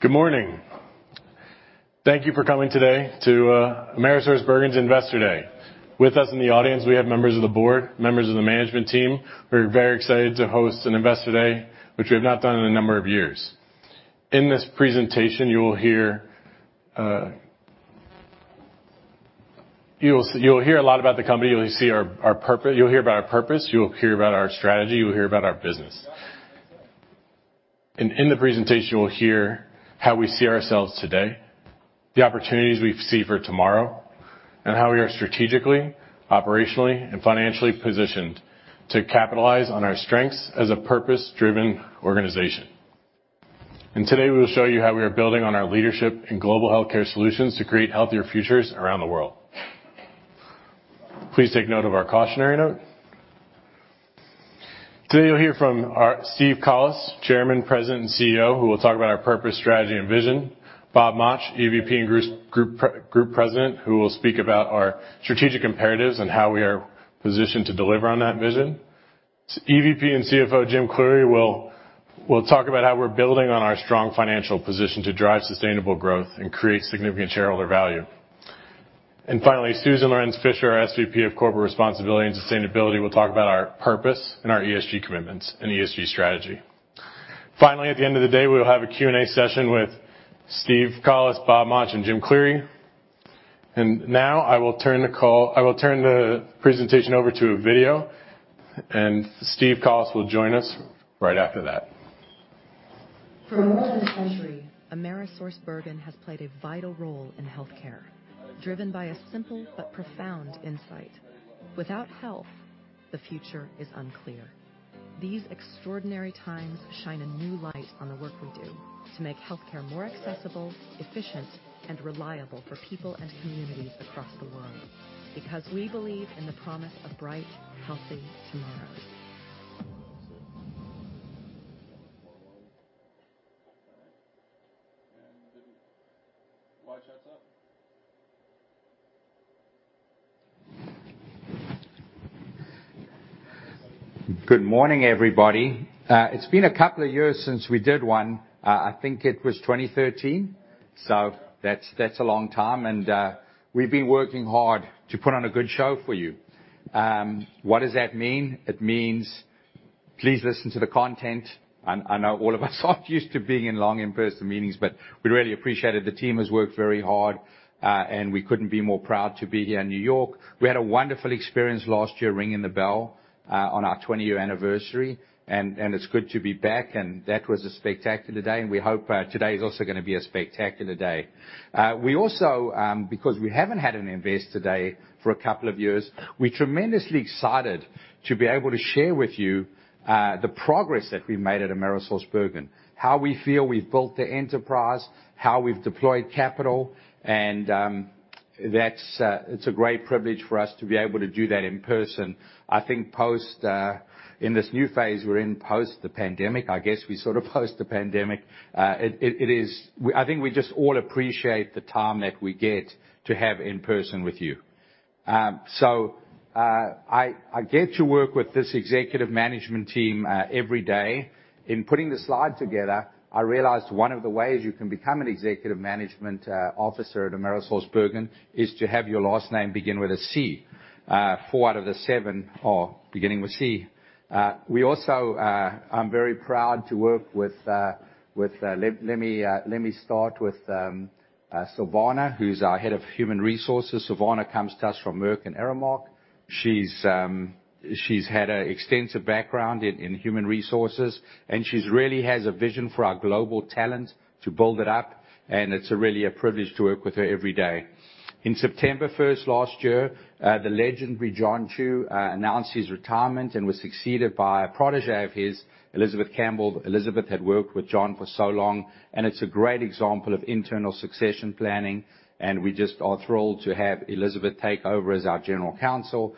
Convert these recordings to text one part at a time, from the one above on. Good morning. Thank you for coming today to AmerisourceBergen's Investor Day. With us in the audience, we have members of the board, members of the management team. We're very excited to host an Investor Day, which we have not done in a number of years. In this presentation, you will hear a lot about the company. You'll see our purpose. You will hear about our purpose, you will hear about our strategy, you will hear about our business. In the presentation, you will hear how we see ourselves today, the opportunities we see for tomorrow, and how we are strategically, operationally, and financially positioned to capitalize on our strengths as a purpose-driven organization. Today, we will show you how we are building on our leadership in global healthcare solutions to create healthier futures around the world. Please take note of our cautionary note. Today, you'll hear from our Steve Collis, Chairman, President, and CEO, who will talk about our purpose, strategy, and vision. Bob Mauch, EVP and Group President, who will speak about our strategic imperatives and how we are positioned to deliver on that vision. EVP and CFO, Jim Cleary will talk about how we're building on our strong financial position to drive sustainable growth and create significant shareholder value. Finally, Susan Lorenz-Fischer, our SVP of Corporate Responsibility and Sustainability, will talk about our purpose and our ESG commitments and ESG strategy. Finally, at the end of the day, we will have a Q&A session with Steve Collis, Bob Mauch, and Jim Cleary. Now I will turn the presentation over to a video, and Steve Collis will join us right after that. For more than a century, AmerisourceBergen has played a vital role in healthcare, driven by a simple but profound insight. Without health, the future is unclear. These extraordinary times shine a new light on the work we do to make healthcare more accessible, efficient, and reliable for people and communities across the world, because we believe in the promise of bright, healthy tomorrows. The lights are up. Good morning, everybody. It's been a couple of years since we did one. I think it was 2013, so that's a long time, and we've been working hard to put on a good show for you. What does that mean? It means please listen to the content. I know all of us aren't used to being in long in-person meetings, but we really appreciate it. The team has worked very hard, and we couldn't be more proud to be here in New York. We had a wonderful experience last year ringing the bell on our twenty-year anniversary, and it's good to be back, and that was a spectacular day, and we hope today is also gonna be a spectacular day. We also, because we haven't had an Investor Day for a couple of years, we're tremendously excited to be able to share with you the progress that we've made at AmerisourceBergen, how we feel we've built the enterprise, how we've deployed capital, and that's, it's a great privilege for us to be able to do that in person. I think post in this new phase we're in post the pandemic, I guess we're sort of post the pandemic. It is. I think we just all appreciate the time that we get to have in person with you. I get to work with this executive management team every day. In putting the slide together, I realized one of the ways you can become an executive management officer at AmerisourceBergen is to have your last name begin with a C. Four out of the seven are beginning with C. We also, I'm very proud to work with. Let me start with Silvana, who's our Head of Human Resources. Silvana comes to us from Merck and Aramark. She's had an extensive background in human resources, and she really has a vision for our global talent to build it up, and it's really a privilege to work with her every day. In September first last year, the legendary John Chou announced his retirement and was succeeded by a protégé of his, Elizabeth Campbell. Elizabeth had worked with John for so long, and it's a great example of internal succession planning, and we just are thrilled to have Elizabeth take over as our General Counsel.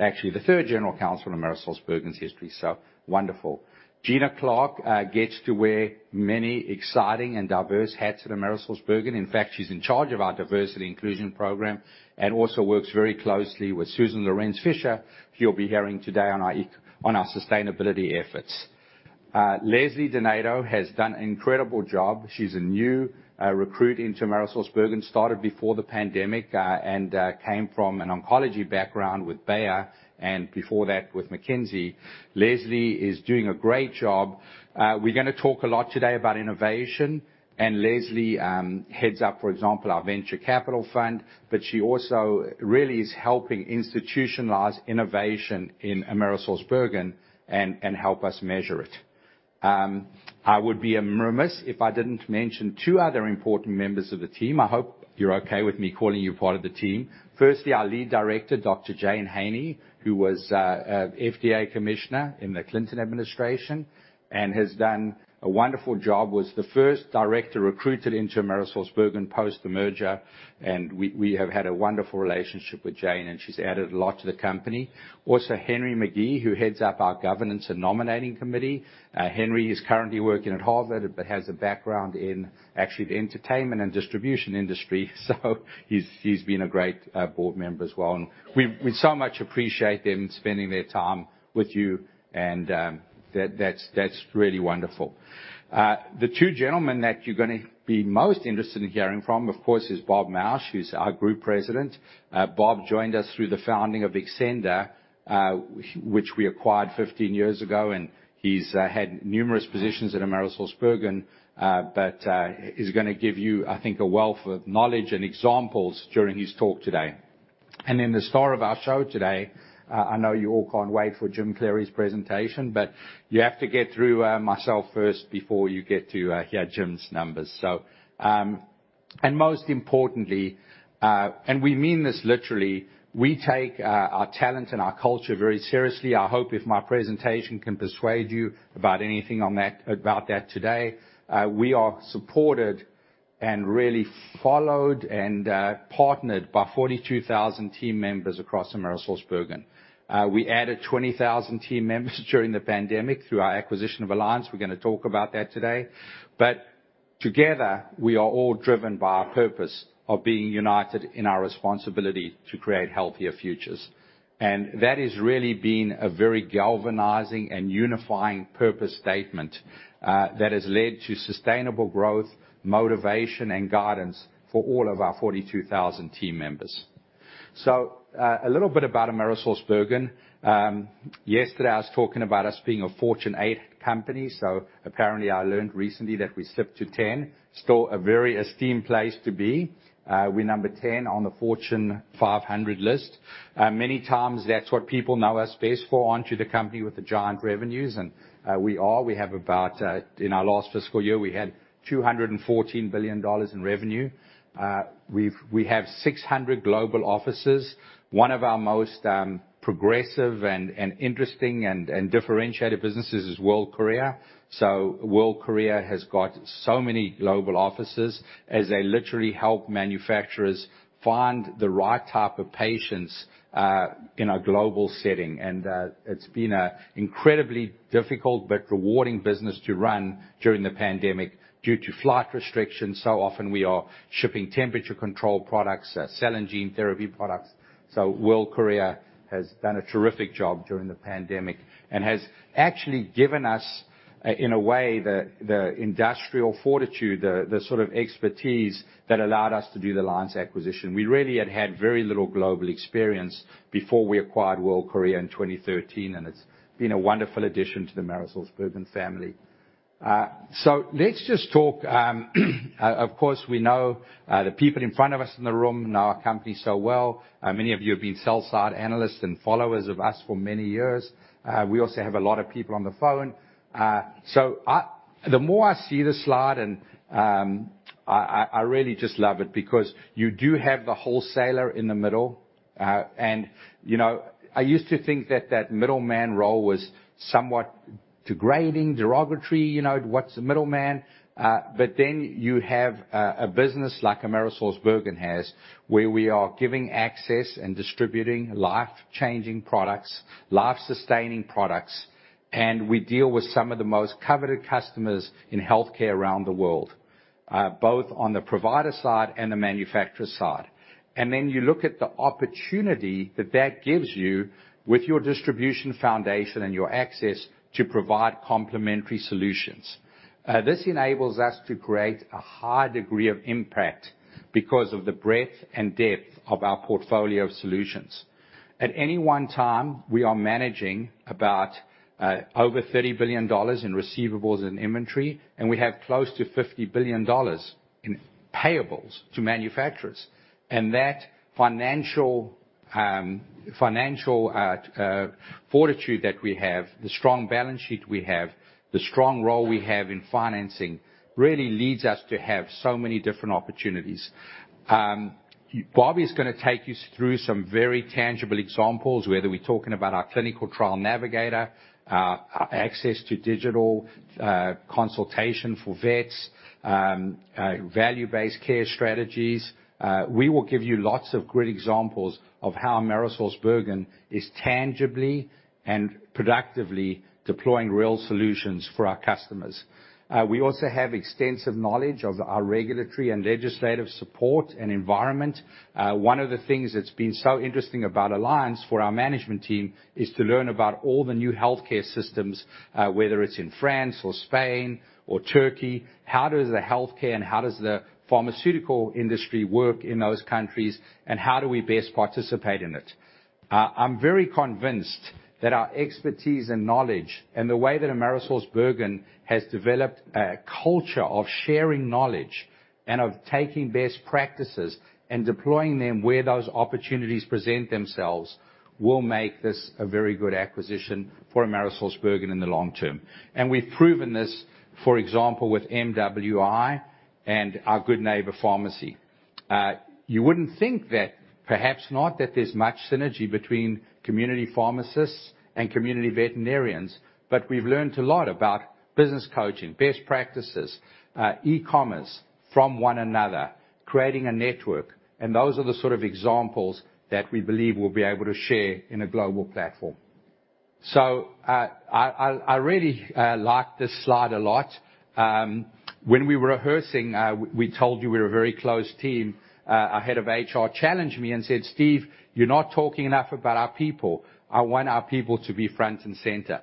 Actually, the third General Counsel in AmerisourceBergen's history, so wonderful. Gina Clark gets to wear many exciting and diverse hats at AmerisourceBergen. In fact, she's in charge of our diversity inclusion program and also works very closely with Susan Lorenz-Fisher, who you'll be hearing today on our sustainability efforts. Leslie Donato has done an incredible job. She's a new recruit into AmerisourceBergen, started before the pandemic, and came from an oncology background with Bayer and before that, with McKinsey. Leslie is doing a great job. We're gonna talk a lot today about innovation and Leslie heads up, for example, our venture capital fund, but she also really is helping institutionalize innovation in AmerisourceBergen and help us measure it. I would be remiss if I didn't mention two other important members of the team. I hope you're okay with me calling you part of the team. Firstly, our lead director, Dr. Jane Henney, who was FDA Commissioner in the Clinton administration and has done a wonderful job, was the first director recruited into AmerisourceBergen post the merger, and we have had a wonderful relationship with Jane, and she's added a lot to the company. Also, Henry McGee, who heads up our governance and nominating committee. Henry is currently working at Harvard but has a background in, actually, the entertainment and distribution industry. He's been a great board member as well. We so much appreciate them spending their time with you and that's really wonderful. The two gentlemen that you're gonna be most interested in hearing from, of course, is Bob Mauch, who's our Group President. Bob joined us through the founding of Accredo, which we acquired 15 years ago, and he's had numerous positions at AmerisourceBergen, but he's gonna give you, I think, a wealth of knowledge and examples during his talk today. The star of our show today, I know you all can't wait for Jim Cleary's presentation, but you have to get through myself first before you get to hear Jim's numbers. Most importantly, and we mean this literally, we take our talent and our culture very seriously. I hope if my presentation can persuade you about anything on that today. We are supported and really followed and partnered by 42,000 team members across AmerisourceBergen. We added 20,000 team members during the pandemic through our acquisition of Alliance. We're gonna talk about that today. Together, we are all driven by our purpose of being united in our responsibility to create healthier futures. That has really been a very galvanizing and unifying purpose statement that has led to sustainable growth, motivation, and guidance for all of our 42,000 team members. A little bit about AmerisourceBergen. Yesterday I was talking about us being a Fortune 8 company, apparently I learned recently that we slipped to 10. Still a very esteemed place to be. We're number 10 on the Fortune 500 list. Many times that's what people know us best for, aren't you, the company with the giant revenues. We are. We have about, in our last fiscal year, we had $214 billion in revenue. We have 600 global offices. One of our most progressive and interesting and differentiated businesses is World Courier. World Courier has got so many global offices as they literally help manufacturers find the right type of patients in a global setting. It's been an incredibly difficult but rewarding business to run during the pandemic due to flight restrictions. Often we are shipping temperature control products, cell and gene therapy products. World Courier has done a terrific job during the pandemic and has actually given us, in a way, the industrial fortitude, the sort of expertise that allowed us to do the Alliance acquisition. We really had very little global experience before we acquired World Courier in 2013, and it's been a wonderful addition to the AmerisourceBergen family. Let's just talk, of course we know, the people in front of us in the room know our company so well. Many of you have been sell-side analysts and followers of us for many years. We also have a lot of people on the phone. I... The more I see this slide and I really just love it because you do have the wholesaler in the middle. You know, I used to think that middleman role was somewhat degrading, derogatory, you know, what's the middleman? Then you have a business like AmerisourceBergen has, where we are giving access and distributing life-changing products, life-sustaining products. We deal with some of the most coveted customers in healthcare around the world, both on the provider side and the manufacturer side. You look at the opportunity that gives you with your distribution foundation and your access to provide complementary solutions. This enables us to create a high degree of impact because of the breadth and depth of our portfolio of solutions. At any one time, we are managing about over $30 billion in receivables and inventory, and we have close to $50 billion in payables to manufacturers. That financial fortitude that we have, the strong balance sheet we have, the strong role we have in financing, really leads us to have so many different opportunities. Bobby's gonna take you through some very tangible examples, whether we're talking about our Clinical Trial Navigator, our access to digital consultation for vets, value-based care strategies. We will give you lots of great examples of how AmerisourceBergen is tangibly and productively deploying real solutions for our customers. We also have extensive knowledge of our regulatory and legislative support and environment. One of the things that's been so interesting about Alliance Healthcare for our management team is to learn about all the new healthcare systems, whether it's in France or Spain or Turkey, how does the healthcare and how does the pharmaceutical industry work in those countries, and how do we best participate in it? I'm very convinced that our expertise and knowledge and the way that AmerisourceBergen has developed a culture of sharing knowledge and of taking best practices and deploying them where those opportunities present themselves will make this a very good acquisition for AmerisourceBergen in the long term. We've proven this, for example, with MWI and our Good Neighbor Pharmacy. You wouldn't think that perhaps not that there's much synergy between community pharmacists and community veterinarians, but we've learned a lot about business coaching, best practices, e-commerce from one another, creating a network. Those are the sort of examples that we believe we'll be able to share in a global platform. I really like this slide a lot. When we were rehearsing, we told you we're a very close team. Our head of HR challenged me and said, "Steve, you're not talking enough about our people. I want our people to be front and center."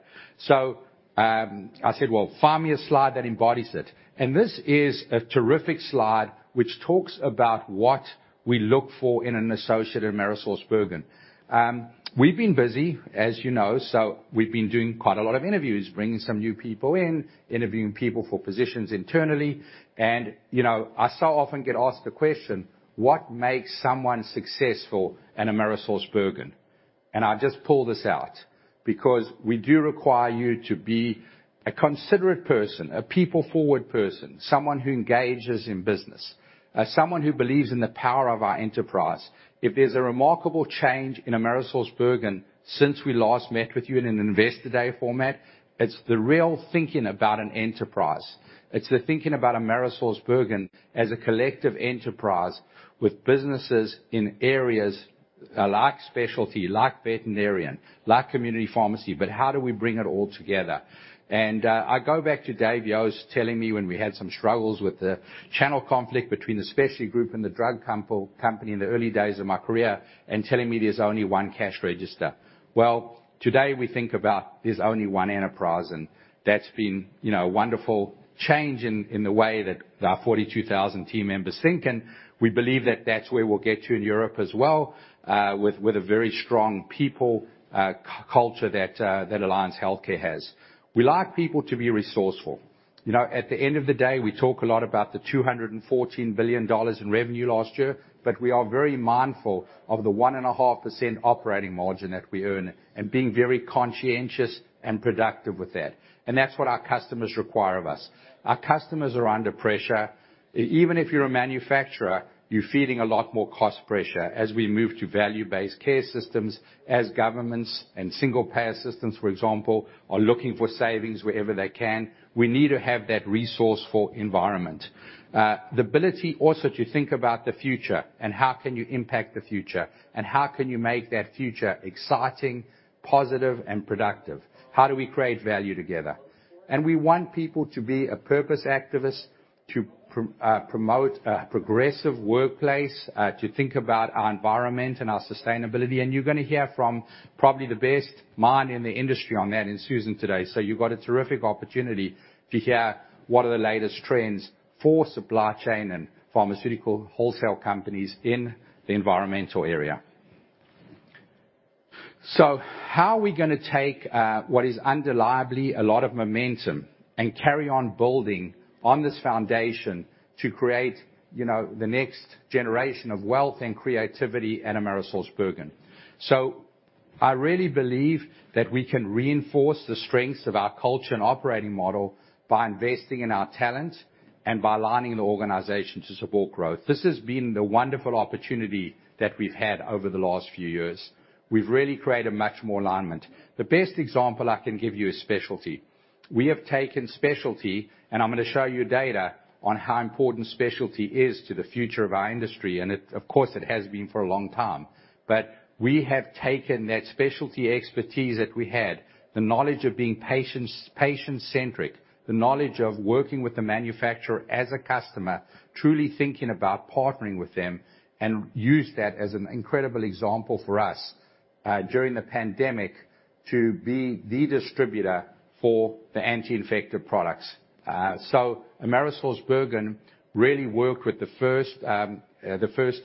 I said, "Well, find me a slide that embodies it." This is a terrific slide which talks about what we look for in an associate at AmerisourceBergen. We've been busy, as you know, so we've been doing quite a lot of interviews, bringing some new people in, interviewing people for positions internally. You know, I so often get asked the question: what makes someone successful at AmerisourceBergen? I just pull this out because we do require you to be a considerate person, a people-forward person, someone who engages in business, someone who believes in the power of our enterprise. If there's a remarkable change in AmerisourceBergen since we last met with you in an investor day format, it's the real thinking about an enterprise. It's the thinking about AmerisourceBergen as a collective enterprise with businesses in areas like specialty, like veterinary, like community pharmacy, but how do we bring it all together? I go back to Dave Yost telling me when we had some struggles with the channel conflict between the specialty group and the company in the early days of my career and telling me there's only one cash register. Well, today we think about there's only one enterprise, and that's been, you know, a wonderful change in the way that our 42,000 team members think. We believe that that's where we'll get to in Europe as well, with a very strong people culture that Alliance Healthcare has. We like people to be resourceful. You know, at the end of the day, we talk a lot about the $214 billion in revenue last year, but we are very mindful of the 1.5% operating margin that we earn and being very conscientious and productive with that. That's what our customers require of us. Our customers are under pressure. Even if you're a manufacturer, you're feeling a lot more cost pressure as we move to value-based care systems, as governments and single payer systems, for example, are looking for savings wherever they can. We need to have that resourceful environment. The ability also to think about the future and how can you impact the future, and how can you make that future exciting, positive, and productive? How do we create value together? We want people to be a purpose activist, to promote a progressive workplace, to think about our environment and our sustainability, and you're gonna hear from probably the best mind in the industry on that in Susan today. You've got a terrific opportunity to hear what are the latest trends for supply chain and pharmaceutical wholesale companies in the environmental area. How are we gonna take what is undeniably a lot of momentum and carry on building on this foundation to create, you know, the next generation of wealth and creativity at AmerisourceBergen? I really believe that we can reinforce the strengths of our culture and operating model by investing in our talent and by aligning the organization to support growth. This has been the wonderful opportunity that we've had over the last few years. We've really created much more alignment. The best example I can give you is specialty. We have taken specialty, and I'm gonna show you data on how important specialty is to the future of our industry, and, of course, it has been for a long time. We have taken that specialty expertise that we had, the knowledge of being patients, patient-centric, the knowledge of working with the manufacturer as a customer, truly thinking about partnering with them, and used that as an incredible example for us during the pandemic to be the distributor for the anti-infective products. AmerisourceBergen really worked with the first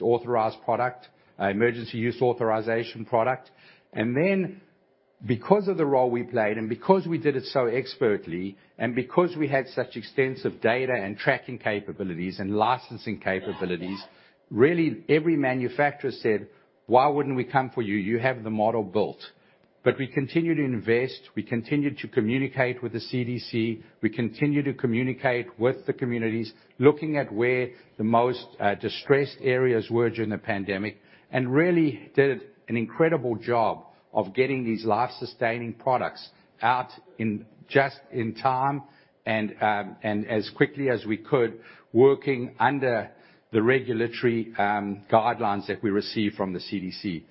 authorized emergency use authorization product. Then because of the role we played and because we did it so expertly and because we had such extensive data and tracking capabilities and licensing capabilities, really every manufacturer said, "Why wouldn't we come for you? You have the model built." We continued to invest. We continued to communicate with the CDC. We continued to communicate with the communities, looking at where the most distressed areas were during the pandemic, and really did an incredible job of getting these life-sustaining products out in just in time and as quickly as we could, working under the regulatory guidelines that we received from the CDC.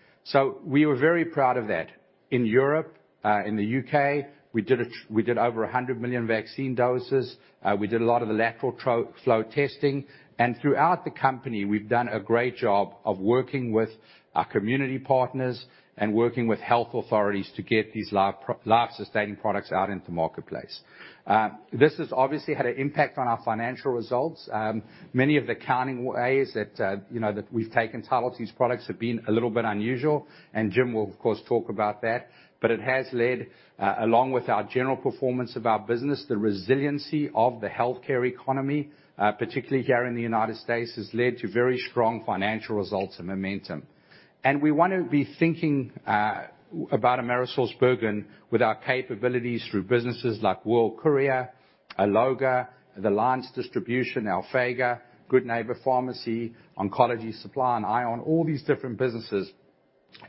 We were very proud of that. In Europe, in the U.K., we did over 100 million vaccine doses. We did a lot of the lateral flow testing. Throughout the company, we've done a great job of working with our community partners and working with health authorities to get these life-sustaining products out into marketplace. This has obviously had an impact on our financial results. Many of the accounting ways that, you know, that we've taken title to these products have been a little bit unusual, and Jim will of course talk about that. It has led, along with our general performance of our business, the resiliency of the healthcare economy, particularly here in the United States, has led to very strong financial results and momentum. We wanna be thinking about AmerisourceBergen with our capabilities through businesses like World Courier, Alloga, the Alliance distribution, Alphega, Good Neighbor Pharmacy, Oncology Supply, and ION, all these different businesses,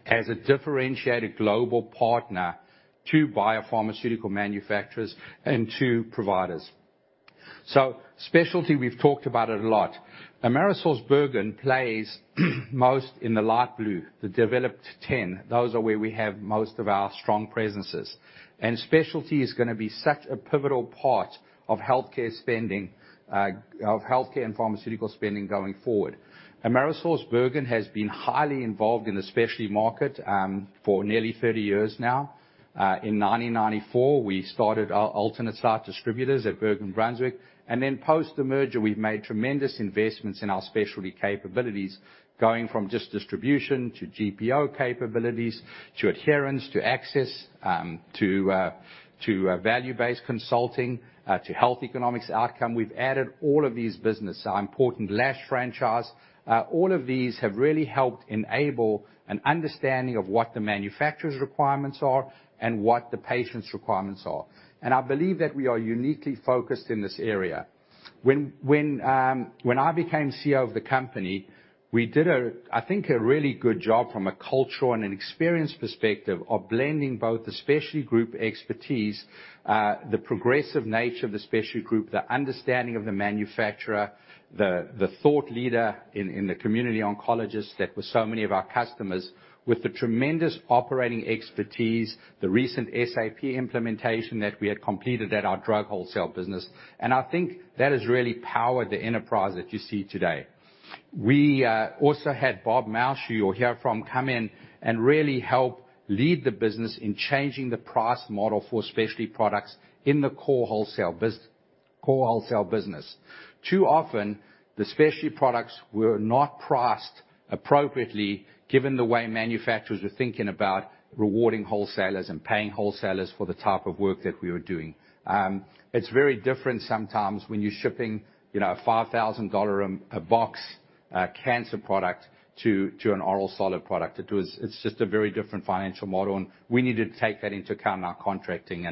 as a differentiated global partner to biopharmaceutical manufacturers and to providers. Specialty, we've talked about it a lot. AmerisourceBergen plays most in the light blue, the developed ten. Those are where we have most of our strong presences. Specialty is gonna be such a pivotal part of healthcare spending, of healthcare and pharmaceutical spending going forward. AmerisourceBergen has been highly involved in the specialty market, for nearly 30 years now. In 1994, we started our alternate site distributors at Bergen Brunswig, and then post the merger, we've made tremendous investments in our specialty capabilities, going from just distribution to GPO capabilities, to adherence, to access, to value-based consulting, to health economics outcome. We've added all of these businesses, our important Lash Group franchise. All of these have really helped enable an understanding of what the manufacturer's requirements are and what the patient's requirements are. I believe that we are uniquely focused in this area. When I became CEO of the company, we did, I think, a really good job from a cultural and an experience perspective of blending both the specialty group expertise, the progressive nature of the specialty group, the understanding of the manufacturer, the thought leader in the community oncologists that were so many of our customers with the tremendous operating expertise, the recent SAP implementation that we had completed at our drug wholesale business. I think that has really powered the enterprise that you see today. We also had Bob Mauch, who you'll hear from, come in and really help lead the business in changing the price model for specialty products in the core wholesale business. Too often, the specialty products were not priced appropriately given the way manufacturers were thinking about rewarding wholesalers and paying wholesalers for the type of work that we were doing. It's very different sometimes when you're shipping, you know, a $5,000-a-box cancer product to an oral solid product. It's just a very different financial model, and we needed to take that into account in our contracting,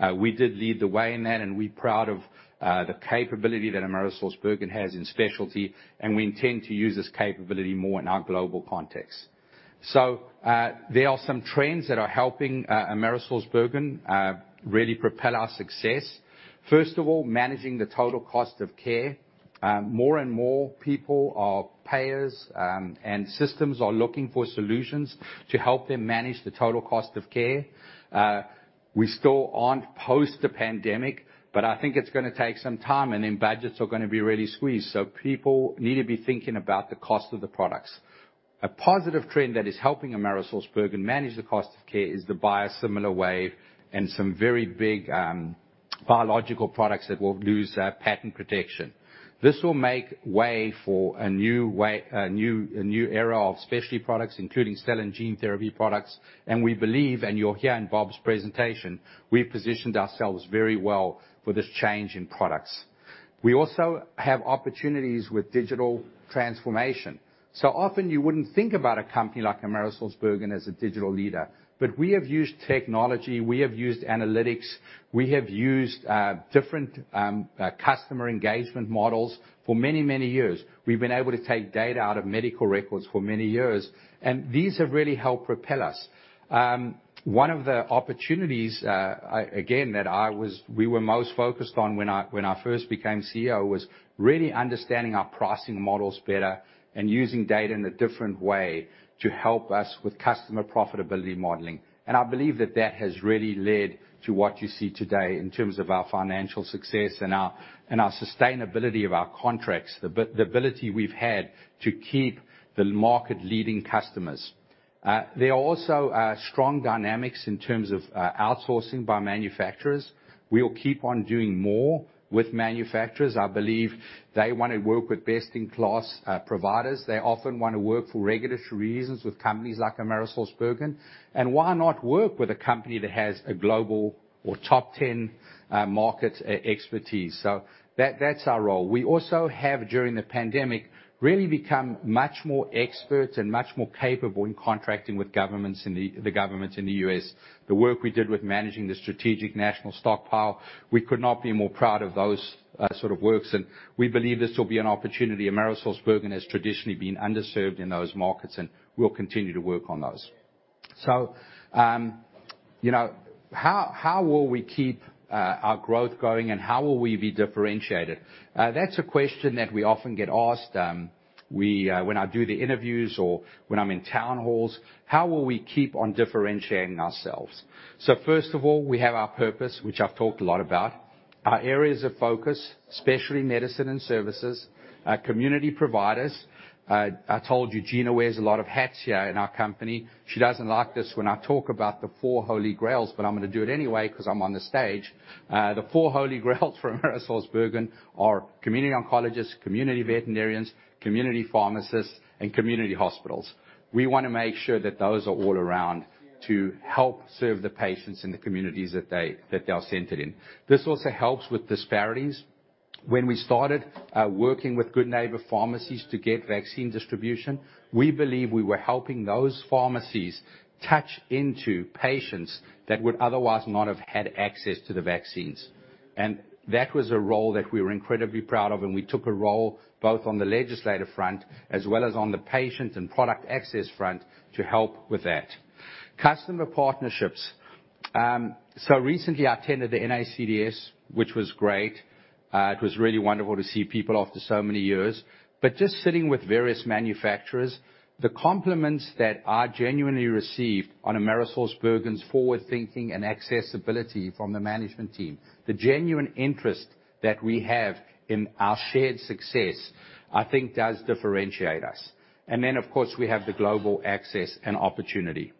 and we did lead the way in that, and we're proud of the capability that AmerisourceBergen has in specialty, and we intend to use this capability more in our global context. There are some trends that are helping AmerisourceBergen really propel our success. First of all, managing the total cost of care. More and more people are payers, and systems are looking for solutions to help them manage the total cost of care. We still aren't post the pandemic, but I think it's gonna take some time, and then budgets are gonna be really squeezed, so people need to be thinking about the cost of the products. A positive trend that is helping AmerisourceBergen manage the cost of care is the biosimilar wave and some very big biological products that will lose patent protection. This will make way for a new era of specialty products, including cell and gene therapy products, and we believe, and you'll hear in Bob's presentation, we positioned ourselves very well for this change in products. We also have opportunities with digital transformation. Often you wouldn't think about a company like AmerisourceBergen as a digital leader, but we have used technology, we have used analytics, we have used different customer engagement models for many, many years. We've been able to take data out of medical records for many years, and these have really helped propel us. One of the opportunities, again, we were most focused on when I first became CEO, was really understanding our pricing models better and using data in a different way to help us with customer profitability modeling. I believe that has really led to what you see today in terms of our financial success and our sustainability of our contracts, the ability we've had to keep the market-leading customers. There are also strong dynamics in terms of outsourcing by manufacturers. We'll keep on doing more with manufacturers. I believe they wanna work with best-in-class providers. They often wanna work for regulatory reasons with companies like AmerisourceBergen. Why not work with a company that has a global or top ten market expertise? That's our role. We also have, during the pandemic, really become much more experts and much more capable in contracting with governments in the governments in the U.S. The work we did with managing the strategic national stockpile, we could not be more proud of those sort of works, and we believe this will be an opportunity. AmerisourceBergen has traditionally been underserved in those markets, and we'll continue to work on those. You know, how will we keep our growth going and how will we be differentiated? That's a question that we often get asked when I do the interviews or when I'm in town halls, how will we keep on differentiating ourselves? First of all, we have our purpose, which I've talked a lot about. Our areas of focus, specialty medicine and services, community providers. I told you Gina wears a lot of hats here in our company. She doesn't like this when I talk about the four holy grails, but I'm gonna do it anyway 'cause I'm on the stage. The four holy grails for AmerisourceBergen are community oncologists, community veterinarians, community pharmacists, and community hospitals. We wanna make sure that those are all around to help serve the patients in the communities that they are centered in. This also helps with disparities. When we started working with Good Neighbor Pharmacies to get vaccine distribution, we believe we were helping those pharmacies tap into patients that would otherwise not have had access to the vaccines. That was a role that we were incredibly proud of, and we took a role both on the legislative front as well as on the patient and product access front to help with that. Customer partnerships. Recently I attended the NACDS, which was great. It was really wonderful to see people after so many years. Just sitting with various manufacturers, the compliments that I genuinely received on AmerisourceBergen's forward-thinking and accessibility from the management team, the genuine interest that we have in our shared success, I think does differentiate us. Then, of course, we have the global access and opportunity.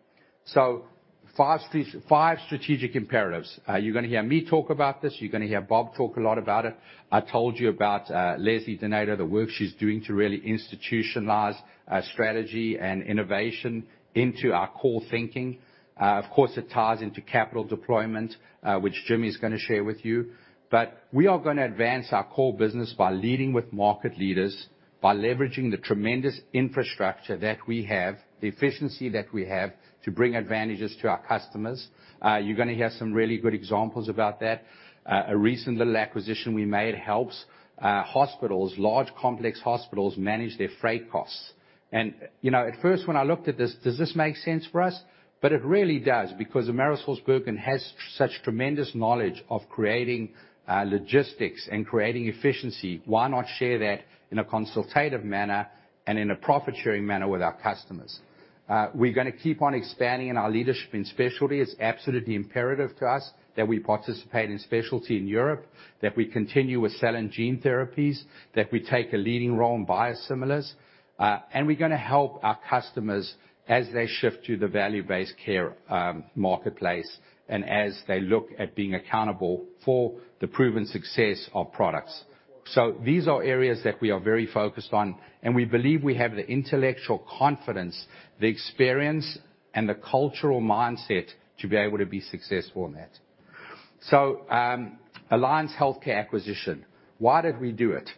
Five strategic imperatives. You're gonna hear me talk about this. You're gonna hear Bob talk a lot about it. I told you about Leslie Donato, the work she's doing to really institutionalize our strategy and innovation into our core thinking. Of course, it ties into capital deployment, which Jimmy's gonna share with you. We are gonna advance our core business by leading with market leaders, by leveraging the tremendous infrastructure that we have, the efficiency that we have to bring advantages to our customers. You're gonna hear some really good examples about that. A recent little acquisition we made helps hospitals, large, complex hospitals manage their freight costs. You know, at first when I looked at this, does this make sense for us? It really does, because AmerisourceBergen has such tremendous knowledge of creating logistics and creating efficiency. Why not share that in a consultative manner and in a profit-sharing manner with our customers? We're gonna keep on expanding in our leadership in specialty. It's absolutely imperative to us that we participate in specialty in Europe, that we continue with cell and gene therapies, that we take a leading role in biosimilars. We're gonna help our customers as they shift to the value-based care marketplace, and as they look at being accountable for the proven success of products. These are areas that we are very focused on, and we believe we have the intellectual confidence, the experience, and the cultural mindset to be able to be successful in that. Alliance Healthcare acquisition, why did we do it?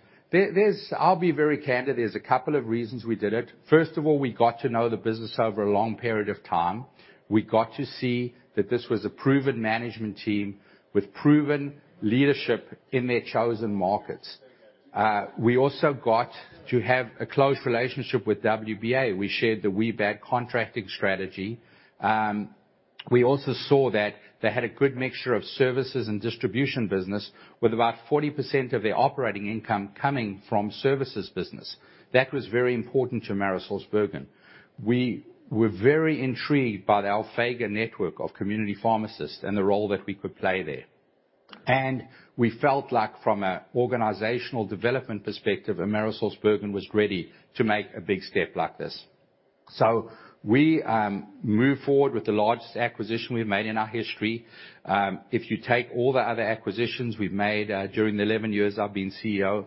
I'll be very candid, there's a couple of reasons we did it. First of all, we got to know the business over a long period of time. We got to see that this was a proven management team with proven leadership in their chosen markets. We also got to have a close relationship with WBA. We shared the WBA bag contracting strategy. We also saw that they had a good mixture of services and distribution business, with about 40% of their operating income coming from services business. That was very important to AmerisourceBergen. We were very intrigued by the Alphega network of community pharmacists and the role that we could play there. We felt like from an organizational development perspective, AmerisourceBergen was ready to make a big step like this. We moved forward with the largest acquisition we've made in our history. If you take all the other acquisitions we've made during the 11 years I've been CEO,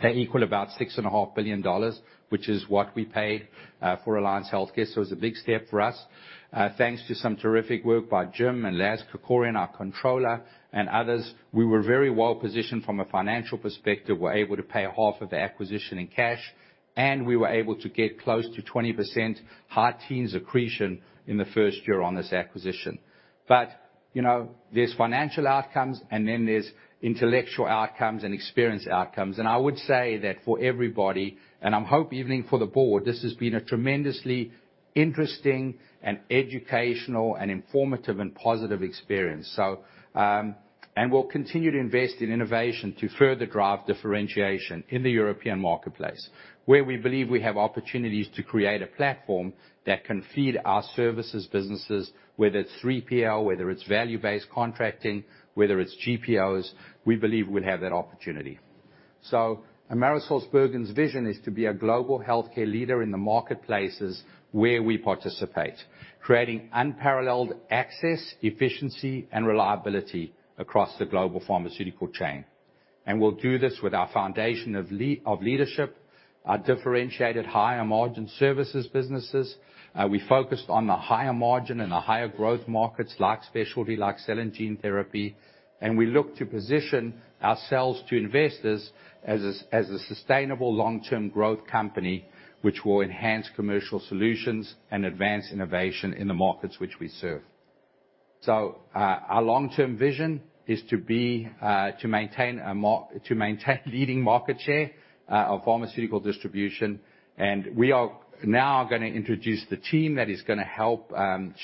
they equal about $6.5 billion, which is what we paid for Alliance Healthcare. It was a big step for us. Thanks to some terrific work by Jim and Laz Kirkorian, our controller, and others, we were very well positioned from a financial perspective. We're able to pay half of the acquisition in cash, and we were able to get close to 20% high teens accretion in the first year on this acquisition. You know, there's financial outcomes, and then there's intellectual outcomes and experience outcomes. I would say that for everybody, and I hope even for the board, this has been a tremendously interesting and educational and informative and positive experience. We'll continue to invest in innovation to further drive differentiation in the European marketplace, where we believe we have opportunities to create a platform that can feed our services businesses, whether it's 3PL, whether it's value-based contracting, whether it's GPOs. We believe we'll have that opportunity. AmerisourceBergen's vision is to be a global healthcare leader in the marketplaces where we participate, creating unparalleled access, efficiency, and reliability across the global pharmaceutical chain. We'll do this with our foundation of leadership, our differentiated higher-margin services businesses. We focused on the higher margin and the higher growth markets like specialty, like cell and gene therapy. We look to position ourselves to investors as a sustainable long-term growth company which will enhance commercial solutions and advance innovation in the markets which we serve. Our long-term vision is to maintain leading market share of pharmaceutical distribution. We are now gonna introduce the team that is gonna help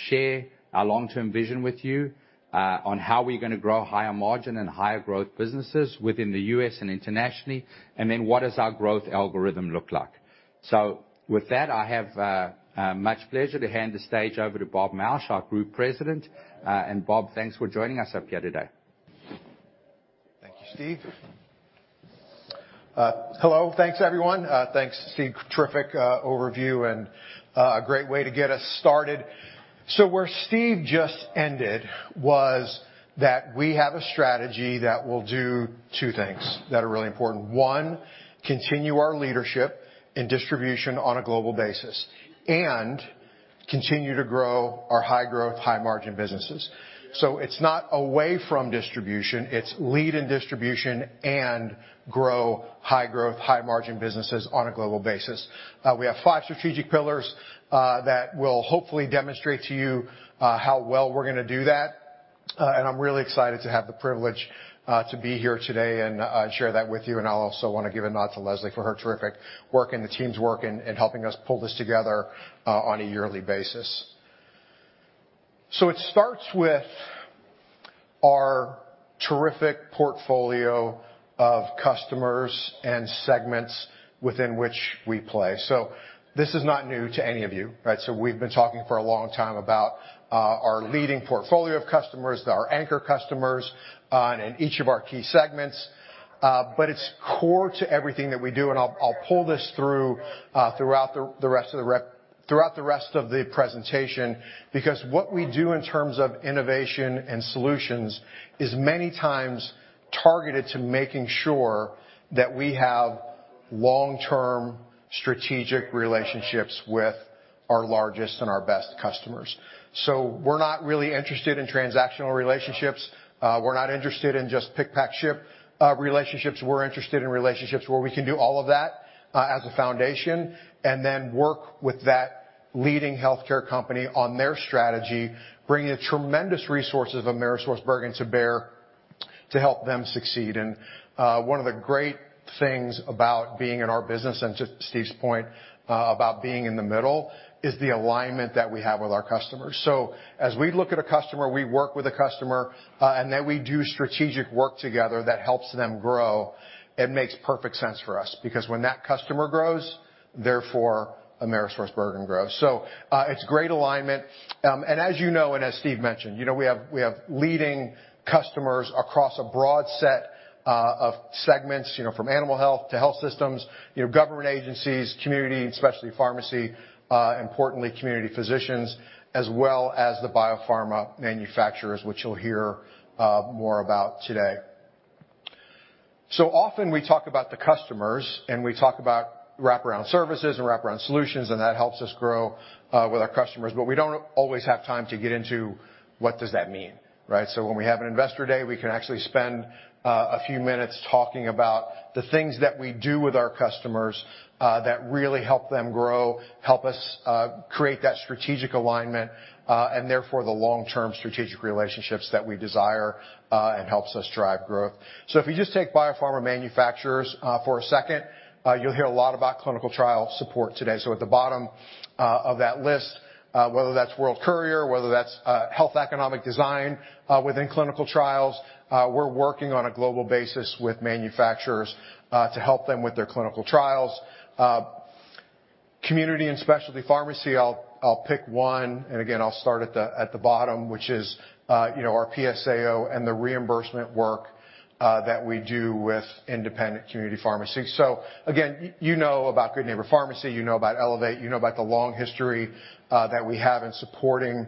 share our long-term vision with you on how we're gonna grow higher margin and higher growth businesses within the U.S. and internationally. Then what does our growth algorithm look like? With that, I have much pleasure to hand the stage over to Bob Mauch, our Group President. Bob, thanks for joining us up here today. Thank you, Steve. Hello. Thanks everyone. Thanks, Steve. Terrific overview and a great way to get us started. Where Steve just ended was that we have a strategy that will do two things that are really important. One, continue our leadership in distribution on a global basis and continue to grow our high-growth, high-margin businesses. It's not away from distribution, it's lead in distribution and grow high-growth, high-margin businesses on a global basis. We have five strategic pillars that will hopefully demonstrate to you how well we're gonna do that. I'm really excited to have the privilege to be here today and share that with you. I also wanna give a nod to Leslie for her terrific work, and the team's work in helping us pull this together on a yearly basis. It starts with our terrific portfolio of customers and segments within which we play. This is not new to any of you, right? We've been talking for a long time about our leading portfolio of customers, our anchor customers in each of our key segments. It's core to everything that we do, and I'll pull this through throughout the rest of the presentation, because what we do in terms of innovation and solutions is many times targeted to making sure that we have long-term strategic relationships with our largest and our best customers. We're not really interested in transactional relationships. We're not interested in just pick, pack, ship relationships. We're interested in relationships where we can do all of that, as a foundation, and then work with that leading healthcare company on their strategy, bringing the tremendous resources of AmerisourceBergen to bear to help them succeed. One of the great things about being in our business, and to Steve's point, about being in the middle, is the alignment that we have with our customers. As we look at a customer, we work with a customer, and then we do strategic work together that helps them grow, it makes perfect sense for us. Because when that customer grows, therefore AmerisourceBergen grows. It's great alignment. As you know, as Steve mentioned, you know, we have leading customers across a broad set of segments, you know, from animal health to health systems, you know, government agencies, community and specialty pharmacy, importantly, community physicians, as well as the biopharma manufacturers, which you'll hear more about today. Often we talk about the customers, and we talk about wraparound services and wraparound solutions, and that helps us grow with our customers, but we don't always have time to get into what does that mean, right? When we have an investor day, we can actually spend a few minutes talking about the things that we do with our customers that really help them grow, help us create that strategic alignment, and therefore the long-term strategic relationships that we desire, and helps us drive growth. If you just take biopharma manufacturers, for a second, you'll hear a lot about clinical trial support today. At the bottom, of that list, whether that's World Courier, whether that's, health economic design, within clinical trials, we're working on a global basis with manufacturers, to help them with their clinical trials. Community and specialty pharmacy, I'll pick one, and again, I'll start at the bottom, which is, you know, our PSAO and the reimbursement work, that we do with independent community pharmacies. Again, you know about Good Neighbor Pharmacy, you know about Elevate, you know about the long history, that we have in supporting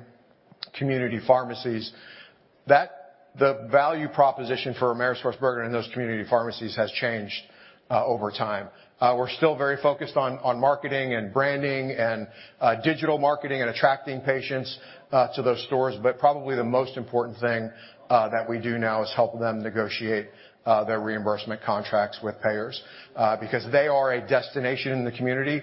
community pharmacies. The value proposition for AmerisourceBergen and those community pharmacies has changed, over time. We're still very focused on marketing and branding and digital marketing and attracting patients to those stores, but probably the most important thing that we do now is help them negotiate their reimbursement contracts with payers. Because they are a destination in the community,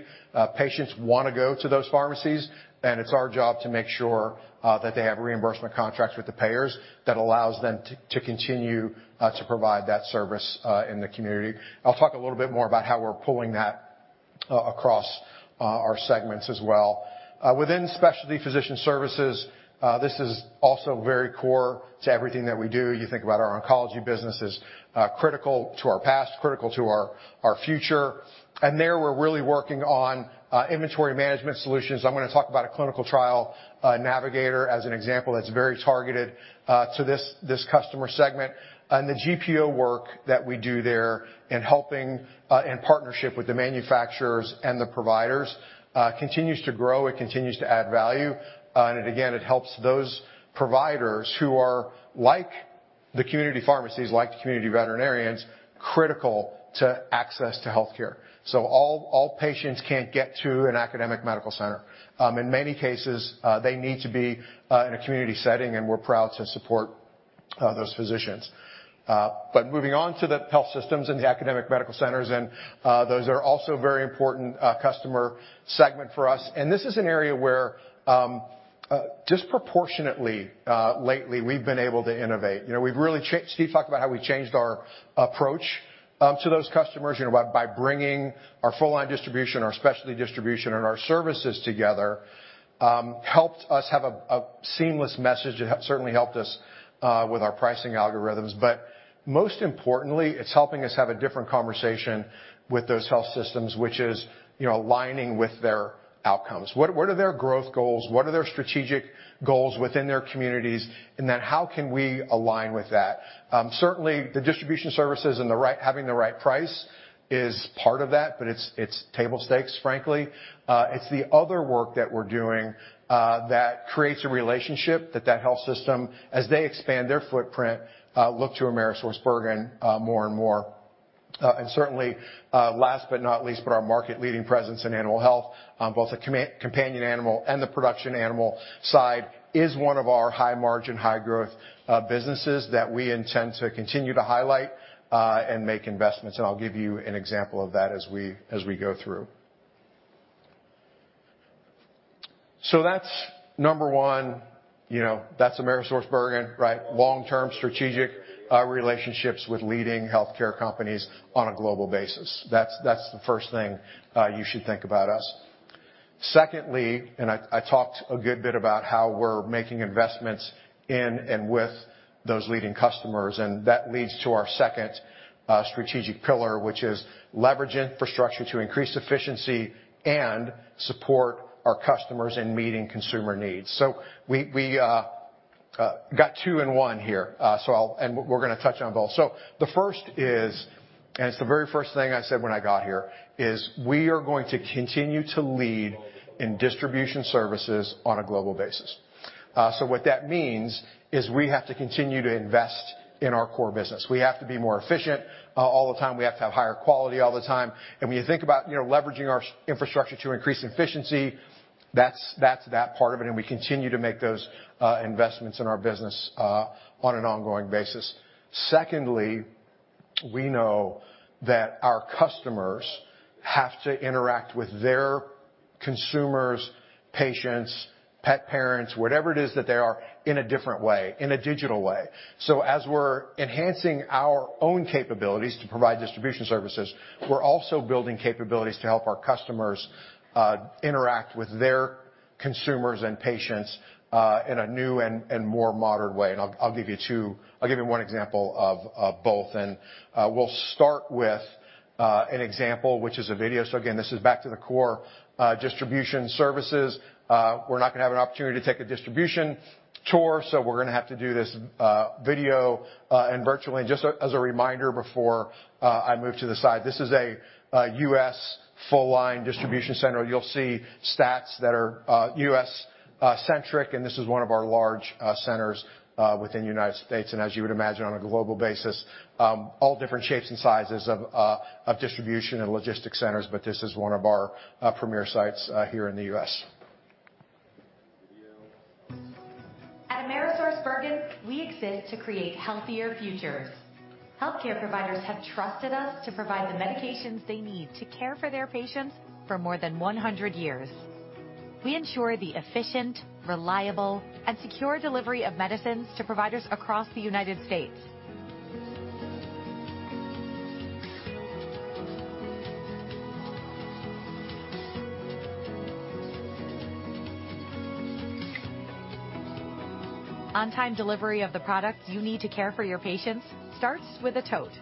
patients wanna go to those pharmacies, and it's our job to make sure that they have reimbursement contracts with the payers that allows them to continue to provide that service in the community. I'll talk a little bit more about how we're pulling that across our segments as well. Within specialty physician services, this is also very core to everything that we do. You think about our oncology business as critical to our past, critical to our future. There, we're really working on inventory management solutions. I'm gonna talk about a Clinical Trial Navigator as an example that's very targeted to this customer segment. The GPO work that we do there in helping, in partnership with the manufacturers and the providers continues to grow, it continues to add value. It helps those providers who are, like the community pharmacies, like the community veterinarians, critical to access to healthcare. All patients can't get to an academic medical center. In many cases, they need to be in a community setting, and we're proud to support those physicians. Moving on to the health systems and the academic medical centers, those are also very important customer segment for us. This is an area where, disproportionately, lately, we've been able to innovate. You know, we've really cha Steve talked about how we changed our approach to those customers, you know, by bringing our full line distribution, our specialty distribution, and our services together, helped us have a seamless message. It certainly helped us with our pricing algorithms. Most importantly, it's helping us have a different conversation with those health systems, which is, you know, aligning with their outcomes. What are their growth goals? What are their strategic goals within their communities? Then how can we align with that? Certainly, the distribution services and having the right price is part of that, but it's table stakes, frankly. It's the other work that we're doing that creates a relationship that health system, as they expand their footprint, look to AmerisourceBergen more and more. Certainly, last but not least, our market-leading presence in animal health, both the companion animal and the production animal side, is one of our high margin, high growth businesses that we intend to continue to highlight and make investments. I'll give you an example of that as we go through. That's number one, you know, that's AmerisourceBergen, right? Long-term strategic relationships with leading healthcare companies on a global basis. That's the first thing you should think about us. Secondly, I talked a good bit about how we're making investments in and with those leading customers, and that leads to our second strategic pillar, which is leverage infrastructure to increase efficiency and support our customers in meeting consumer needs. We got two in one here. We're gonna touch on both. The first is, and it's the very first thing I said when I got here, is we are going to continue to lead in distribution services on a global basis. What that means is we have to continue to invest in our core business. We have to be more efficient all the time. We have to have higher quality all the time. When you think about, you know, leveraging our infrastructure to increase efficiency, that's that part of it, and we continue to make those investments in our business on an ongoing basis. Secondly, we know that our customers have to interact with their consumers, patients, pet parents, whatever it is that they are in a different way, in a digital way. As we're enhancing our own capabilities to provide distribution services, we're also building capabilities to help our customers interact with their consumers and patients in a new and more modern way. I'll give you one example of both, and we'll start with an example, which is a video. Again, this is back to the core distribution services. We're not gonna have an opportunity to take a distribution tour, so we're gonna have to do this video virtually. Just as a reminder before I move to the side, this is a U.S. full line distribution center. You'll see stats that are U.S.-centric, and this is one of our large centers within United States. As you would imagine on a global basis, all different shapes and sizes of distribution and logistics centers, but this is one of our premier sites here in the U.S. At AmerisourceBergen, we exist to create healthier futures. Healthcare providers have trusted us to provide the medications they need to care for their patients for more than 100 years. We ensure the efficient, reliable, and secure delivery of medicines to providers across the United States. On-time delivery of the products you need to care for your patients starts with a tote.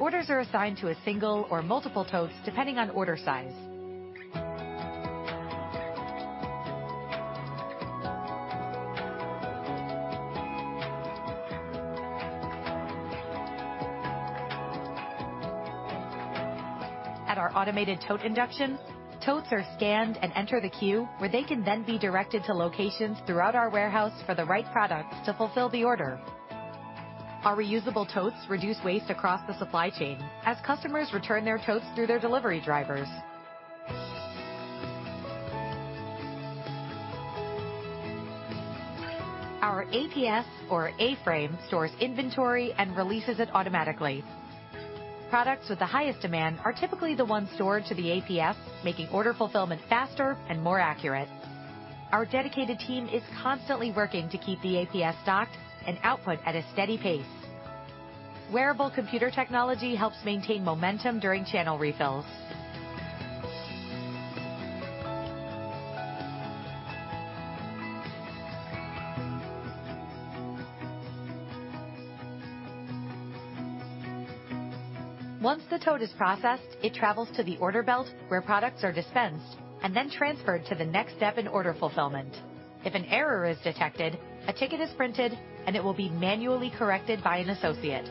Orders are assigned to a single or multiple totes depending on order size. At our automated tote inductions, totes are scanned and enter the queue, where they can then be directed to locations throughout our warehouse for the right products to fulfill the order. Our reusable totes reduce waste across the supply chain as customers return their totes through their delivery drivers. Our APS or A-frame stores inventory and releases it automatically. Products with the highest demand are typically the ones stored to the APS, making order fulfillment faster and more accurate. Our dedicated team is constantly working to keep the APS stocked and output at a steady pace. Wearable computer technology helps maintain momentum during channel refills. Once the tote is processed, it travels to the order belt where products are dispensed and then transferred to the next step in order fulfillment. If an error is detected, a ticket is printed, and it will be manually corrected by an associate.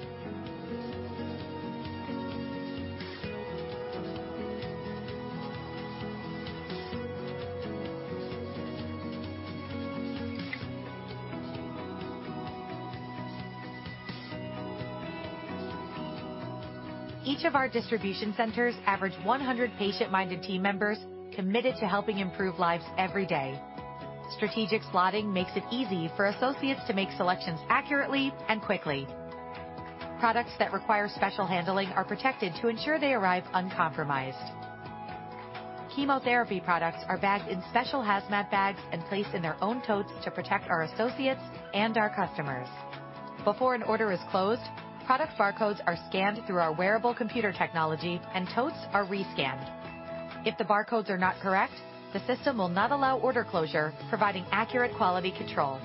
Each of our distribution centers average 100 patient-minded team members committed to helping improve lives every day. Strategic slotting makes it easy for associates to make selections accurately and quickly. Products that require special handling are protected to ensure they arrive uncompromised. Chemotherapy products are bagged in special hazmat bags and placed in their own totes to protect our associates and our customers. Before an order is closed, product barcodes are scanned through our wearable computer technology and totes are re-scanned. If the barcodes are not correct, the system will not allow order closure, providing accurate quality control.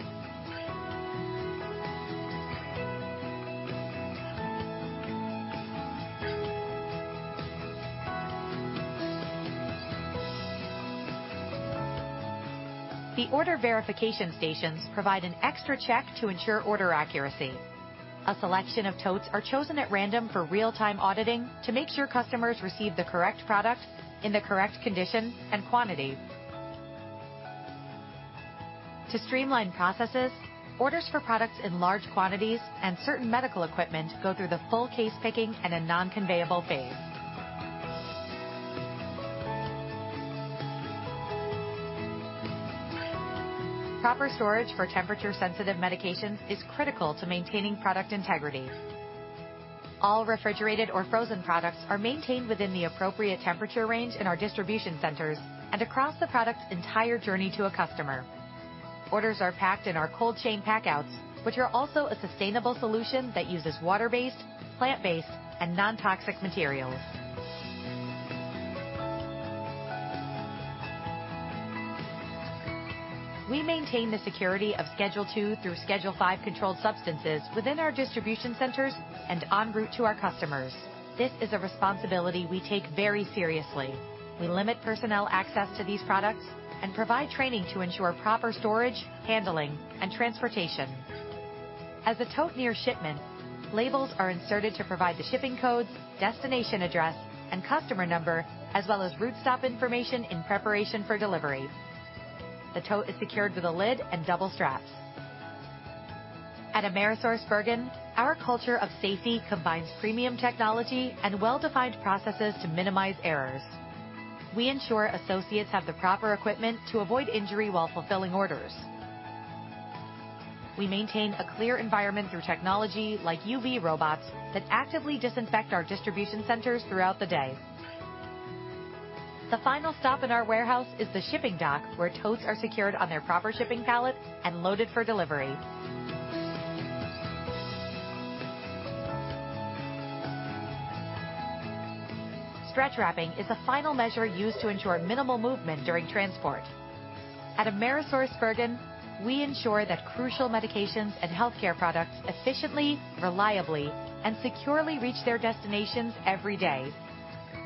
The order verification stations provide an extra check to ensure order accuracy. A selection of totes are chosen at random for real-time auditing to make sure customers receive the correct product in the correct condition and quantity. To streamline processes, orders for products in large quantities and certain medical equipment go through the full case picking and a non-conveyable phase. Proper storage for temperature-sensitive medications is critical to maintaining product integrity. All refrigerated or frozen products are maintained within the appropriate temperature range in our distribution centers and across the product's entire journey to a customer. Orders are packed in our cold chain packouts, which are also a sustainable solution that uses water-based, plant-based, and non-toxic materials. We maintain the security of Schedule II through Schedule V controlled substances within our distribution centers and en route to our customers. This is a responsibility we take very seriously. We limit personnel access to these products and provide training to ensure proper storage, handling, and transportation. As a tote nears shipment, labels are inserted to provide the shipping codes, destination address, and customer number, as well as route stop information in preparation for delivery. The tote is secured with a lid and double straps. At AmerisourceBergen, our culture of safety combines premium technology and well-defined processes to minimize errors. We ensure associates have the proper equipment to avoid injury while fulfilling orders. We maintain a clear environment through technology like UV robots that actively disinfect our distribution centers throughout the day. The final stop in our warehouse is the shipping dock, where totes are secured on their proper shipping pallet and loaded for delivery. Stretch wrapping is the final measure used to ensure minimal movement during transport. At AmerisourceBergen, we ensure that crucial medications and healthcare products efficiently, reliably, and securely reach their destinations every day.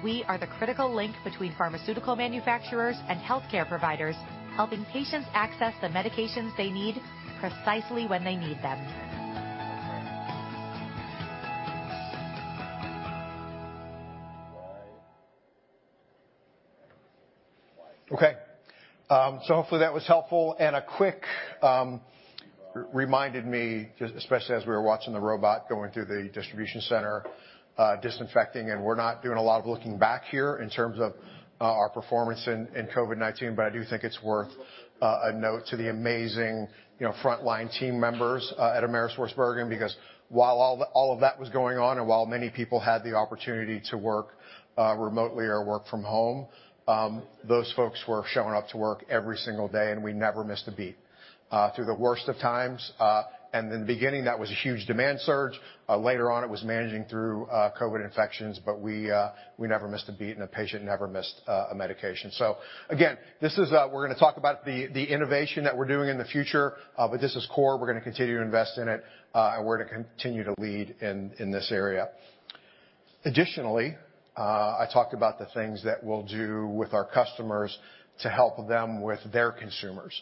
We are the critical link between pharmaceutical manufacturers and healthcare providers, helping patients access the medications they need precisely when they need them. Okay. Hopefully that was helpful. A quick reminder, just especially as we were watching the robot going through the distribution center, disinfecting, and we're not doing a lot of looking back here in terms of our performance in COVID-19, but I do think it's worth a note to the amazing, you know, frontline team members at AmerisourceBergen, because while all of that was going on and while many people had the opportunity to work remotely or work from home, those folks were showing up to work every single day, and we never missed a beat. Through the worst of times, and in the beginning, that was a huge demand surge. Later on, it was managing through COVID infections. We never missed a beat, and a patient never missed a medication. Again, this is. We're gonna talk about the innovation that we're doing in the future, but this is core. We're gonna continue to invest in it, and we're gonna continue to lead in this area. Additionally, I talked about the things that we'll do with our customers to help them with their consumers.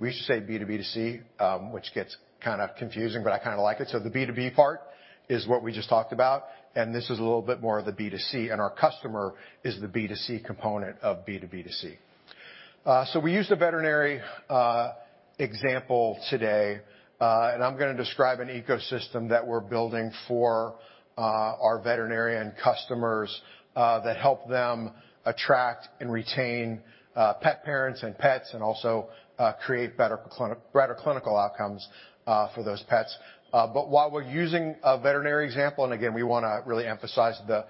We used to say B2B2C, which gets kind of confusing, but I kind of like it. The B2B part is what we just talked about, and this is a little bit more of the B2C, and our customer is the B2C component of B2B2C. We used the veterinary example today, and I'm gonna describe an ecosystem that we're building for our veterinarian customers that help them attract and retain pet parents and pets and also create better clinical outcomes for those pets. While we're using a veterinary example, and again, we wanna really emphasize the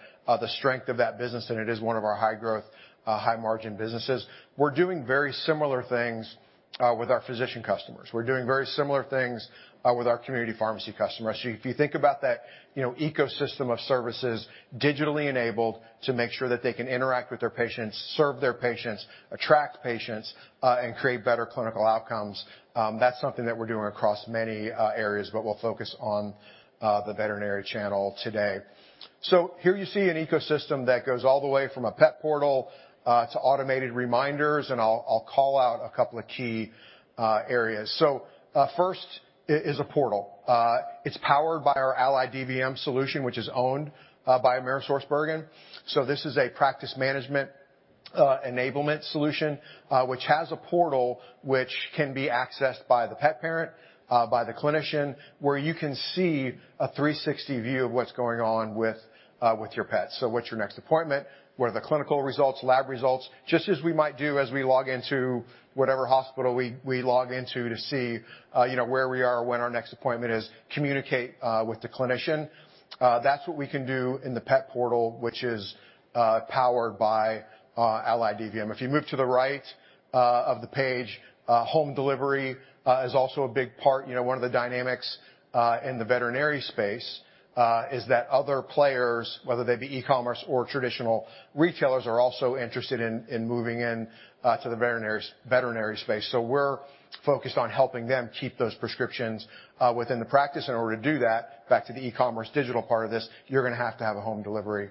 strength of that business, and it is one of our high growth, high margin businesses, we're doing very similar things with our physician customers. We're doing very similar things with our community pharmacy customers. If you think about that, you know, ecosystem of services digitally enabled to make sure that they can interact with their patients, serve their patients, attract patients, and create better clinical outcomes, that's something that we're doing across many areas, but we'll focus on the veterinary channel today. Here you see an ecosystem that goes all the way from a pet portal to automated reminders, and I'll call out a couple of key areas. First is a portal. It's powered by our AlleyDVM solution, which is owned by AmerisourceBergen. This is a practice management enablement solution, which has a portal which can be accessed by the pet parent, by the clinician, where you can see a 360 view of what's going on with your pet. What's your next appointment? What are the clinical results, lab results? Just as we might do as we log into whatever hospital we log into to see, you know, where we are, when our next appointment is, communicate with the clinician. That's what we can do in the pet portal, which is powered by AlleyDVM. If you move to the right of the page, home delivery is also a big part. You know, one of the dynamics in the veterinary space is that other players, whether they be e-commerce or traditional retailers, are also interested in moving in to the veterinary space. We're focused on helping them keep those prescriptions within the practice. In order to do that, back to the e-commerce digital part of this, you're gonna have to have a home delivery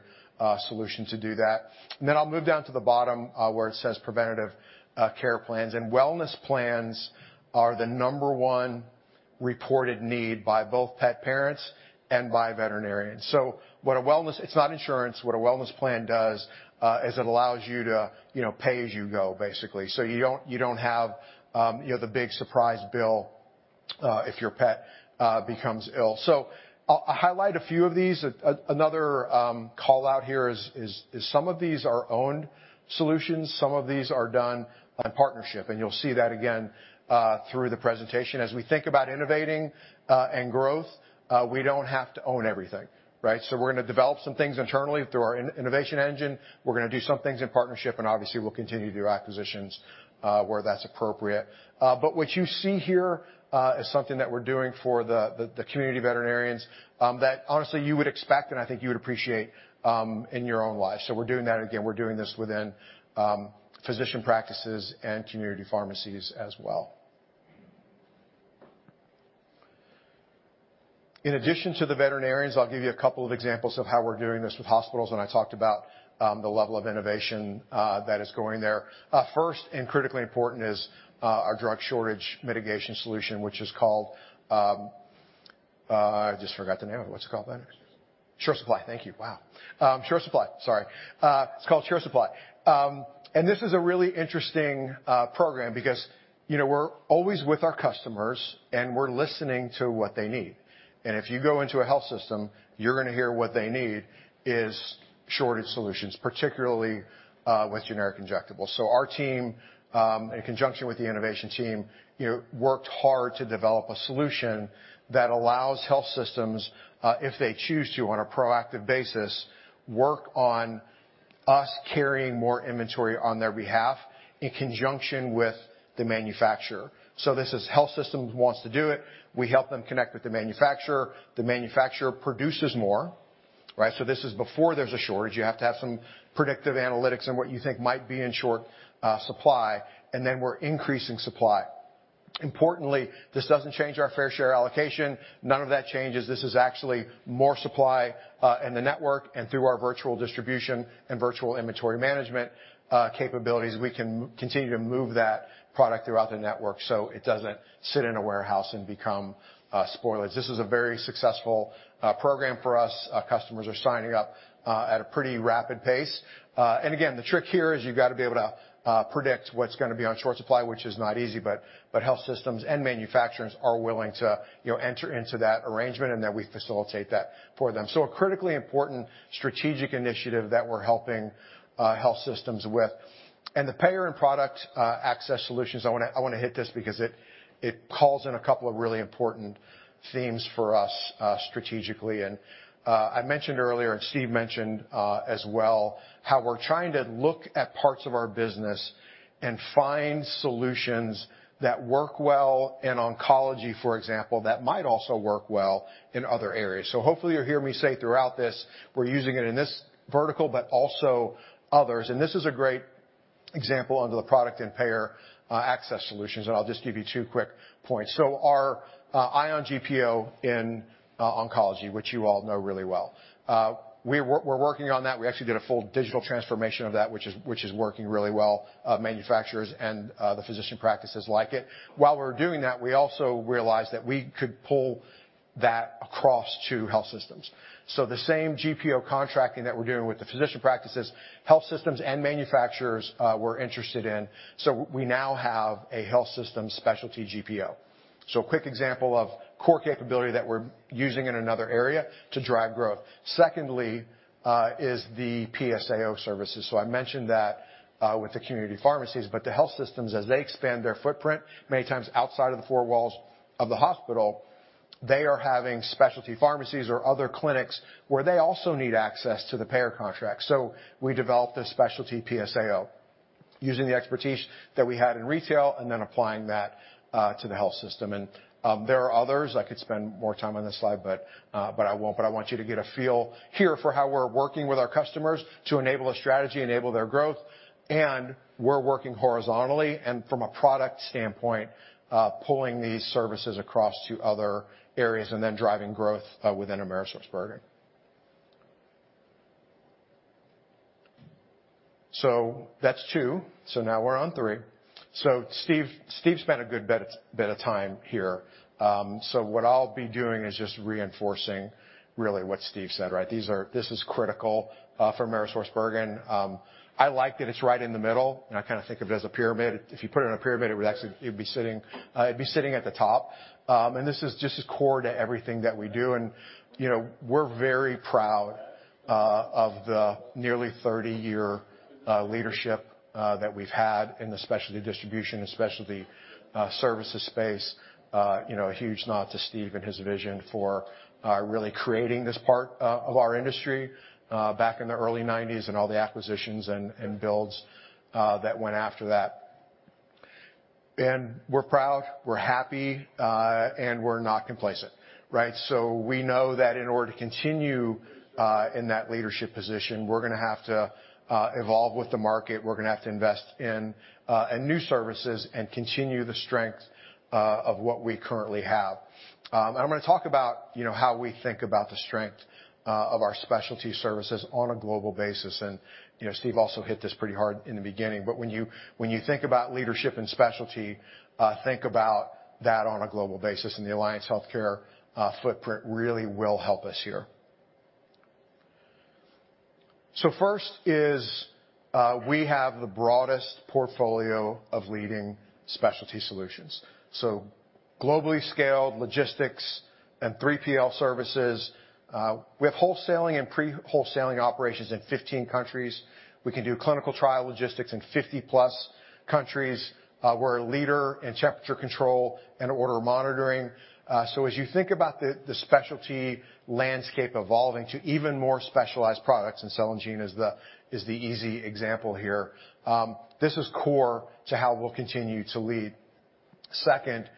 solution to do that. I'll move down to the bottom, where it says preventative care plans and wellness plans are the number one reported need by both pet parents and by veterinarians. It's not insurance. What a wellness plan does is it allows you to, you know, pay as you go, basically. You don't have, you know, the big surprise bill if your pet becomes ill. I'll highlight a few of these. Another call-out here is some of these are owned solutions, some of these are done on partnership, and you'll see that again through the presentation. As we think about innovating, and growth, we don't have to own everything, right? We're gonna develop some things internally through our innovation engine. We're gonna do some things in partnership, and obviously we'll continue to do acquisitions, where that's appropriate. What you see here is something that we're doing for the community veterinarians, that honestly you would expect and I think you would appreciate, in your own life. We're doing that. Again, we're doing this within physician practices and community pharmacies as well. In addition to the veterinarians, I'll give you a couple of examples of how we're doing this with hospitals when I talked about the level of innovation, that is going there. First, and critically important is our drug shortage mitigation solution, which is called, I just forgot the name of it. What's it called, Ben? SureSupply. Thank you. Wow. SureSupply. Sorry. It's called SureSupply. This is a really interesting program because, you know, we're always with our customers, and we're listening to what they need. If you go into a health system, you're gonna hear what they need is shortage solutions, particularly with generic injectables. Our team, in conjunction with the innovation team, you know, worked hard to develop a solution that allows health systems, if they choose to, on a proactive basis, work with us carrying more inventory on their behalf in conjunction with the manufacturer. This is health systems wants to do it, we help them connect with the manufacturer. The manufacturer produces more, right? This is before there's a shortage. You have to have some predictive analytics on what you think might be in short supply, and then we're increasing supply. Importantly, this doesn't change our fair share allocation. None of that changes. This is actually more supply in the network and through our virtual distribution and virtual inventory management capabilities, we can continue to move that product throughout the network, so it doesn't sit in a warehouse and become spoilage. This is a very successful program for us. Our customers are signing up at a pretty rapid pace. The trick here is you've gotta be able to predict what's gonna be on short supply, which is not easy, but health systems and manufacturers are willing to, you know, enter into that arrangement, and then we facilitate that for them. A critically important strategic initiative that we're helping health systems with. The payer and product access solutions, I wanna hit this because it calls in a couple of really important themes for us, strategically. I mentioned earlier, and Steve mentioned, as well, how we're trying to look at parts of our business and find solutions that work well in oncology, for example, that might also work well in other areas. Hopefully you'll hear me say throughout this, we're using it in this vertical, but also others. This is a great example under the product and payer access solutions, and I'll just give you two quick points. Our ION GPO in oncology, which you all know really well. We're working on that. We actually did a full digital transformation of that, which is working really well. Manufacturers and the physician practices like it. While we're doing that, we also realized that we could pull that across to health systems. The same GPO contracting that we're doing with the physician practices, health systems and manufacturers were interested in, so we now have a health system specialty GPO. A quick example of core capability that we're using in another area to drive growth. Secondly, is the PSAO services. I mentioned that with the community pharmacies, but the health systems, as they expand their footprint, many times outside of the four walls of the hospital, they are having specialty pharmacies or other clinics where they also need access to the payer contract. We developed a specialty PSAO using the expertise that we had in retail and then applying that to the health system. There are others. I could spend more time on this slide, but I won't. I want you to get a feel here for how we're working with our customers to enable a strategy, enable their growth, and we're working horizontally and from a product standpoint, pulling these services across to other areas and then driving growth within AmerisourceBergen. That's two. Now we're on three. Steve spent a good bit of time here. What I'll be doing is just reinforcing really what Steve said, right? This is critical for AmerisourceBergen. I like that it's right in the middle, and I kinda think of it as a pyramid. If you put it in a pyramid, it'd be sitting at the top. This is just as core to everything that we do. You know, we're very proud of the nearly 30-year leadership that we've had in the specialty distribution and specialty services space. You know, a huge nod to Steve and his vision for really creating this part of our industry back in the early nineties and all the acquisitions and builds that went after that. We're proud, we're happy, and we're not complacent, right? We know that in order to continue in that leadership position, we're gonna have to evolve with the market. We're gonna have to invest in new services and continue the strength of what we currently have. I'm gonna talk about, you know, how we think about the strength of our specialty services on a global basis. You know, Steve also hit this pretty hard in the beginning, but when you think about leadership and specialty, think about that on a global basis, and the Alliance Healthcare footprint really will help us here. First, we have the broadest portfolio of leading specialty solutions. Globally scaled logistics and 3PL services. We have wholesaling and pre-wholesaling operations in 15 countries. We can do clinical trial logistics in 50-plus countries. We're a leader in temperature control and order monitoring. As you think about the specialty landscape evolving to even more specialized products, and cell and gene is the easy example here, this is core to how we'll continue to lead. Second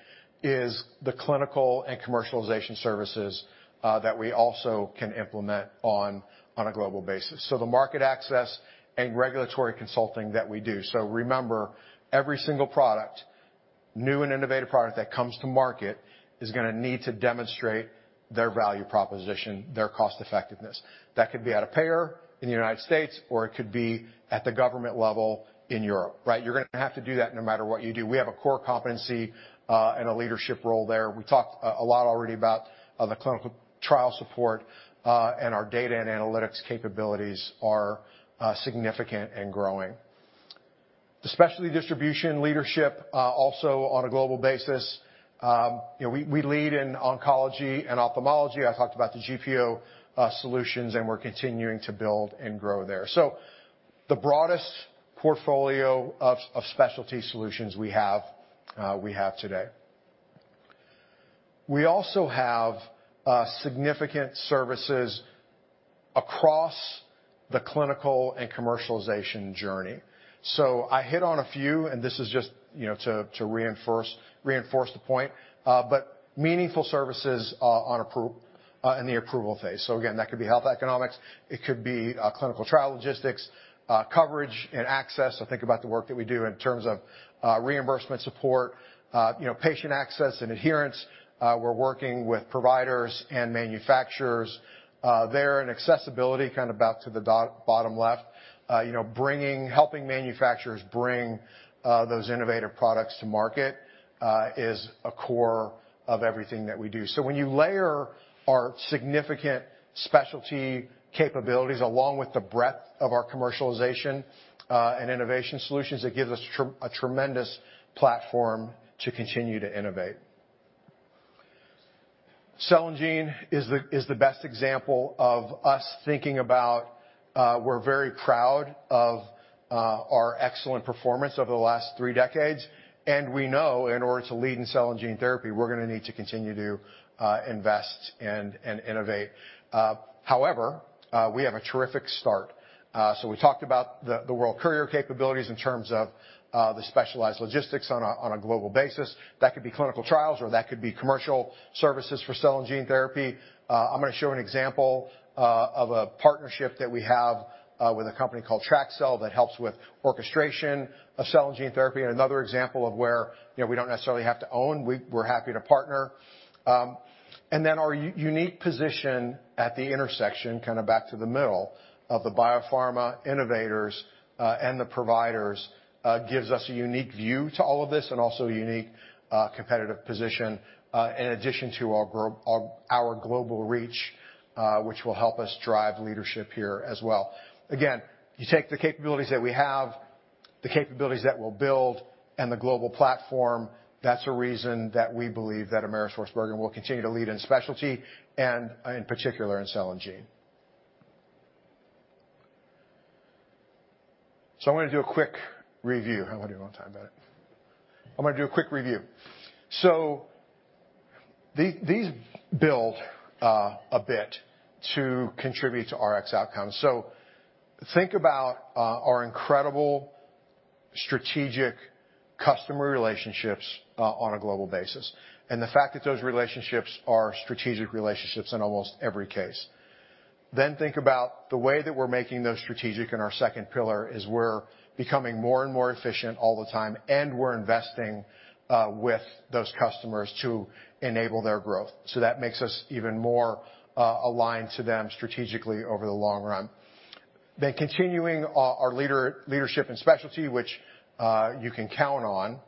is the clinical and commercialization services that we also can implement on a global basis. The market access and regulatory consulting that we do. Remember, every single product, new and innovative product that comes to market is gonna need to demonstrate their value proposition, their cost effectiveness. That could be at a payer in the United States, or it could be at the government level in Europe, right? You're gonna have to do that no matter what you do. We have a core competency and a leadership role there. We talked a lot already about the clinical trial support, and our data and analytics capabilities are significant and growing. The specialty distribution leadership, also on a global basis, you know, we lead in oncology and ophthalmology. I talked about the GPO solutions, and we're continuing to build and grow there. The broadest portfolio of specialty solutions we have, we have today. We also have significant services across the clinical and commercialization journey. I hit on a few, and this is just, you know, to reinforce the point, but meaningful services in the approval phase. Again, that could be health economics, it could be, clinical trial logistics, coverage and access. Think about the work that we do in terms of reimbursement support, you know, patient access and adherence. We're working with providers and manufacturers there. Accessibility kind of back to the bottom left. You know, helping manufacturers bring those innovative products to market is a core of everything that we do. When you layer our significant specialty capabilities along with the breadth of our commercialization and innovation solutions, it gives us a tremendous platform to continue to innovate. Cell and gene is the best example of us thinking about. We're very proud of our excellent performance over the last three decades, and we know in order to lead in cell and gene therapy, we're gonna need to continue to invest and innovate. However, we have a terrific start. We talked about the World Courier capabilities in terms of the specialized logistics on a global basis. That could be clinical trials or that could be commercial services for cell and gene therapy. I'm gonna show an example of a partnership that we have with a company called TrakCel that helps with orchestration of cell and gene therapy, and another example of where, you know, we don't necessarily have to own. We're happy to partner. Our unique position at the intersection, kind of back to the middle of the biopharma innovators and the providers, gives us a unique view to all of this and also a unique competitive position in addition to our global reach, which will help us drive leadership here as well. Again, you take the capabilities that we have, the capabilities that we'll build and the global platform, that's a reason that we believe that AmerisourceBergen will continue to lead in specialty and, in particular in cell and gene. I'm gonna do a quick review. How are we doing on time, Ben? I'm gonna do a quick review. These build a bit to contribute to Rx outcomes. Think about our incredible strategic customer relationships on a global basis, and the fact that those relationships are strategic relationships in almost every case. Think about the way that we're making those strategic in our second pillar is we're becoming more and more efficient all the time, and we're investing with those customers to enable their growth. That makes us even more aligned to them strategically over the long run. Continuing our leadership and specialty, which you can count on,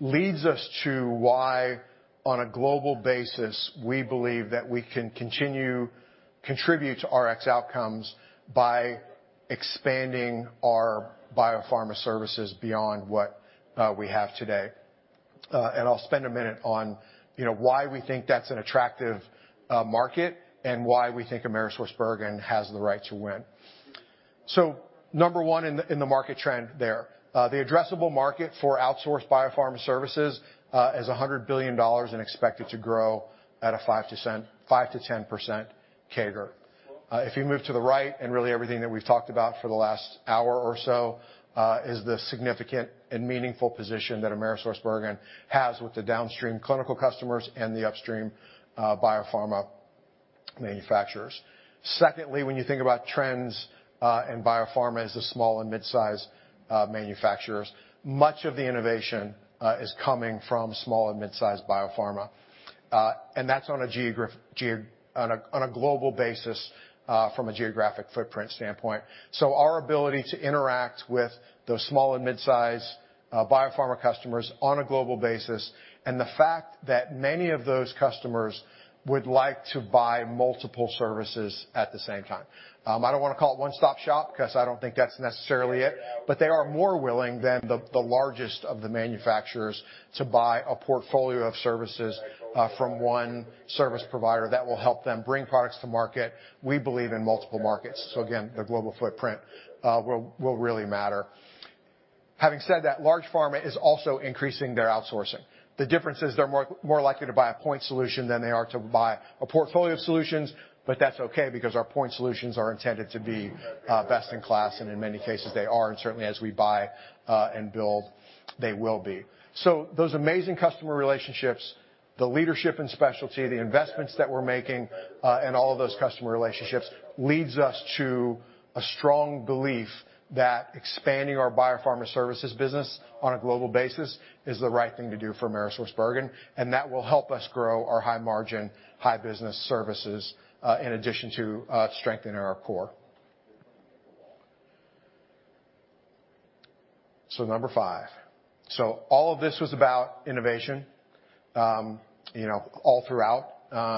leads us to why, on a global basis, we believe that we can continue to contribute to Rx outcomes by expanding our biopharma services beyond what we have today. I'll spend a minute on, you know, why we think that's an attractive market and why we think AmerisourceBergen has the right to win. Number one in the market trend there. The addressable market for outsourced biopharma services is $100 billion and expected to grow at a 5%-10% CAGR. If you move to the right, and really everything that we've talked about for the last hour or so is the significant and meaningful position that AmerisourceBergen has with the downstream clinical customers and the upstream biopharma manufacturers. Secondly, when you think about trends in biopharma as the small and mid-size manufacturers, much of the innovation is coming from small and mid-size biopharma. That's on a global basis from a geographic footprint standpoint. Our ability to interact with those small and mid-size biopharma customers on a global basis, and the fact that many of those customers would like to buy multiple services at the same time. I don't wanna call it one stop shop 'cause I don't think that's necessarily it, but they are more willing than the largest of the manufacturers to buy a portfolio of services from one service provider that will help them bring products to market, we believe in multiple markets. Again, the global footprint will really matter. Having said that, large pharma is also increasing their outsourcing. The difference is they're more likely to buy a point solution than they are to buy a portfolio of solutions, but that's okay because our point solutions are intended to be best in class, and in many cases, they are. Certainly as we buy and build, they will be. Those amazing customer relationships, the leadership and specialty, the investments that we're making, and all of those customer relationships leads us to a strong belief that expanding our biopharma services business on a global basis is the right thing to do for AmerisourceBergen, and that will help us grow our high margin, high business services in addition to strengthening our core. Number five. All of this was about innovation, you know, all throughout.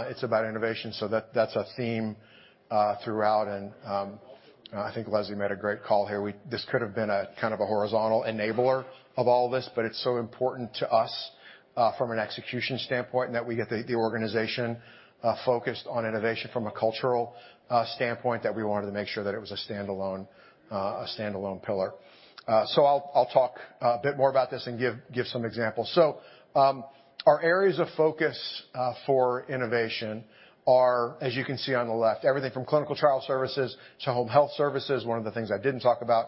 It's about innovation, that's a theme throughout. I think Leslie made a great call here. This could have been a kind of a horizontal enabler of all this, but it's so important to us, from an execution standpoint, and that we get the organization focused on innovation from a cultural standpoint, that we wanted to make sure that it was a standalone pillar. I'll talk a bit more about this and give some examples. Our areas of focus for innovation are, as you can see on the left, everything from clinical trial services to home health services. One of the things I didn't talk about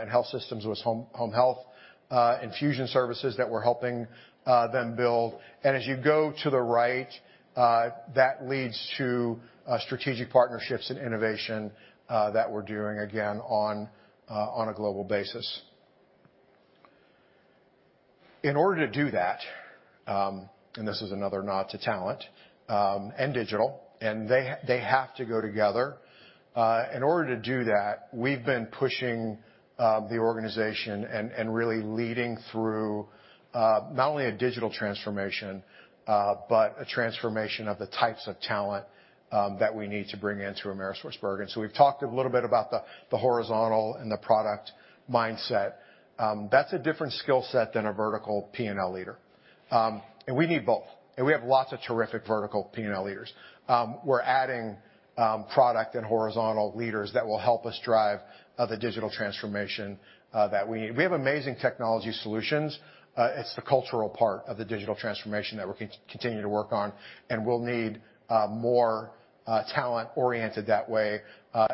in health systems was home health infusion services that we're helping them build. As you go to the right, that leads to strategic partnerships and innovation that we're doing again on a global basis. In order to do that, and this is another nod to talent and digital, and they have to go together. In order to do that, we've been pushing the organization and really leading through not only a digital transformation but a transformation of the types of talent that we need to bring into AmerisourceBergen. We've talked a little bit about the horizontal and the product mindset. That's a different skill set than a vertical P&L leader. We need both. We have lots of terrific vertical P&L leaders. We're adding product and horizontal leaders that will help us drive the digital transformation that we need. We have amazing technology solutions. It's the cultural part of the digital transformation that we're continuing to work on, and we'll need more talent oriented that way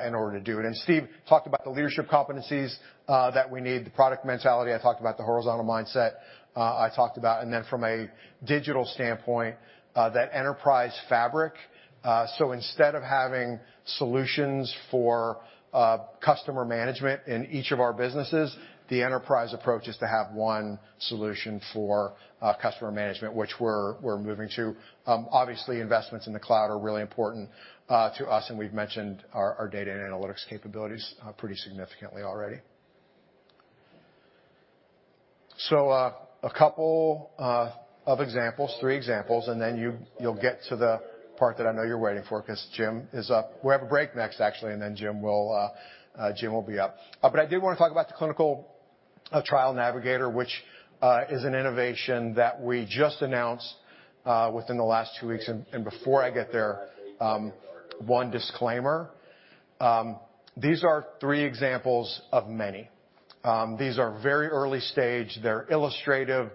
in order to do it. Steve talked about the leadership competencies that we need, the product mentality. I talked about the horizontal mindset. Then from a digital standpoint, that enterprise fabric. So instead of having solutions for customer management in each of our businesses, the enterprise approach is to have one solution for customer management, which we're moving to. Obviously, investments in the cloud are really important to us, and we've mentioned our data and analytics capabilities pretty significantly already. A couple of examples, three examples, and then you'll get to the part that I know you're waiting for because Jim is up. We have a break next, actually, and then Jim will be up. I did wanna talk about the Clinical Trial Navigator, which is an innovation that we just announced within the last two weeks. Before I get there, one disclaimer, these are three examples of many. These are very early stage. They're illustrative.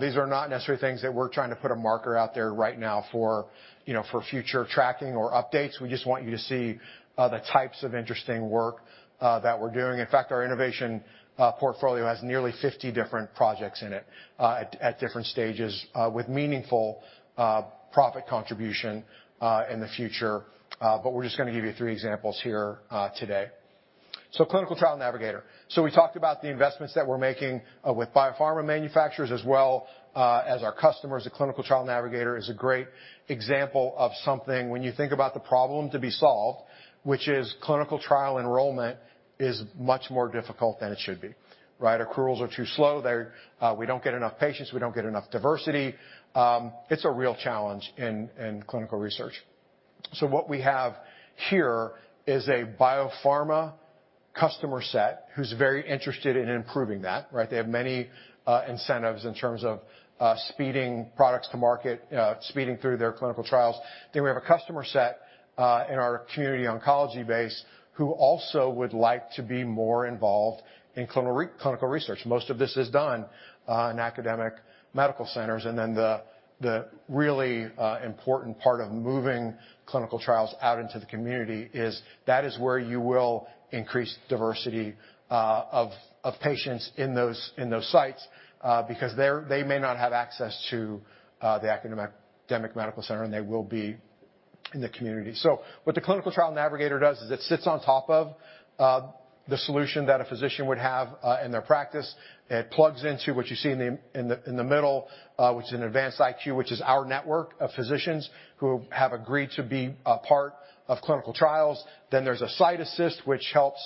These are not necessarily things that we're trying to put a marker out there right now for, you know, for future tracking or updates. We just want you to see, the types of interesting work, that we're doing. In fact, our innovation, portfolio has nearly 50 different projects in it, at different stages, with meaningful, profit contribution, in the future. We're just gonna give you three examples here, today. Clinical Trial Navigator. We talked about the investments that we're making, with biopharma manufacturers as well, as our customers. The Clinical Trial Navigator is a great example of something when you think about the problem to be solved, which is clinical trial enrollment is much more difficult than it should be, right? Accruals are too slow. We don't get enough patients. We don't get enough diversity. It's a real challenge in clinical research. What we have here is a biopharma customer set who's very interested in improving that, right? They have many incentives in terms of speeding products to market, speeding through their clinical trials. We have a customer set in our community oncology base who also would like to be more involved in clinical research. Most of this is done in academic medical centers. The really important part of moving clinical trials out into the community is that is where you will increase diversity of patients in those sites because they may not have access to the academic medical center, and they will be in the community. What the Clinical Trial Navigator does is it sits on top of the solution that a physician would have in their practice. It plugs into what you see in the middle, which is an advanced IQ, which is our network of physicians who have agreed to be a part of clinical trials. There's a site assist, which helps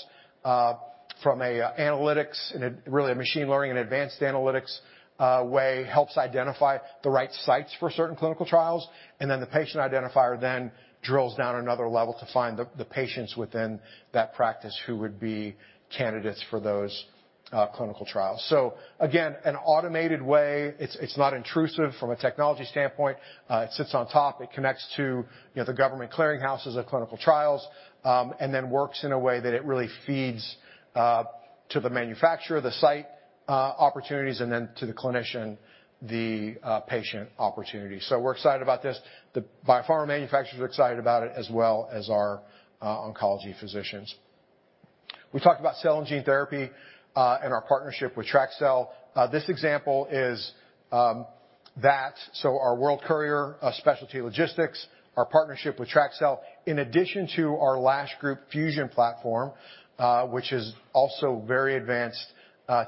from an analytics and really a machine learning and advanced analytics way helps identify the right sites for certain clinical trials. The patient identifier then drills down another level to find the patients within that practice who would be candidates for those clinical trials. Again, an automated way. It's not intrusive from a technology standpoint. It sits on top. It connects to, you know, the government clearinghouses of clinical trials, and then works in a way that it really feeds to the manufacturer, the site opportunities, and then to the clinician, the patient opportunity. We're excited about this. The biopharma manufacturers are excited about it as well as our oncology physicians. We talked about cell and gene therapy and our partnership with TrakCel. This example is that. Our World Courier specialty logistics, our partnership with TrakCel, in addition to our Lash Group FUSION platform, which is also very advanced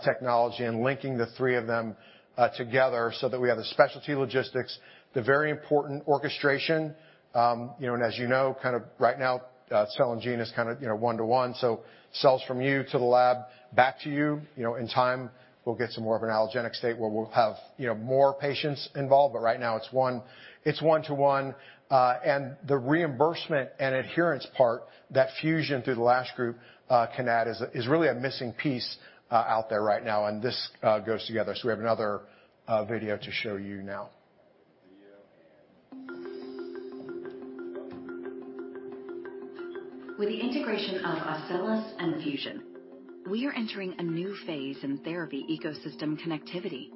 technology, and linking the three of them together so that we have the specialty logistics, the very important orchestration. You know, and as you know, kind of right now, cell and gene is kinda, you know, one-to-one. Cells from you to the lab back to you. In time we'll get some more of an allogenic state where we'll have more patients involved, but right now it's one-to-one. The reimbursement and adherence part that FUSION through the Lash Group can add is really a missing piece out there right now, and this goes together. We have another video to show you now. With the integration of OCELLOS and FUSION, we are entering a new phase in therapy ecosystem connectivity.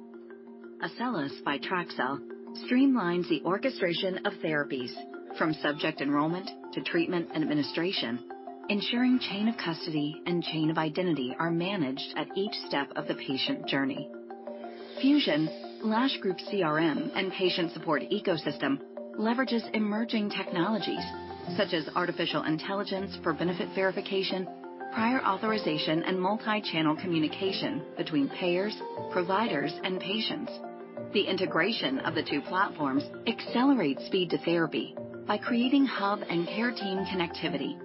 OCELLOS by TrakCel streamlines the orchestration of therapies from subject enrollment to treatment and administration, ensuring chain of custody and chain of identity are managed at each step of the patient journey. FUSION, Lash Group CRM and patient support ecosystem leverages emerging technologies such as artificial intelligence for benefit verification, prior authorization, and multi-channel communication between payers, providers, and patients. The integration of the two platforms accelerates speed to therapy by creating hub and care team connectivity.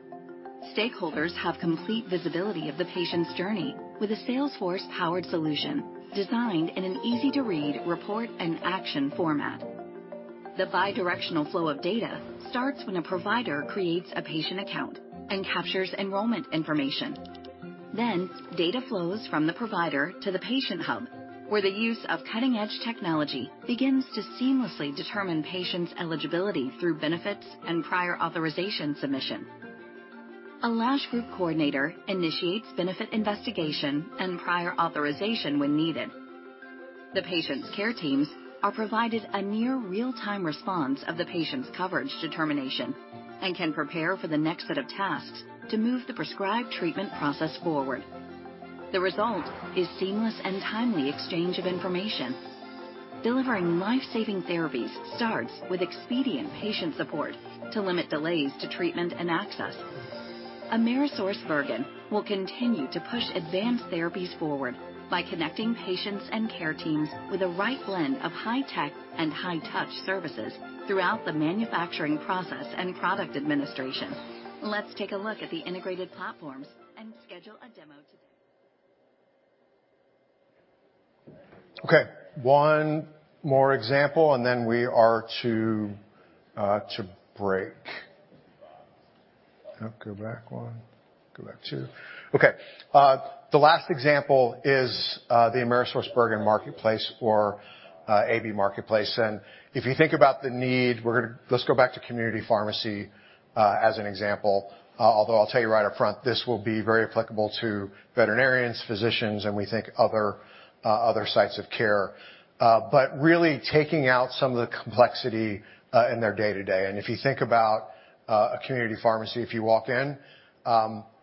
Stakeholders have complete visibility of the patient's journey with a Salesforce-powered solution designed in an easy-to-read report and action format. The bi-directional flow of data starts when a provider creates a patient account and captures enrollment information. Data flows from the provider to the patient hub, where the use of cutting-edge technology begins to seamlessly determine patients' eligibility through benefits and prior authorization submission. A Lash Group coordinator initiates benefit investigation and prior authorization when needed. The patient's care teams are provided a near real-time response of the patient's coverage determination and can prepare for the next set of tasks to move the prescribed treatment process forward. The result is seamless and timely exchange of information. Delivering life-saving therapies starts with expedient patient support to limit delays to treatment and access. AmerisourceBergen will continue to push advanced therapies forward by connecting patients and care teams with the right blend of high-tech and high-touch services throughout the manufacturing process and product administration. Let's take a look at the integrated platforms and schedule a demo today. Okay, one more example, and then we are to break. Yep, go back one. Go back two. Okay. The last example is the AmerisourceBergen Marketplace or AB Marketplace. Let's go back to community pharmacy as an example, although I'll tell you right up front, this will be very applicable to veterinarians, physicians, and we think other sites of care. Really taking out some of the complexity in their day-to-day. If you think about a community pharmacy, if you walk in,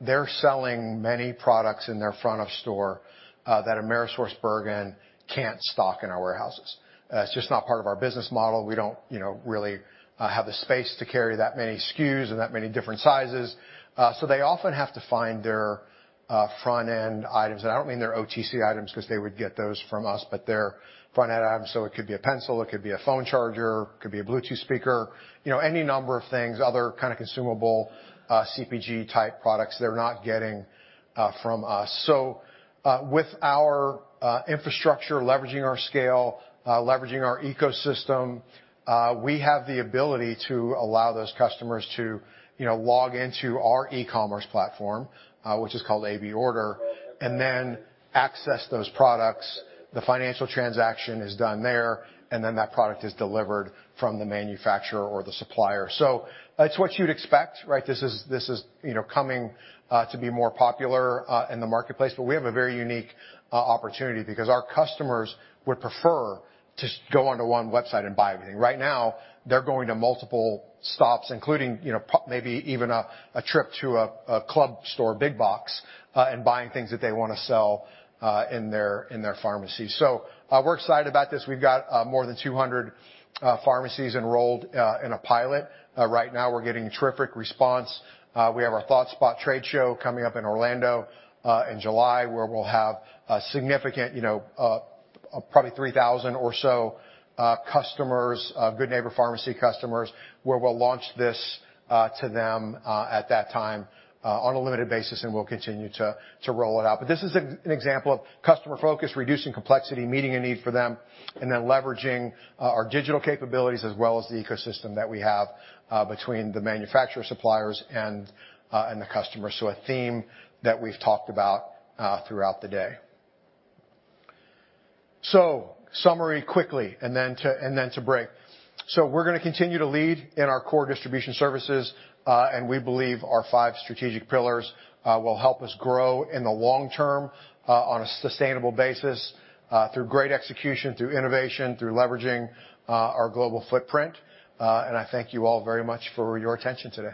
they're selling many products in their front of store that AmerisourceBergen can't stock in our warehouses. It's just not part of our business model. We don't, you know, really have the space to carry that many SKUs and that many different sizes. They often have to find their front-end items, and I don't mean their OTC items 'cause they would get those from us, but their front-end items. It could be a pencil, it could be a phone charger, it could be a Bluetooth speaker. You know, any number of things, other kinda consumable, CPG-type products they're not getting from us. With our infrastructure, leveraging our scale, leveraging our ecosystem, we have the ability to allow those customers to, you know, log into our e-commerce platform, which is called ABC Order, and then access those products. The financial transaction is done there, and then that product is delivered from the manufacturer or the supplier. It's what you'd expect, right? This is, you know, coming to be more popular in the marketplace. We have a very unique opportunity because our customers would prefer to go onto one website and buy everything. Right now, they're going to multiple stops, including, you know, maybe even a trip to a club store, big box, and buying things that they wanna sell in their pharmacy. We're excited about this. We've got more than 200 pharmacies enrolled in a pilot. Right now we're getting terrific response. We have our ThoughtSpot trade show coming up in Orlando in July, where we'll have a significant, you know, probably 3,000 or so customers, Good Neighbor Pharmacy customers, where we'll launch this to them at that time on a limited basis, and we'll continue to roll it out. This is an example of customer focus, reducing complexity, meeting a need for them, and then leveraging our digital capabilities as well as the ecosystem that we have between the manufacturer suppliers and the customers. A theme that we've talked about throughout the day. Summary quickly and then to break. We're gonna continue to lead in our core distribution services, and we believe our five strategic pillars will help us grow in the long term on a sustainable basis through great execution, through innovation, through leveraging our global footprint. I thank you all very much for your attention today.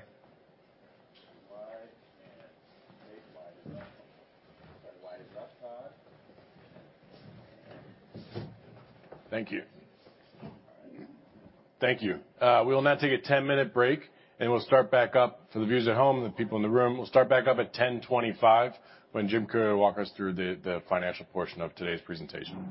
Thank you. We will now take a 10-minute break, and we'll start back up. For the viewers at home and the people in the room, we'll start back up at 10:25 when Jim Cleary will walk us through the financial portion of today's presentation.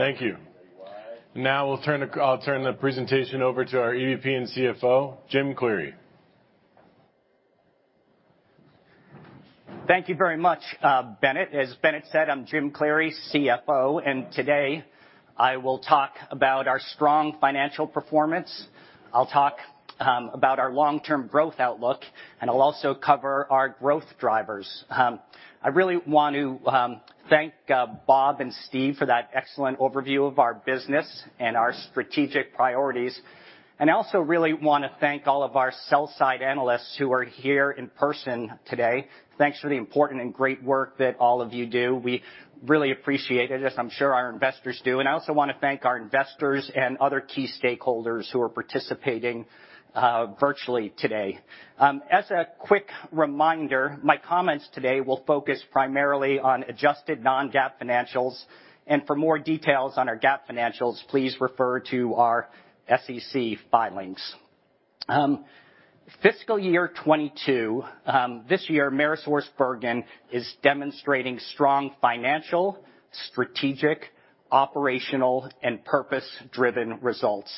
Thank you. I'll turn the presentation over to our EVP and CFO, Jim Cleary. Thank you very much, Bennett. As Bennett said, I'm Jim Cleary, CFO, and today I will talk about our strong financial performance. I'll talk about our long-term growth outlook, and I'll also cover our growth drivers. I really want to thank Bob and Steve for that excellent overview of our business and our strategic priorities. I also really wanna thank all of our sell-side analysts who are here in person today. Thanks for the important and great work that all of you do. We really appreciate it, as I'm sure our investors do. I also wanna thank our investors and other key stakeholders who are participating virtually today. As a quick reminder, my comments today will focus primarily on adjusted non-GAAP financials. For more details on our GAAP financials, please refer to our SEC filings. Fiscal year 2022. This year, AmerisourceBergen is demonstrating strong financial, strategic, operational, and purpose-driven results.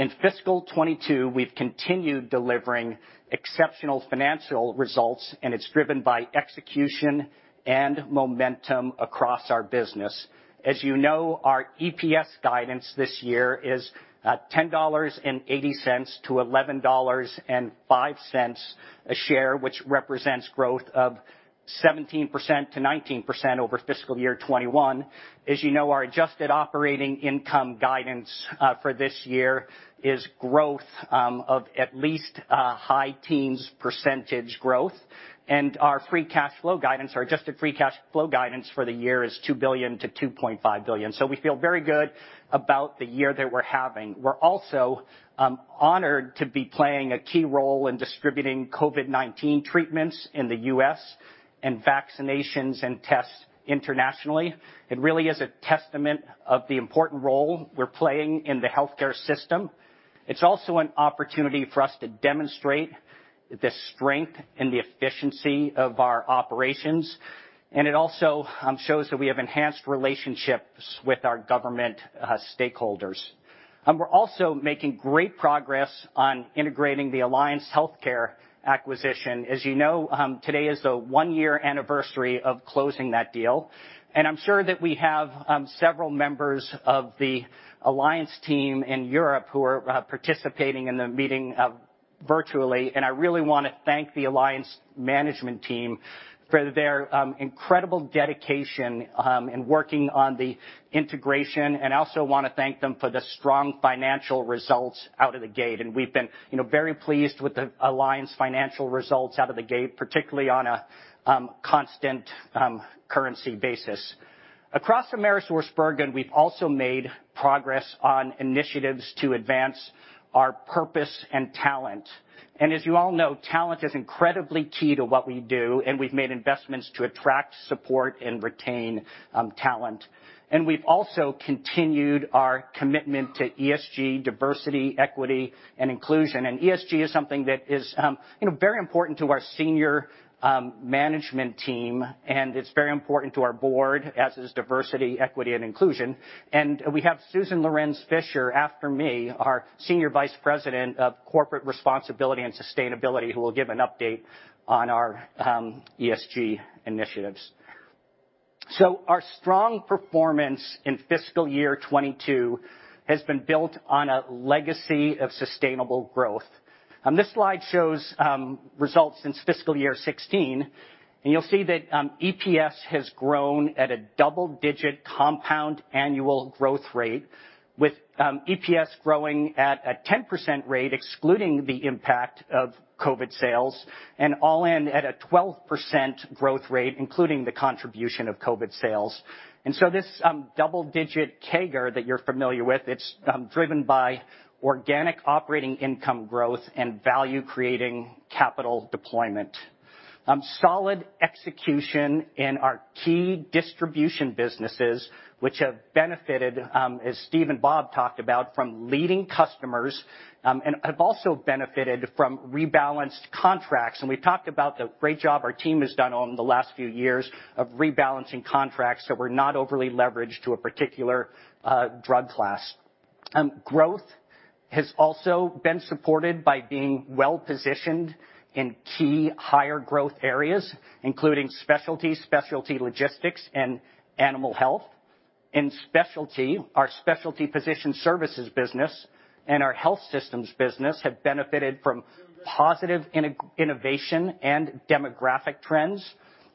In fiscal 2022, we've continued delivering exceptional financial results, and it's driven by execution and momentum across our business. As you know, our EPS guidance this year is $10.80-$11.05 a share, which represents growth of 17%-19% over fiscal year 2021. As you know, our adjusted operating income guidance for this year is growth of at least high teens % growth. Our free cash flow guidance or adjusted free cash flow guidance for the year is $2 billion-$2.5 billion. We feel very good about the year that we're having. We're also honored to be playing a key role in distributing COVID-19 treatments in the U.S. and vaccinations and tests internationally. It really is a testament of the important role we're playing in the healthcare system. It's also an opportunity for us to demonstrate the strength and the efficiency of our operations, and it also shows that we have enhanced relationships with our government stakeholders. We're also making great progress on integrating the Alliance Healthcare acquisition. As you know, today is the one-year anniversary of closing that deal, and I'm sure that we have several members of the Alliance team in Europe who are participating in the meeting virtually, and I really wanna thank the Alliance management team for their incredible dedication in working on the integration. I also wanna thank them for the strong financial results out of the gate. We've been, you know, very pleased with the Alliance financial results out of the gate, particularly on a constant currency basis. Across AmerisourceBergen, we've also made progress on initiatives to advance our purpose and talent. As you all know, talent is incredibly key to what we do, and we've made investments to attract, support and retain talent. We've also continued our commitment to ESG, diversity, equity and inclusion. ESG is something that is, you know, very important to our senior management team, and it's very important to our board, as is diversity, equity and inclusion. We have Susan Lorenz-Fisher after me, our Senior Vice President of corporate responsibility and sustainability, who will give an update on our ESG initiatives. Our strong performance in fiscal year 2022 has been built on a legacy of sustainable growth. This slide shows results since fiscal year 2016. You'll see that EPS has grown at a double-digit compound annual growth rate, with EPS growing at a 10% rate, excluding the impact of COVID sales, and all in at a 12% growth rate, including the contribution of COVID sales. This double-digit CAGR that you're familiar with is driven by organic operating income growth and value-creating capital deployment. Solid execution in our key distribution businesses which have benefited, as Steve and Bob talked about, from leading customers, and have also benefited from rebalanced contracts. We've talked about the great job our team has done over the last few years of rebalancing contracts so we're not overly leveraged to a particular drug class. Growth has also been supported by being well positioned in key higher growth areas, including specialty logistics and animal health. In specialty, our specialty position services business and our health systems business have benefited from positive innovation and demographic trends,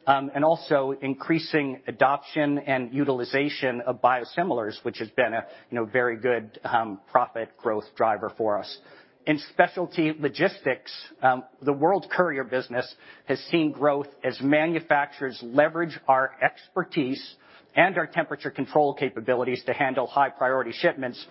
and also increasing adoption and utilization of biosimilars, which has been a, you know, very good, profit growth driver for us. In specialty logistics, the World Courier business has seen growth as manufacturers leverage our expertise and our temperature control capabilities to handle high-priority shipments.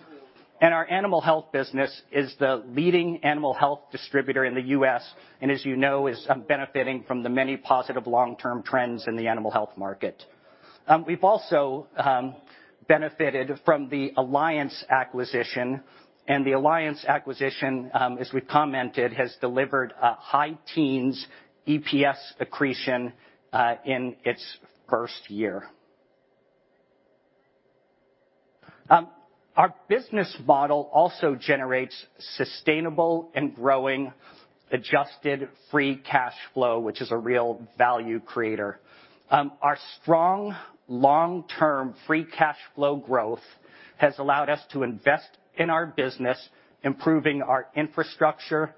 Our animal health business is the leading animal health distributor in the U.S. and, as you know, is, benefiting from the many positive long-term trends in the animal health market. We've also benefited from the Alliance acquisition, and the Alliance acquisition, as we've commented, has delivered a high teens EPS accretion in its first year. Our business model also generates sustainable and growing adjusted free cash flow, which is a real value creator. Our strong long-term free cash flow growth has allowed us to invest in our business, improving our infrastructure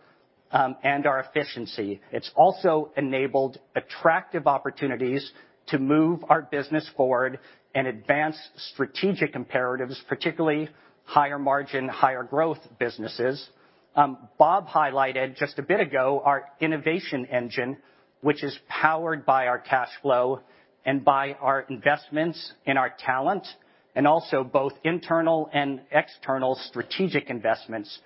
and our efficiency. It's also enabled attractive opportunities to move our business forward and advance strategic imperatives, particularly higher margin, higher growth businesses. Bob highlighted just a bit ago our innovation engine, which is powered by our cash flow and by our investments in our talent, and also both internal and external strategic investments.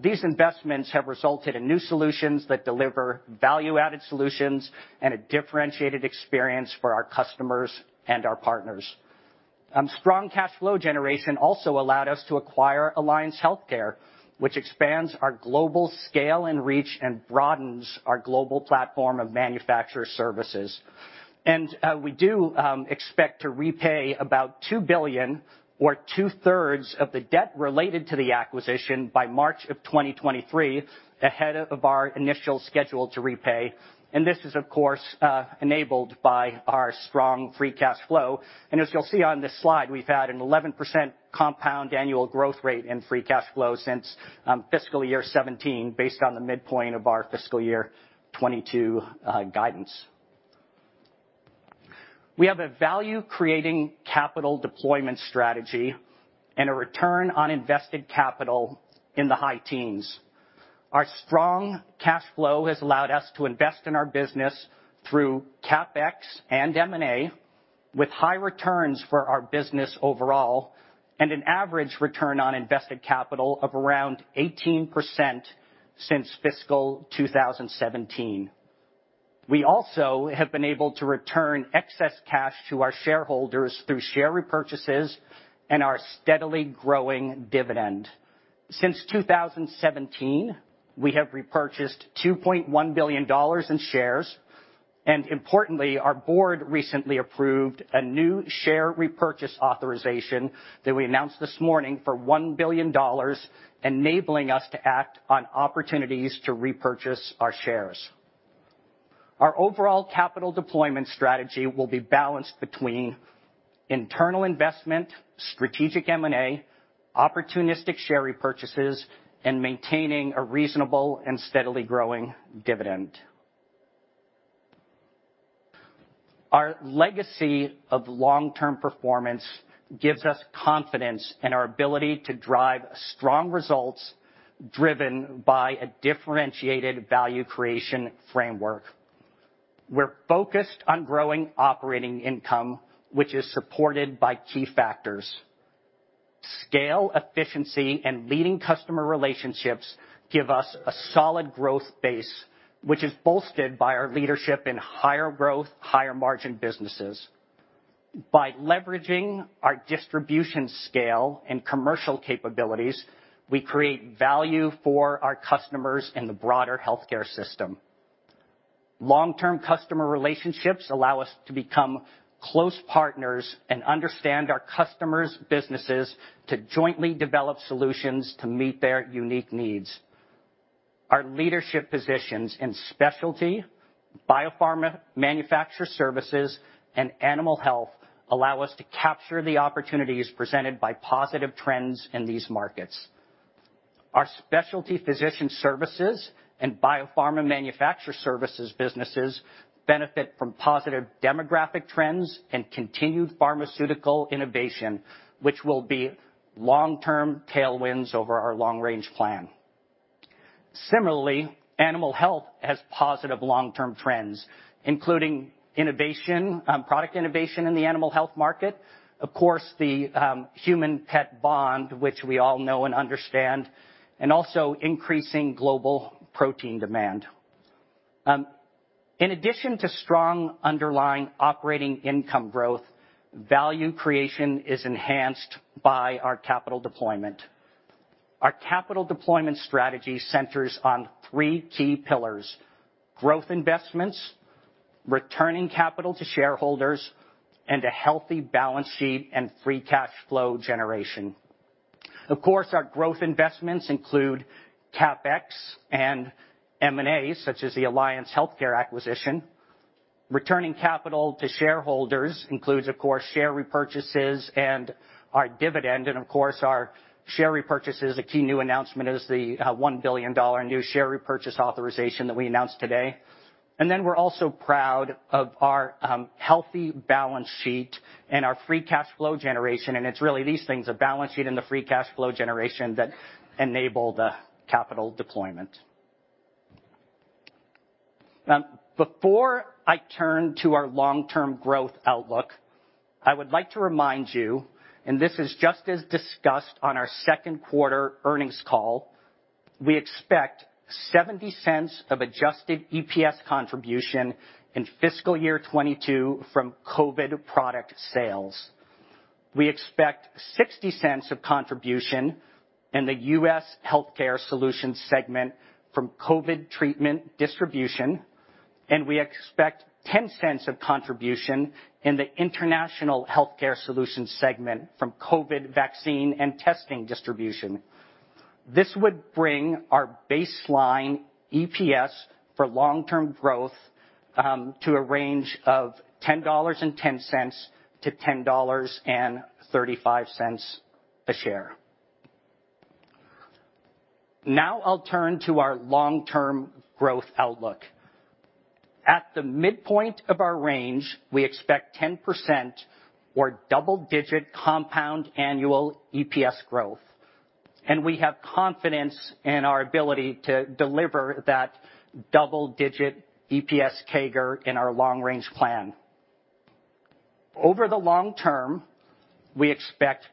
These investments have resulted in new solutions that deliver value-added solutions and a differentiated experience for our customers and our partners. Strong cash flow generation also allowed us to acquire Alliance Healthcare, which expands our global scale and reach and broadens our global platform of manufacturer services. We expect to repay about $2 billion or two-thirds of the debt related to the acquisition by March 2023, ahead of our initial schedule to repay. This is, of course, enabled by our strong free cash flow. As you'll see on this slide, we've had an 11% compound annual growth rate in free cash flow since fiscal year 2017 based on the midpoint of our fiscal year 2022 guidance. We have a value-creating capital deployment strategy and a return on invested capital in the high teens. Our strong cash flow has allowed us to invest in our business through CapEx and M&A with high returns for our business overall and an average return on invested capital of around 18% since fiscal 2017. We also have been able to return excess cash to our shareholders through share repurchases and our steadily growing dividend. Since 2017, we have repurchased $2.1 billion in shares. Importantly, our board recently approved a new share repurchase authorization that we announced this morning for $1 billion, enabling us to act on opportunities to repurchase our shares. Our overall capital deployment strategy will be balanced between internal investment, strategic M&A, opportunistic share repurchases, and maintaining a reasonable and steadily growing dividend. Our legacy of long-term performance gives us confidence in our ability to drive strong results driven by a differentiated value creation framework. We're focused on growing operating income, which is supported by key factors. Scale, efficiency, and leading customer relationships give us a solid growth base, which is bolstered by our leadership in higher growth, higher margin businesses. By leveraging our distribution scale and commercial capabilities, we create value for our customers in the broader healthcare system. Long-term customer relationships allow us to become close partners and understand our customers' businesses to jointly develop solutions to meet their unique needs. Our leadership positions in specialty, biopharma manufacturing services, and animal health allow us to capture the opportunities presented by positive trends in these markets. Our specialty physician services and biopharma manufacture services businesses benefit from positive demographic trends and continued pharmaceutical innovation, which will be long-term tailwinds over our long-range plan. Similarly, animal health has positive long-term trends, including innovation, product innovation in the animal health market, of course, the human-pet bond, which we all know and understand, and also increasing global protein demand. In addition to strong underlying operating income growth, value creation is enhanced by our capital deployment. Our capital deployment strategy centers on three key pillars. Growth investments, returning capital to shareholders, and a healthy balance sheet and free cash flow generation. Of course, our growth investments include CapEx and M&A, such as the Alliance Healthcare acquisition. Returning capital to shareholders includes, of course, share repurchases and our dividend. A key new announcement is the $1 billion new share repurchase authorization that we announced today. We're also proud of our healthy balance sheet and our free cash flow generation, and it's really these things, the balance sheet and the free cash flow generation that enable the capital deployment. Before I turn to our long-term growth outlook, I would like to remind you, and this is just as discussed on our second quarter earnings call, we expect $0.70 of adjusted EPS contribution in fiscal year 2022 from COVID product sales. We expect $0.60 of contribution in the U.S. Healthcare Solutions segment from COVID treatment distribution, and we expect $0.10 of contribution in the International Healthcare Solutions segment from COVID vaccine and testing distribution. This would bring our baseline EPS for long-term growth to a range of $10.10-$10.35 a share. Now I'll turn to our long-term growth outlook. At the midpoint of our range, we expect 10% or double-digit compound annual EPS growth, and we have confidence in our ability to deliver that double-digit EPS CAGR in our long range plan. Over the long term, we expect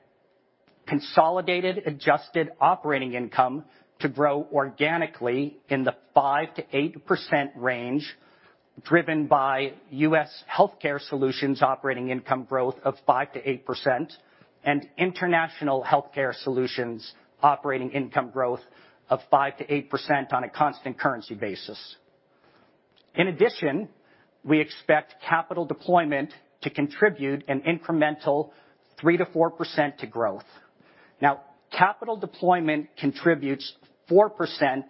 consolidated adjusted operating income to grow organically in the 5%-8% range, driven by U.S. Healthcare Solutions operating income growth of 5%-8% and International Healthcare Solutions operating income growth of 5%-8% on a constant currency basis. In addition, we expect capital deployment to contribute an incremental 3%-4% to growth. Now, capital deployment contributes 4%,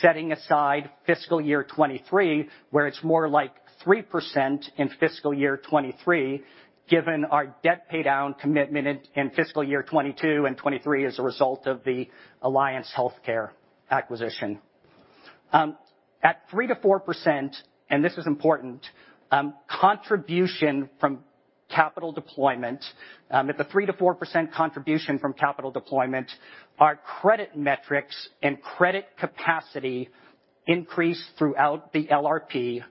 setting aside fiscal year 2023, where it's more like 3% in fiscal year 2023, given our debt paydown commitment in fiscal year 2022 and 2023 as a result of the Alliance Healthcare acquisition. At 3%-4%, and this is important, contribution from capital deployment, our credit metrics and credit capacity increase throughout the LRP,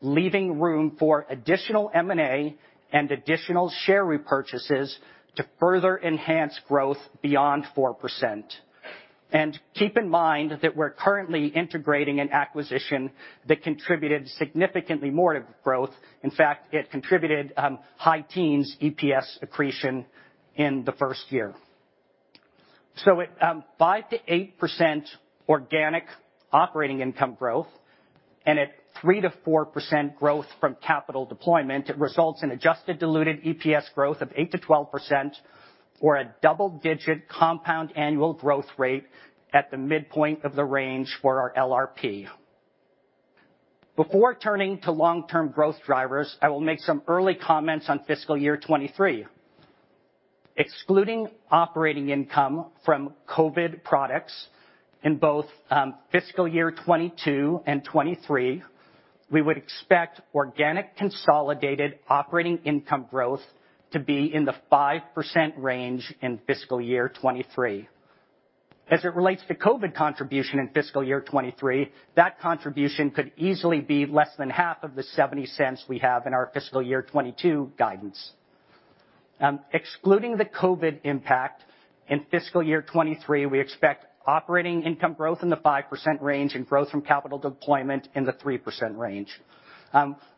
leaving room for additional M&A and additional share repurchases to further enhance growth beyond 4%. Keep in mind that we're currently integrating an acquisition that contributed significantly more to growth. In fact, it contributed high teens EPS accretion in the first year. At 5%-8% organic operating income growth and at 3%-4% growth from capital deployment, it results in adjusted diluted EPS growth of 8%-12% or a double-digit compound annual growth rate at the midpoint of the range for our LRP. Before turning to long-term growth drivers, I will make some early comments on fiscal year 2023. Excluding operating income from COVID products in both fiscal year 2022 and 2023, we would expect organic consolidated operating income growth to be in the 5% range in fiscal year 2023. As it relates to COVID contribution in fiscal year 2023, that contribution could easily be less than half of the $0.70 we have in our fiscal year 2022 guidance. Excluding the COVID impact in fiscal year 2023, we expect operating income growth in the 5% range and growth from capital deployment in the 3% range.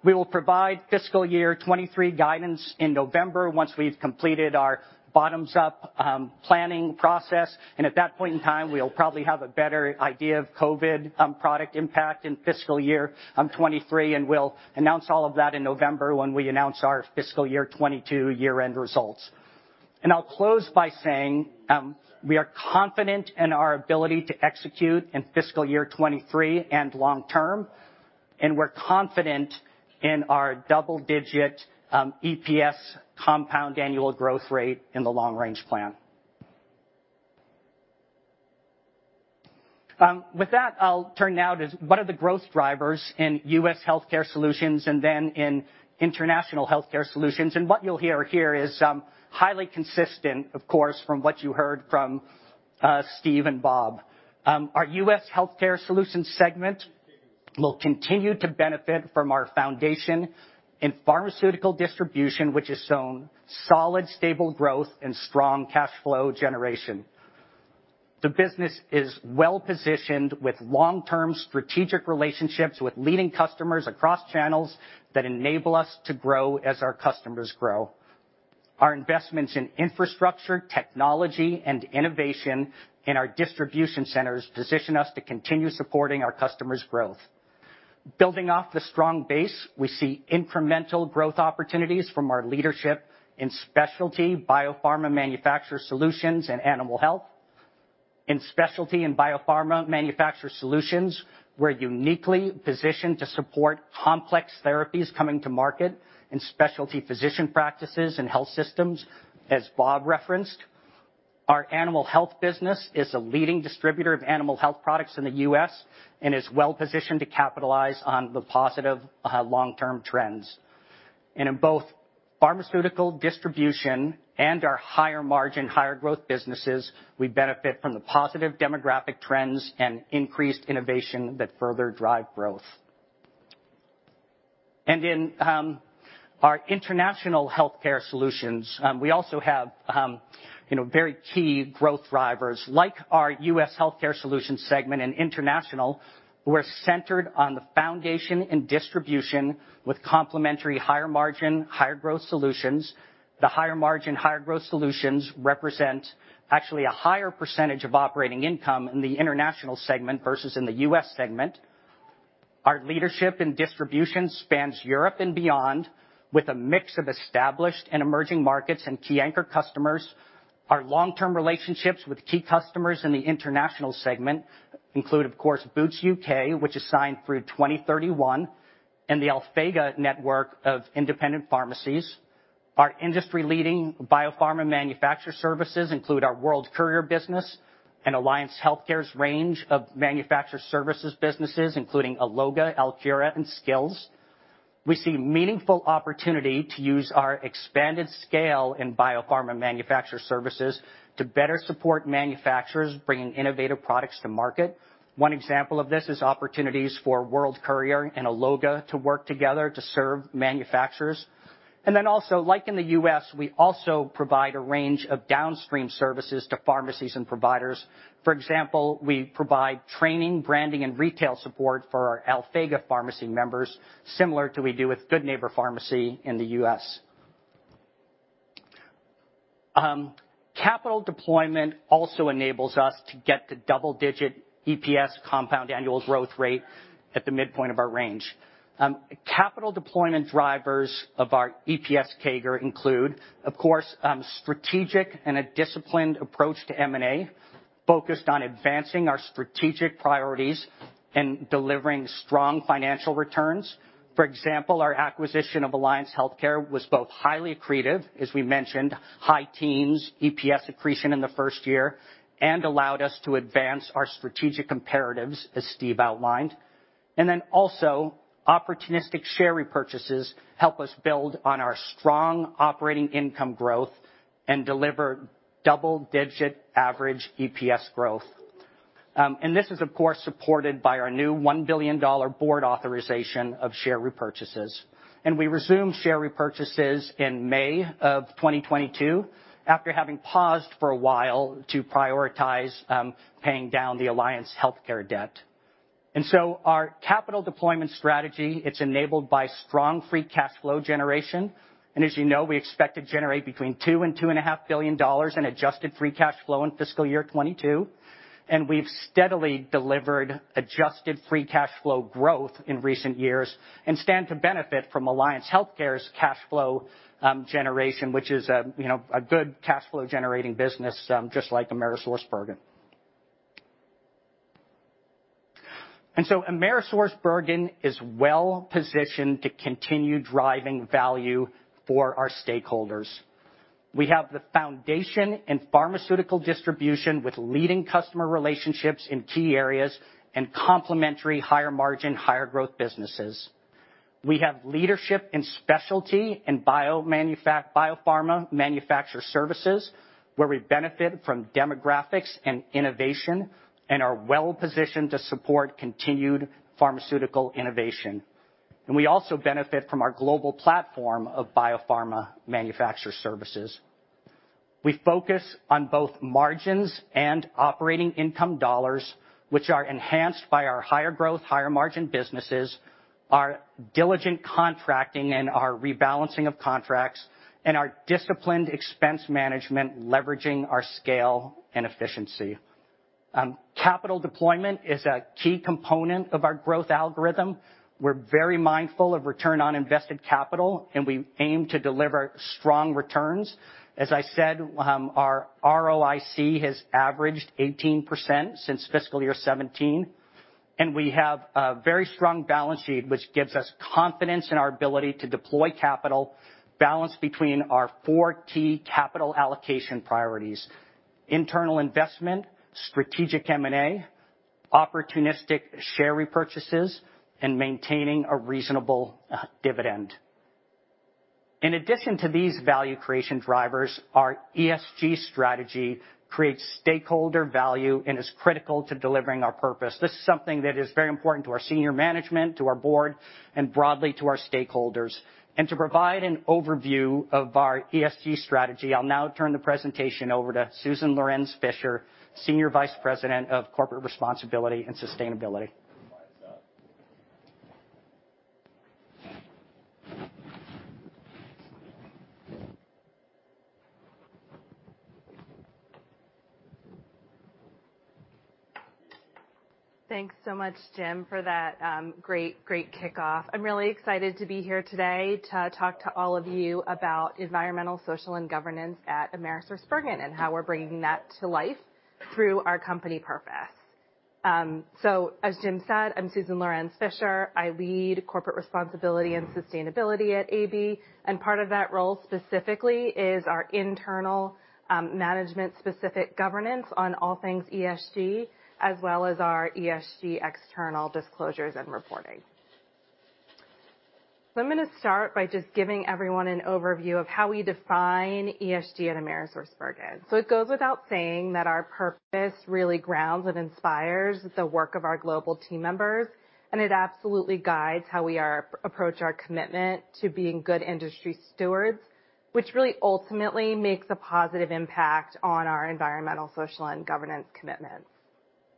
We will provide fiscal year 2023 guidance in November once we've completed our bottoms-up planning process. At that point in time, we'll probably have a better idea of COVID product impact in fiscal year 2023, and we'll announce all of that in November when we announce our fiscal year 2022 year-end results. I'll close by saying, we are confident in our ability to execute in fiscal year 2023 and long term, and we're confident in our double-digit EPS compound annual growth rate in the long range plan. With that, I'll turn now to what are the growth drivers in U.S. Healthcare Solutions and then in International Healthcare Solutions. What you'll hear here is highly consistent, of course, from what you heard from Steve and Bob. Our U.S. Healthcare Solutions segment will continue to benefit from our foundation in pharmaceutical distribution, which has shown solid, stable growth and strong cash flow generation. The business is well-positioned with long-term strategic relationships with leading customers across channels that enable us to grow as our customers grow. Our investments in infrastructure, technology, and innovation in our distribution centers position us to continue supporting our customers' growth. Building off the strong base, we see incremental growth opportunities from our leadership in specialty biopharma manufacturer solutions and animal health. In specialty and biopharma manufacturer solutions, we're uniquely positioned to support complex therapies coming to market and specialty physician practices and health systems, as Bob referenced. Our animal health business is a leading distributor of animal health products in the U.S. and is well-positioned to capitalize on the positive long-term trends. In both pharmaceutical distribution and our higher margin, higher growth businesses, we benefit from the positive demographic trends and increased innovation that further drive growth. In our International Healthcare Solutions, we also have you know very key growth drivers like our U.S. Healthcare Solutions segment. In international, we're centered on the foundation in distribution with complementary higher margin, higher growth solutions. The higher margin, higher growth solutions represent actually a higher percentage of operating income in the international segment versus in the U.S. segment. Our leadership in distribution spans Europe and beyond with a mix of established and emerging markets and key anchor customers. Our long-term relationships with key customers in the international segment include, of course, Boots UK, which is signed through 2031, and the Alphega network of independent pharmacies. Our industry-leading biopharma manufacturer services include our World Courier business and Alliance Healthcare's range of manufacturer services businesses, including Alloga, Alphega, and Skills. We see meaningful opportunity to use our expanded scale in biopharma manufacturer services to better support manufacturers bringing innovative products to market. One example of this is opportunities for World Courier and Alloga to work together to serve manufacturers. Like in the U.S., we also provide a range of downstream services to pharmacies and providers. For example, we provide training, branding, and retail support for our Alphega pharmacy members, similar to we do with Good Neighbor Pharmacy in the U.S. Capital deployment also enables us to get the double-digit EPS compound annual growth rate at the midpoint of our range. Capital deployment drivers of our EPS CAGR include, of course, strategic and a disciplined approach to M&A, focused on advancing our strategic priorities and delivering strong financial returns. For example, our acquisition of Alliance Healthcare was both highly accretive, as we mentioned, high teens EPS accretion in the first year, and allowed us to advance our strategic imperatives, as Steve outlined. Opportunistic share repurchases help us build on our strong operating income growth and deliver double-digit average EPS growth. This is of course supported by our new $1 billion board authorization of share repurchases, and we resumed share repurchases in May 2022 after having paused for a while to prioritize paying down the Alliance Healthcare debt. Our capital deployment strategy, it's enabled by strong free cash flow generation, and as you know, we expect to generate between $2 billion and $2.5 billion in adjusted free cash flow in fiscal year 2022. We've steadily delivered adjusted free cash flow growth in recent years and stand to benefit from Alliance Healthcare's cash flow generation, which is, you know, a good cash flow generating business just like AmerisourceBergen. AmerisourceBergen is well-positioned to continue driving value for our stakeholders. We have the foundation in pharmaceutical distribution with leading customer relationships in key areas and complementary higher margin, higher growth businesses. We have leadership in specialty and biopharma manufacture services, where we benefit from demographics and innovation and are well-positioned to support continued pharmaceutical innovation. We also benefit from our global platform of biopharma manufacture services. We focus on both margins and operating income dollars, which are enhanced by our higher growth, higher margin businesses, our diligent contracting, and our rebalancing of contracts, and our disciplined expense management, leveraging our scale and efficiency. Capital deployment is a key component of our growth algorithm. We're very mindful of return on invested capital, and we aim to deliver strong returns. As I said, our ROIC has averaged 18% since fiscal year 2017, and we have a very strong balance sheet which gives us confidence in our ability to deploy capital, balanced between our four key capital allocation priorities, internal investment, strategic M&A, opportunistic share repurchases, and maintaining a reasonable dividend. In addition to these value creation drivers, our ESG strategy creates stakeholder value and is critical to delivering our purpose. This is something that is very important to our senior management, to our board, and broadly to our stakeholders. To provide an overview of our ESG strategy, I'll now turn the presentation over to Susan Lorenz-Fisher, Senior Vice President of Corporate Responsibility and Sustainability. Thanks so much, Jim, for that great kickoff. I'm really excited to be here today to talk to all of you about environmental, social, and governance at AmerisourceBergen and how we're bringing that to life through our company purpose. As Jim said, I'm Susan Lorenz-Fisher. I lead Corporate Responsibility and Sustainability at AB, and part of that role specifically is our internal management specific governance on all things ESG, as well as our ESG external disclosures and reporting. I'm gonna start by just giving everyone an overview of how we define ESG at AmerisourceBergen. It goes without saying that our purpose really grounds and inspires the work of our global team members, and it absolutely guides how we are approach our commitment to being good industry stewards, which really ultimately makes a positive impact on our environmental, social, and governance commitments.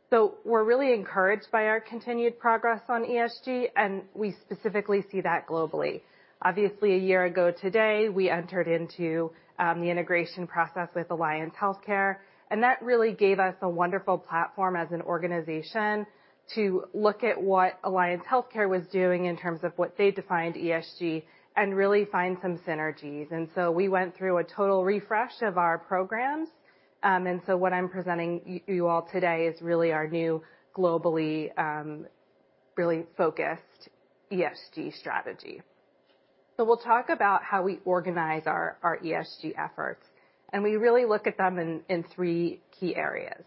We're really encouraged by our continued progress on ESG, and we specifically see that globally. Obviously, a year ago today, we entered into the integration process with Alliance Healthcare, and that really gave us a wonderful platform as an organization to look at what Alliance Healthcare was doing in terms of what they defined ESG and really find some synergies. We went through a total refresh of our programs, and what I'm presenting you all today is really our new globally really focused ESG strategy. We'll talk about how we organize our ESG efforts, and we really look at them in three key areas.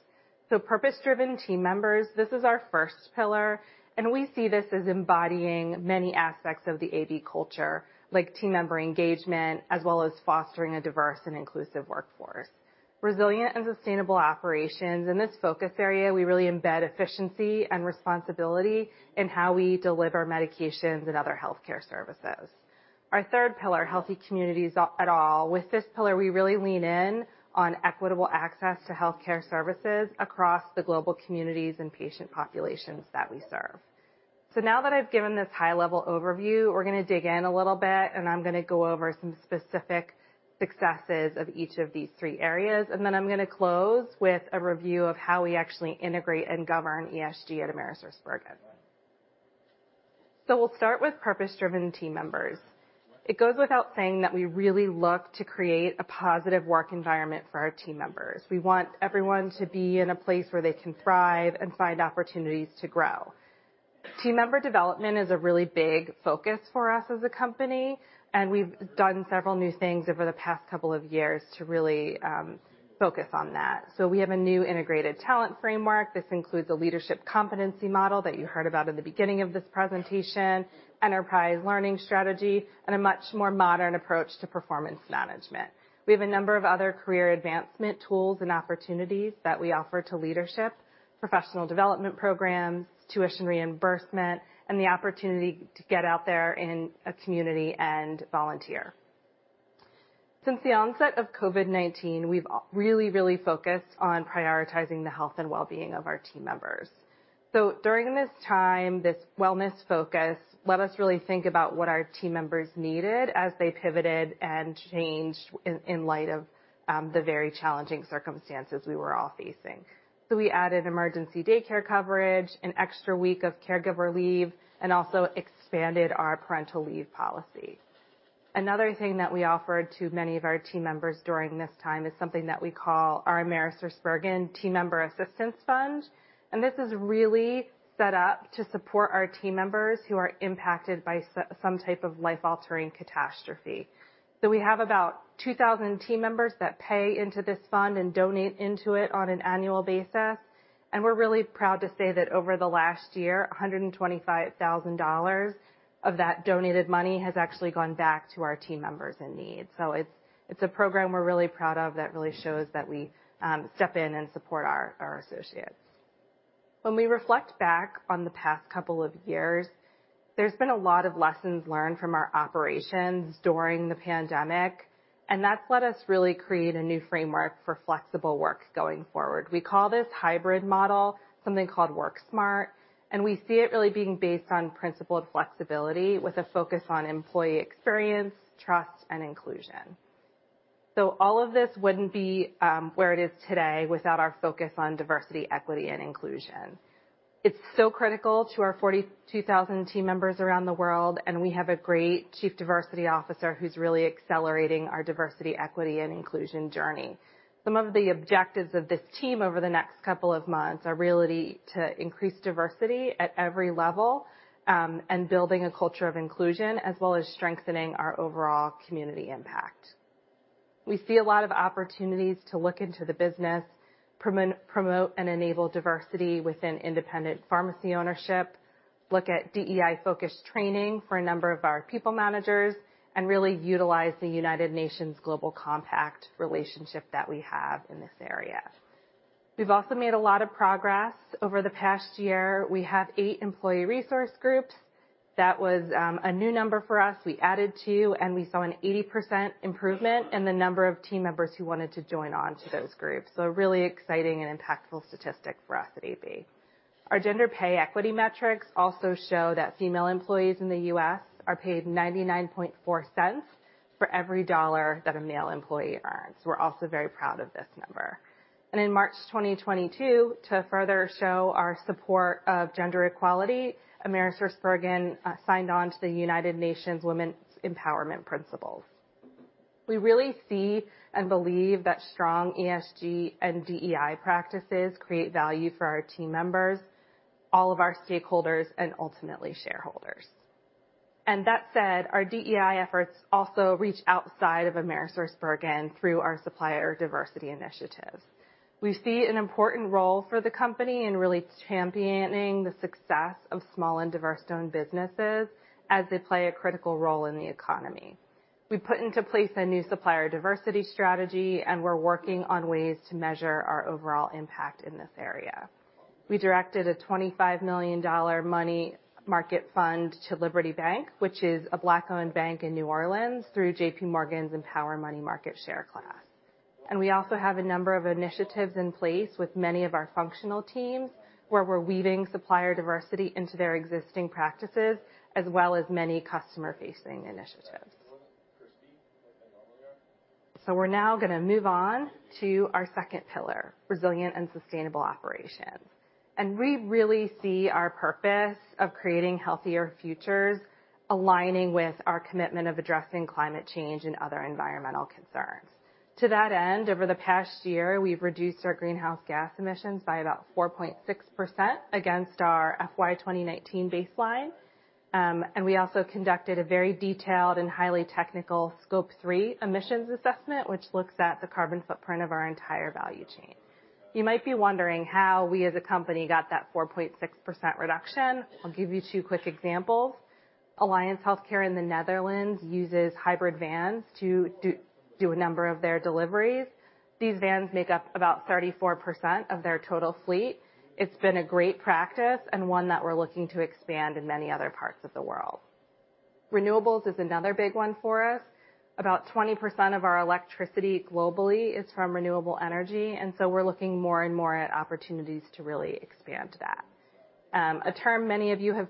Purpose-driven team members, this is our first pillar, and we see this as embodying many aspects of the AB culture, like team member engagement, as well as fostering a diverse and inclusive workforce. Resilient and sustainable operations. In this focus area, we really embed efficiency and responsibility in how we deliver medications and other healthcare services. Our third pillar, Healthy communities at all. With this pillar, we really lean in on equitable access to healthcare services across the global communities and patient populations that we serve. Now that I've given this high-level overview, we're gonna dig in a little bit, and I'm gonna go over some specific successes of each of these three areas. Then I'm gonna close with a review of how we actually integrate and govern ESG at AmerisourceBergen. We'll start with purpose-driven team members. It goes without saying that we really look to create a positive work environment for our team members. We want everyone to be in a place where they can thrive and find opportunities to grow. Team member development is a really big focus for us as a company, and we've done several new things over the past couple of years to really focus on that. We have a new integrated talent framework. This includes a leadership competency model that you heard about in the beginning of this presentation, enterprise learning strategy, and a much more modern approach to performance management. We have a number of other career advancement tools and opportunities that we offer to leadership, professional development programs, tuition reimbursement, and the opportunity to get out there in a community and volunteer. Since the onset of COVID-19, we've really focused on prioritizing the health and well-being of our team members. During this time, this wellness focus let us really think about what our team members needed as they pivoted and changed in light of the very challenging circumstances we were all facing. We added emergency daycare coverage, an extra week of caregiver leave, and also expanded our parental leave policy. Another thing that we offered to many of our team members during this time is something that we call our AmerisourceBergen Team Member Assistance Fund. This is really set up to support our team members who are impacted by some type of life-altering catastrophe. We have about 2,000 team members that pay into this fund and donate into it on an annual basis, and we're really proud to say that over the last year, $125,000 of that donated money has actually gone back to our team members in need. It's a program we're really proud of that really shows that we step in and support our associates. When we reflect back on the past couple of years, there's been a lot of lessons learned from our operations during the pandemic, and that's let us really create a new framework for flexible work going forward. We call this hybrid model something called Work Smart, and we see it really being based on principle of flexibility with a focus on employee experience, trust, and inclusion. All of this wouldn't be where it is today without our focus on diversity, equity, and inclusion. It's so critical to our 42,000 team members around the world, and we have a great chief diversity officer who's really accelerating our diversity, equity, and inclusion journey. Some of the objectives of this team over the next couple of months are really to increase diversity at every level, and building a culture of inclusion as well as strengthening our overall community impact. We see a lot of opportunities to look into the business, promote and enable diversity within independent pharmacy ownership, look at DEI-focused training for a number of our people managers, and really utilize the United Nations Global Compact relationship that we have in this area. We've also made a lot of progress over the past year. We have eight employee resource groups. That was a new number for us. We added two, and we saw an 80% improvement in the number of team members who wanted to join on to those groups. A really exciting and impactful statistic for us at AB. Our gender pay equity metrics also show that female employees in the U.S. are paid 99.4 cents for every dollar that a male employee earns. We're also very proud of this number. In March 2022, to further show our support of gender equality, AmerisourceBergen signed on to the United Nations Women's Empowerment Principles. We really see and believe that strong ESG and DEI practices create value for our team members, all of our stakeholders, and ultimately shareholders. That said, our DEI efforts also reach outside of AmerisourceBergen through our supplier diversity initiatives. We see an important role for the company in really championing the success of small and diverse-owned businesses as they play a critical role in the economy. We put into place a new supplier diversity strategy, and we're working on ways to measure our overall impact in this area. We directed a $25 million money market fund to Liberty Bank, which is a Black-owned bank in New Orleans, through J.P. Morgan's Empower Money Market Share Class. We also have a number of initiatives in place with many of our functional teams, where we're weaving supplier diversity into their existing practices as well as many customer-facing initiatives. We're now gonna move on to our second pillar, resilient and sustainable operations. We really see our purpose of creating healthier futures aligning with our commitment of addressing climate change and other environmental concerns. To that end, over the past year, we've reduced our greenhouse gas emissions by about 4.6% against our FY 2019 baseline. We also conducted a very detailed and highly technical Scope 3 emissions assessment, which looks at the carbon footprint of our entire value chain. You might be wondering how we as a company got that 4.6% reduction. I'll give you two quick examples. Alliance Healthcare in the Netherlands uses hybrid vans to do a number of their deliveries. These vans make up about 34% of their total fleet. It's been a great practice and one that we're looking to expand in many other parts of the world. Renewables is another big one for us. About 20% of our electricity globally is from renewable energy, and so we're looking more and more at opportunities to really expand that. A term many of you have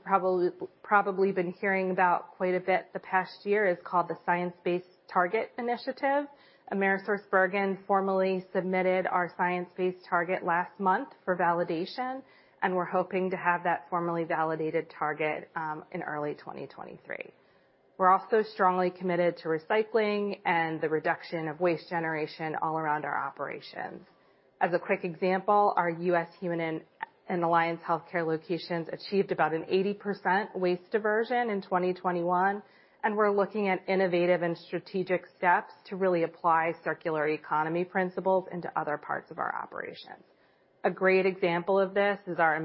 probably been hearing about quite a bit the past year is called the Science Based Targets initiative. AmerisourceBergen formally submitted our science-based target last month for validation, and we're hoping to have that formally validated target in early 2023. We're also strongly committed to recycling and the reduction of waste generation all around our operations. As a quick example, our U.S. and Alliance Healthcare locations achieved about an 80% waste diversion in 2021, and we're looking at innovative and strategic steps to really apply circular economy principles into other parts of our operations. A great example of this is our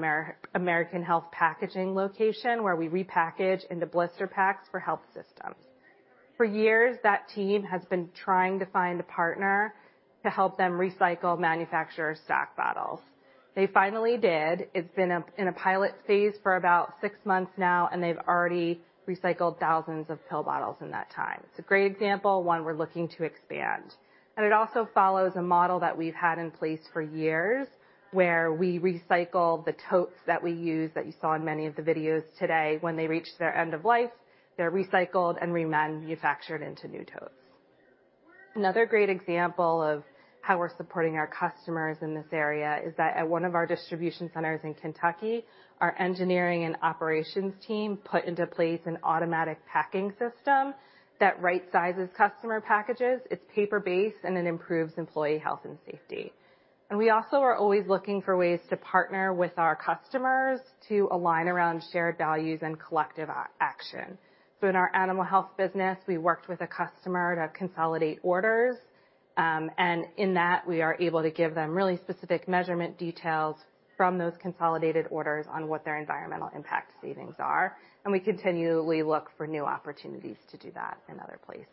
American Health Packaging location where we repackage into blister packs for health systems. For years, that team has been trying to find a partner to help them recycle manufacturer stock bottles. They finally did. It's been in a pilot phase for about six months now, and they've already recycled thousands of pill bottles in that time. It's a great example, one we're looking to expand. It also follows a model that we've had in place for years, where we recycle the totes that we use that you saw in many of the videos today. When they reach their end of life, they're recycled and remanufactured into new totes. Another great example of how we're supporting our customers in this area is that at one of our distribution centers in Kentucky, our engineering and operations team put into place an automatic packing system that right-sizes customer packages. It's paper-based, and it improves employee health and safety. We also are always looking for ways to partner with our customers to align around shared values and collective action. In our animal health business, we worked with a customer to consolidate orders, and in that, we are able to give them really specific measurement details from those consolidated orders on what their environmental impact savings are, and we continually look for new opportunities to do that in other places.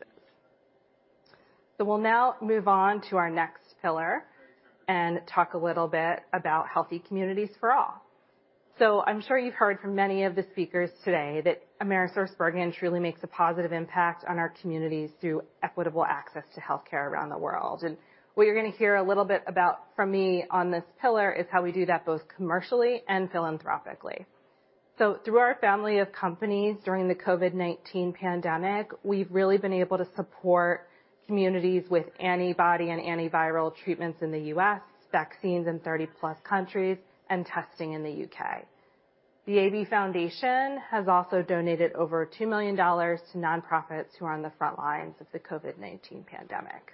We'll now move on to our next pillar and talk a little bit about healthy communities for all. I'm sure you've heard from many of the speakers today that AmerisourceBergen truly makes a positive impact on our communities through equitable access to healthcare around the world. What you're gonna hear a little bit about from me on this pillar is how we do that both commercially and philanthropically. Through our family of companies during the COVID-19 pandemic, we've really been able to support communities with antibody and antiviral treatments in the U.S., vaccines in 30+ countries, and testing in the U.K. The AB Foundation has also donated over $2 million to nonprofits who are on the front lines of the COVID-19 pandemic.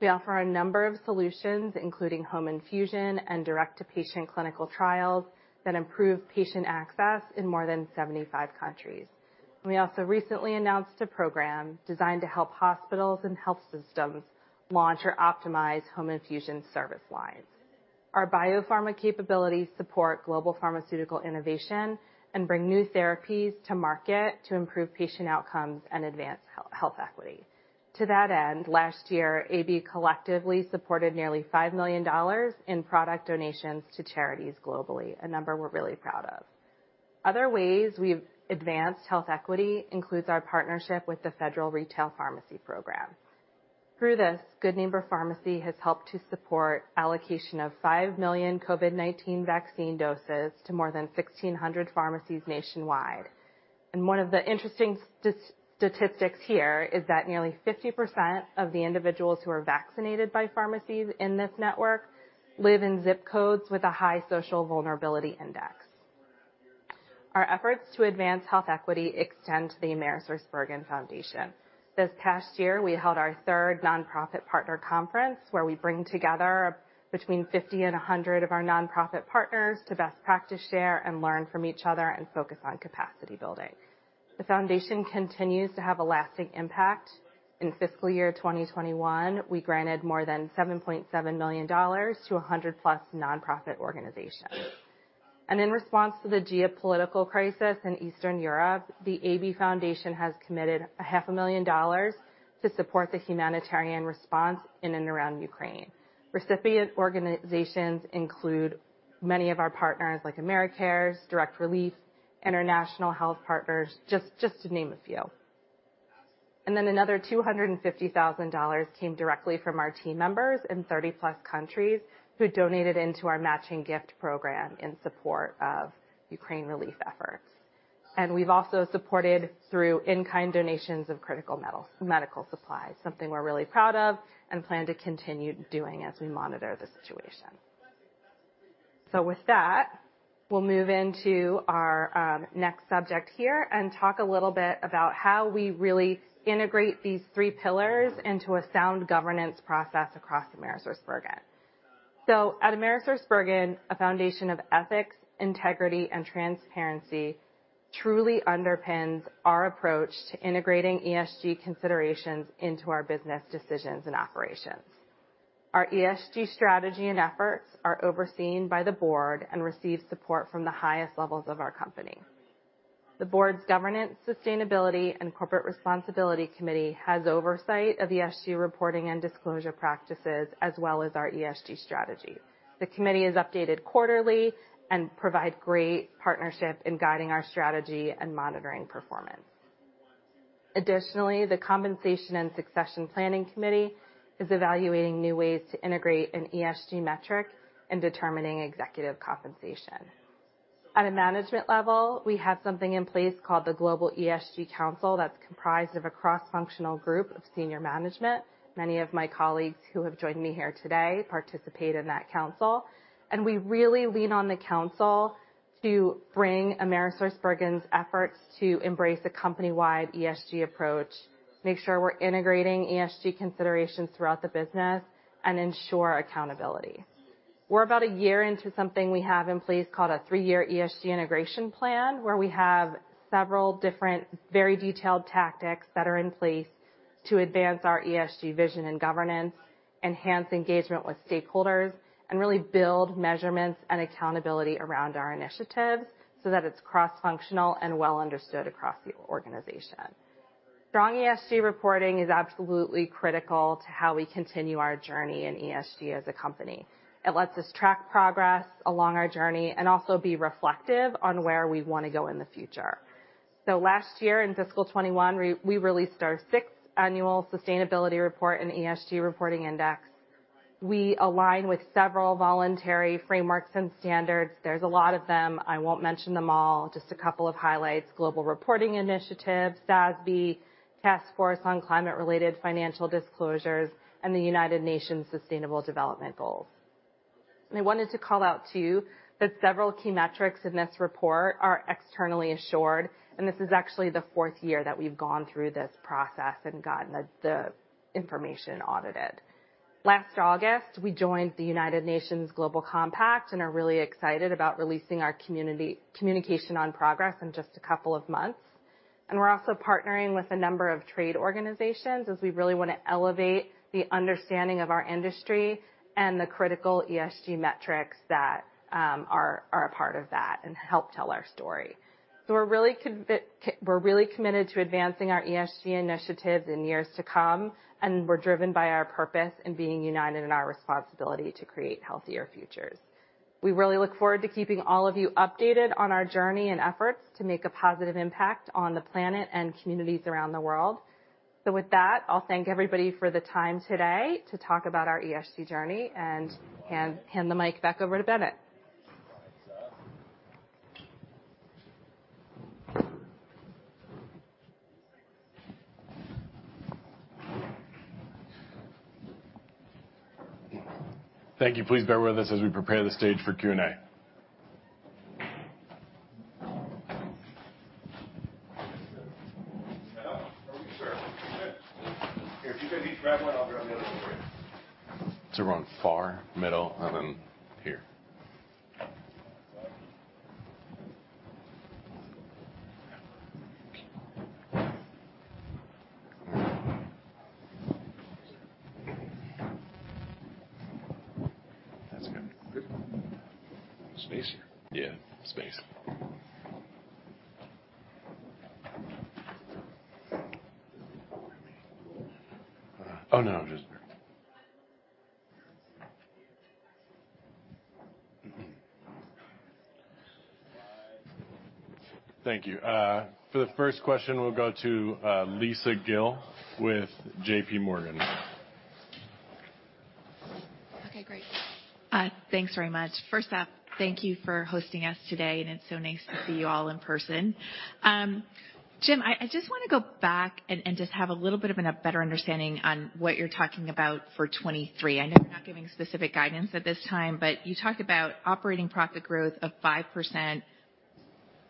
We offer a number of solutions, including home infusion and direct-to-patient clinical trials that improve patient access in more than 75 countries. We also recently announced a program designed to help hospitals and health systems launch or optimize home infusion service lines. Our biopharma capabilities support global pharmaceutical innovation and bring new therapies to market to improve patient outcomes and advance health equity. To that end, last year, AB collectively supported nearly $5 million in product donations to charities globally, a number we're really proud of. Other ways we've advanced health equity includes our partnership with the Federal Retail Pharmacy Program. Through this, Good Neighbor Pharmacy has helped to support allocation of five million COVID-19 vaccine doses to more than 1,600 pharmacies nationwide. One of the interesting statistics here is that nearly 50% of the individuals who are vaccinated by pharmacies in this network live in zip codes with a high social vulnerability index. Our efforts to advance health equity extend to the AmerisourceBergen Foundation. This past year, we held our 3rd nonprofit partner conference, where we bring together between 50 and 100 of our nonprofit partners to best practice share and learn from each other and focus on capacity building. The foundation continues to have a lasting impact. In fiscal year 2021, we granted more than $7.7 million to a 100+ nonprofit organizations. In response to the geopolitical crisis in Eastern Europe, the AB Foundation has committed $ half a million to support the humanitarian response in and around Ukraine. Recipient organizations include many of our partners like Americares, Direct Relief, International Health Partners, just to name a few. Another $250,000 came directly from our team members in 30-plus countries who donated into our matching gift program in support of Ukraine relief efforts. We've also supported through in-kind donations of critical medical supplies, something we're really proud of and plan to continue doing as we monitor the situation. We'll move into our next subject here and talk a little bit about how we really integrate these three pillars into a sound governance process across AmerisourceBergen. At AmerisourceBergen, a foundation of ethics, integrity, and transparency truly underpins our approach to integrating ESG considerations into our business decisions and operations. Our ESG strategy and efforts are overseen by the board and receive support from the highest levels of our company. The board's Governance, Sustainability, and Corporate Responsibility Committee has oversight of ESG reporting and disclosure practices as well as our ESG strategy. The committee is updated quarterly and provide great partnership in guiding our strategy and monitoring performance. Additionally, the compensation and succession planning committee is evaluating new ways to integrate an ESG metric in determining executive compensation. At a management level, we have something in place called the Global ESG Impact Council that's comprised of a cross-functional group of senior management. Many of my colleagues who have joined me here today participate in that council, and we really lean on the council to bring AmerisourceBergen's efforts to embrace a company-wide ESG approach, make sure we're integrating ESG considerations throughout the business and ensure accountability. We're about a year into something we have in place called a three-year ESG integration plan, where we have several different, very detailed tactics that are in place to advance our ESG vision and governance, enhance engagement with stakeholders, and really build measurements and accountability around our initiatives so that it's cross-functional and well understood across the organization. Strong ESG reporting is absolutely critical to how we continue our journey in ESG as a company. It lets us track progress along our journey and also be reflective on where we wanna go in the future. Last year, in fiscal 2021, we released our sixth annual sustainability report and ESG reporting index. We align with several voluntary frameworks and standards. There's a lot of them, I won't mention them all. Just a couple of highlights, Global Reporting Initiative, SASB, Task Force on Climate-related Financial Disclosures, and the United Nations Sustainable Development Goals. I wanted to call out too, that several key metrics in this report are externally assured, and this is actually the fourth year that we've gone through this process and gotten the information audited. Last August, we joined the United Nations Global Compact and are really excited about releasing our Communication on Progress in just a couple of months. We're also partnering with a number of trade organizations as we really wanna elevate the understanding of our industry and the critical ESG metrics that are a part of that and help tell our story. We're really committed to advancing our ESG initiatives in years to come, and we're driven by our purpose in being united in our responsibility to create healthier futures. We really look forward to keeping all of you updated on our journey and efforts to make a positive impact on the planet and communities around the world. With that, I'll thank everybody for the time today to talk about our ESG journey and hand the mic back over to Bennett. Thank you. Please bear with us as we prepare the stage for Q&A. If you maybe grab one, I'll grab the other one. We're on far, middle, and then here. That's good. Good. There's space here. Yeah, space. Hold on. Oh, no. I'm just. Thank you. For the first question, we'll go to Lisa Gill with J.P. Morgan. Okay, great. Thanks very much. First off, thank you for hosting us today, and it's so nice to see you all in person. Jim, I just want to go back and just have a little bit of a better understanding on what you're talking about for 2023. I know you're not giving specific guidance at this time, but you talked about operating profit growth of 5%,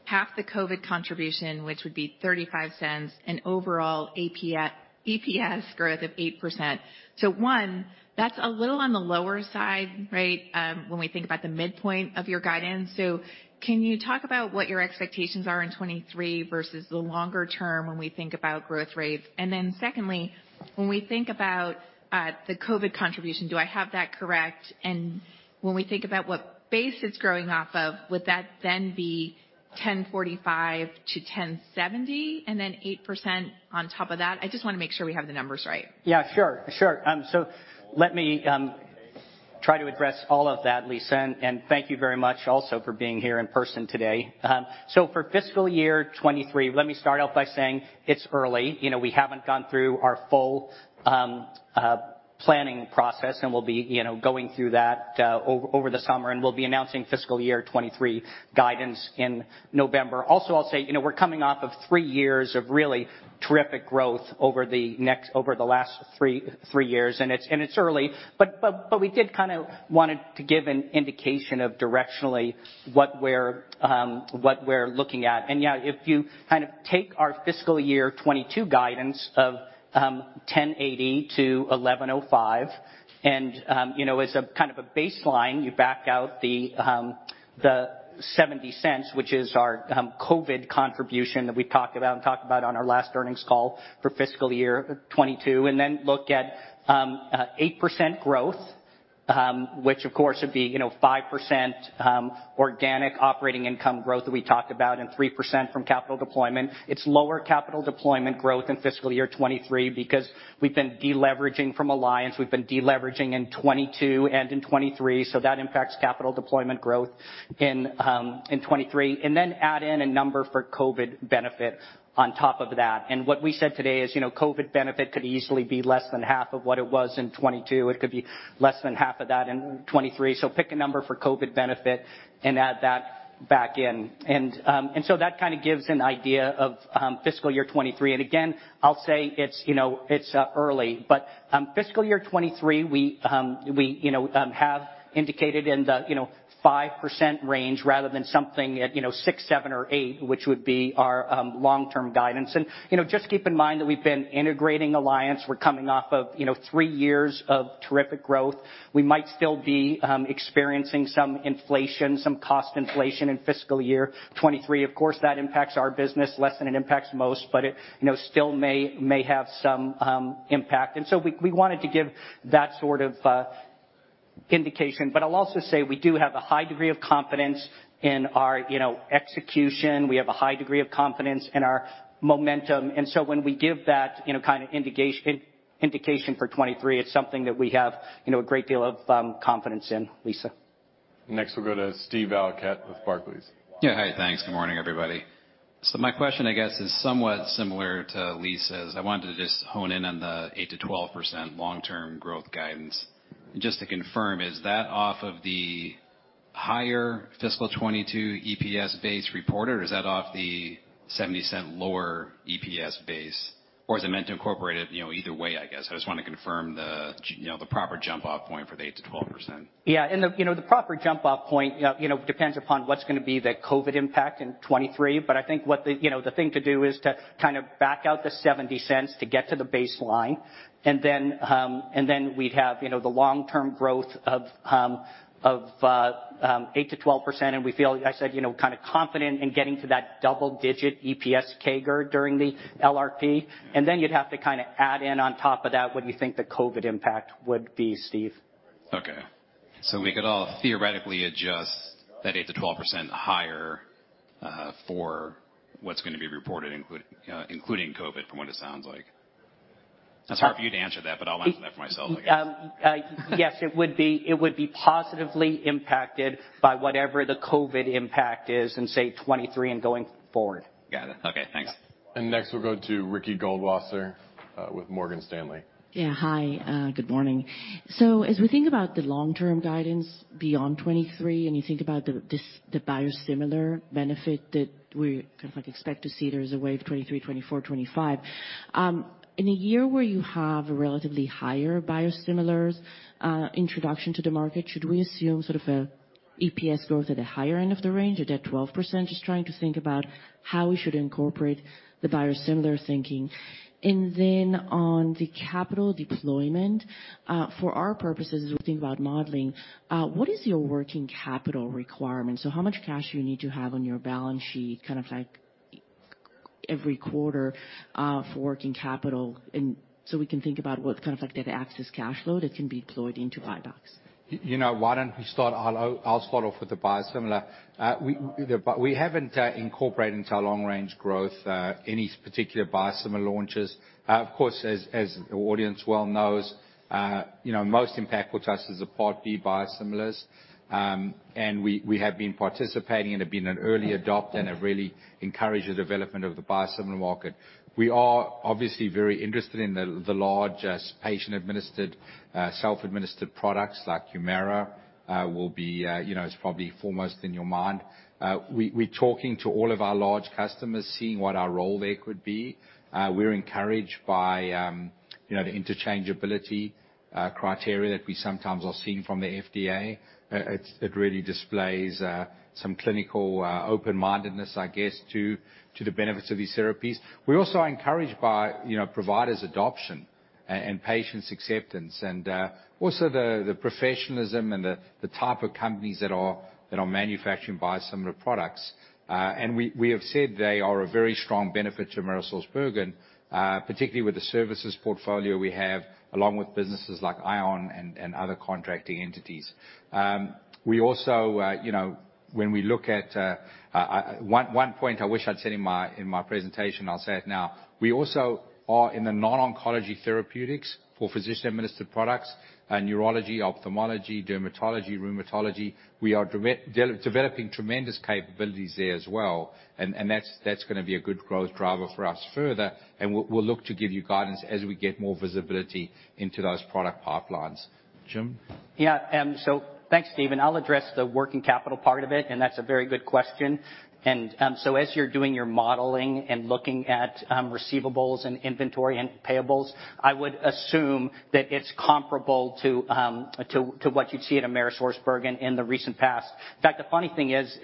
half the COVID contribution, which would be $0.35, and overall EPS growth of 8%. One, that's a little on the lower side, right? When we think about the midpoint of your guidance. Can you talk about what your expectations are in 2023 versus the longer term when we think about growth rates? Then secondly, when we think about the COVID contribution, do I have that correct? When we think about what base it's growing off of, would that then be $1,045-$1,070 and then 8% on top of that? I just wanna make sure we have the numbers right. Yeah, sure. Let me try to address all of that, Lisa. Thank you very much also for being here in person today. For fiscal year 2023, let me start off by saying it's early. You know, we haven't gone through our full planning process, and we'll be, you know, going through that over the summer, and we'll be announcing fiscal year 2023 guidance in November. Also, I'll say, you know, we're coming off of three years of really terrific growth over the last three years, and it's early, but we did kind of wanted to give an indication of directionally what we're looking at. Yeah, if you kind of take our fiscal year 2022 guidance of $10.80-$11.05 and, you know, as a kind of a baseline, you back out the $0.70, which is our COVID contribution that we talked about on our last earnings call for fiscal year 2022, and then look at 8% growth, which of course would be, you know, 5% organic operating income growth that we talked about and 3% from capital deployment. It's lower capital deployment growth in fiscal year 2023 because we've been de-leveraging from Alliance. We've been de-leveraging in 2022 and in 2023, so that impacts capital deployment growth in 2023. Then add in a number for COVID benefit on top of that. What we said today is, you know, COVID benefit could easily be less than half of what it was in 2022. It could be less than half of that in 2023. Pick a number for COVID benefit and add that back in. That kind of gives an idea of fiscal year 2023. Again, I'll say it's, you know, it's early, but fiscal year 2023, we, you know, have indicated in the 5% range rather than something at six, seven or eight, which would be our long-term guidance. You know, just keep in mind that we've been integrating Alliance. We're coming off of three years of terrific growth. We might still be experiencing some inflation, some cost inflation in fiscal year 2023. Of course, that impacts our business less than it impacts most, but it, you know, still may have some impact. We wanted to give that sort of indication. I'll also say, we do have a high degree of confidence in our, you know, execution. We have a high degree of confidence in our momentum. When we give that, you know, kind of indication for 2023, it's something that we have, you know, a great deal of confidence in. Lisa. Next, we'll go to Steve Valiquette with Barclays. Yeah, hi. Thanks. Good morning, everybody. My question, I guess, is somewhat similar to Lisa's. I wanted to just hone in on the 8%-12% long-term growth guidance. Just to confirm, is that off of the higher fiscal 2022 EPS base reported, or is that off the $0.70 lower EPS base? Or is it meant to incorporate it, you know, either way, I guess? I just wanna confirm the, you know, the proper jump-off point for the 8%-12%. Yeah. The, you know, the proper jump-off point, you know, depends upon what's gonna be the COVID impact in 2023. I think what the, you know, the thing to do is to kind of back out the $0.70 to get to the baseline. Then we'd have, you know, the long-term growth of 8%-12%. We feel, as I said, you know, kinda confident in getting to that double-digit EPS CAGR during the LRP. Then you'd have to kinda add in on top of that what you think the COVID impact would be, Steve. Okay. We could all theoretically adjust that 8%-12% higher, for what's gonna be reported, you know, including COVID from what it sounds like. That's hard for you to answer that, but I'll answer that for myself, I guess. Yes, it would be positively impacted by whatever the COVID impact is in, say, 2023 and going forward. Got it. Okay, thanks. Next, we'll go to Ricky Goldwasser with Morgan Stanley. Yeah, hi. Good morning. As we think about the long-term guidance beyond 2023, and you think about the biosimilar benefit that we kind of like expect to see there as a wave, 2023, 2024, 2025. In a year where you have a relatively higher biosimilars introduction to the market, should we assume sort of a EPS growth at a higher end of the range or that 12%? Just trying to think about how we should incorporate the biosimilar thinking. On the capital deployment, for our purposes, as we think about modeling, what is your working capital requirement? How much cash do you need to have on your balance sheet, kind of like every quarter, for working capital so we can think about what kind of like that excess cash flow that can be deployed into buybacks. You know, why don't we start. I'll start off with the biosimilar. We haven't incorporated into our long-range growth any particular biosimilar launches. Of course, as the audience well knows, you know, most impactful to us is the Part B biosimilars. We have been participating and have been an early adopter and have really encouraged the development of the biosimilar market. We are obviously very interested in the large patient-administered self-administered products like Humira will be you know is probably foremost in your mind. We're talking to all of our large customers, seeing what our role there could be. We're encouraged by you know the interchangeability criteria that we sometimes are seeing from the FDA. It really displays some clinical open-mindedness, I guess, to the benefits of these therapies. We're also encouraged by, you know, providers' adoption and patients' acceptance, and also the professionalism and the type of companies that are manufacturing biosimilar products. We have said they are a very strong benefit to AmerisourceBergen, particularly with the services portfolio we have, along with businesses like ION and other contracting entities. We also, you know, when we look at one point I wish I'd said in my presentation, I'll say it now: We also are in the non-oncology therapeutics for physician-administered products, neurology, ophthalmology, dermatology, rheumatology. We are developing tremendous capabilities there as well, and that's gonna be a good growth driver for us further, and we'll look to give you guidance as we get more visibility into those product pipelines. Jim? Yeah, thanks, Steve, and I'll address the working capital part of it, and that's a very good question. As you're doing your modeling and looking at receivables and inventory and payables, I would assume that it's comparable to what you'd see at AmerisourceBergen in the recent past. In fact, the funny thing is,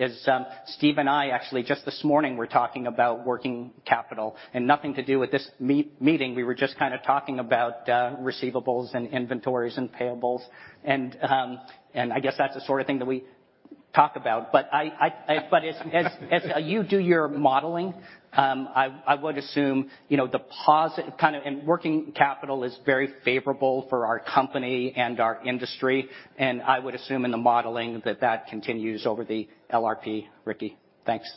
Steve and I actually just this morning were talking about working capital and nothing to do with this meeting. We were just kinda talking about receivables and inventories and payables. I guess that's the sort of thing that we talk about. I... As you do your modeling, I would assume, you know, and working capital is very favorable for our company and our industry, and I would assume in the modeling that that continues over the LRP, Rikki. Thanks.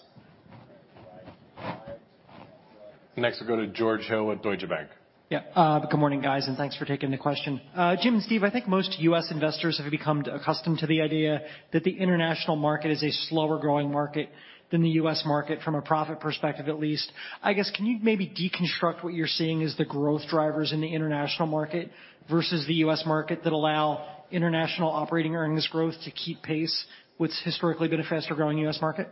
Next, we'll go to George Hill with Deutsche Bank. Yeah. Good morning, guys, and thanks for taking the question. Jim and Steve, I think most U.S. investors have become accustomed to the idea that the international market is a slower growing market than the U.S. market from a profit perspective, at least. I guess, can you maybe deconstruct what you're seeing as the growth drivers in the international market versus the U.S. market that allow international operating earnings growth to keep pace with what's historically been a faster-growing U.S. market?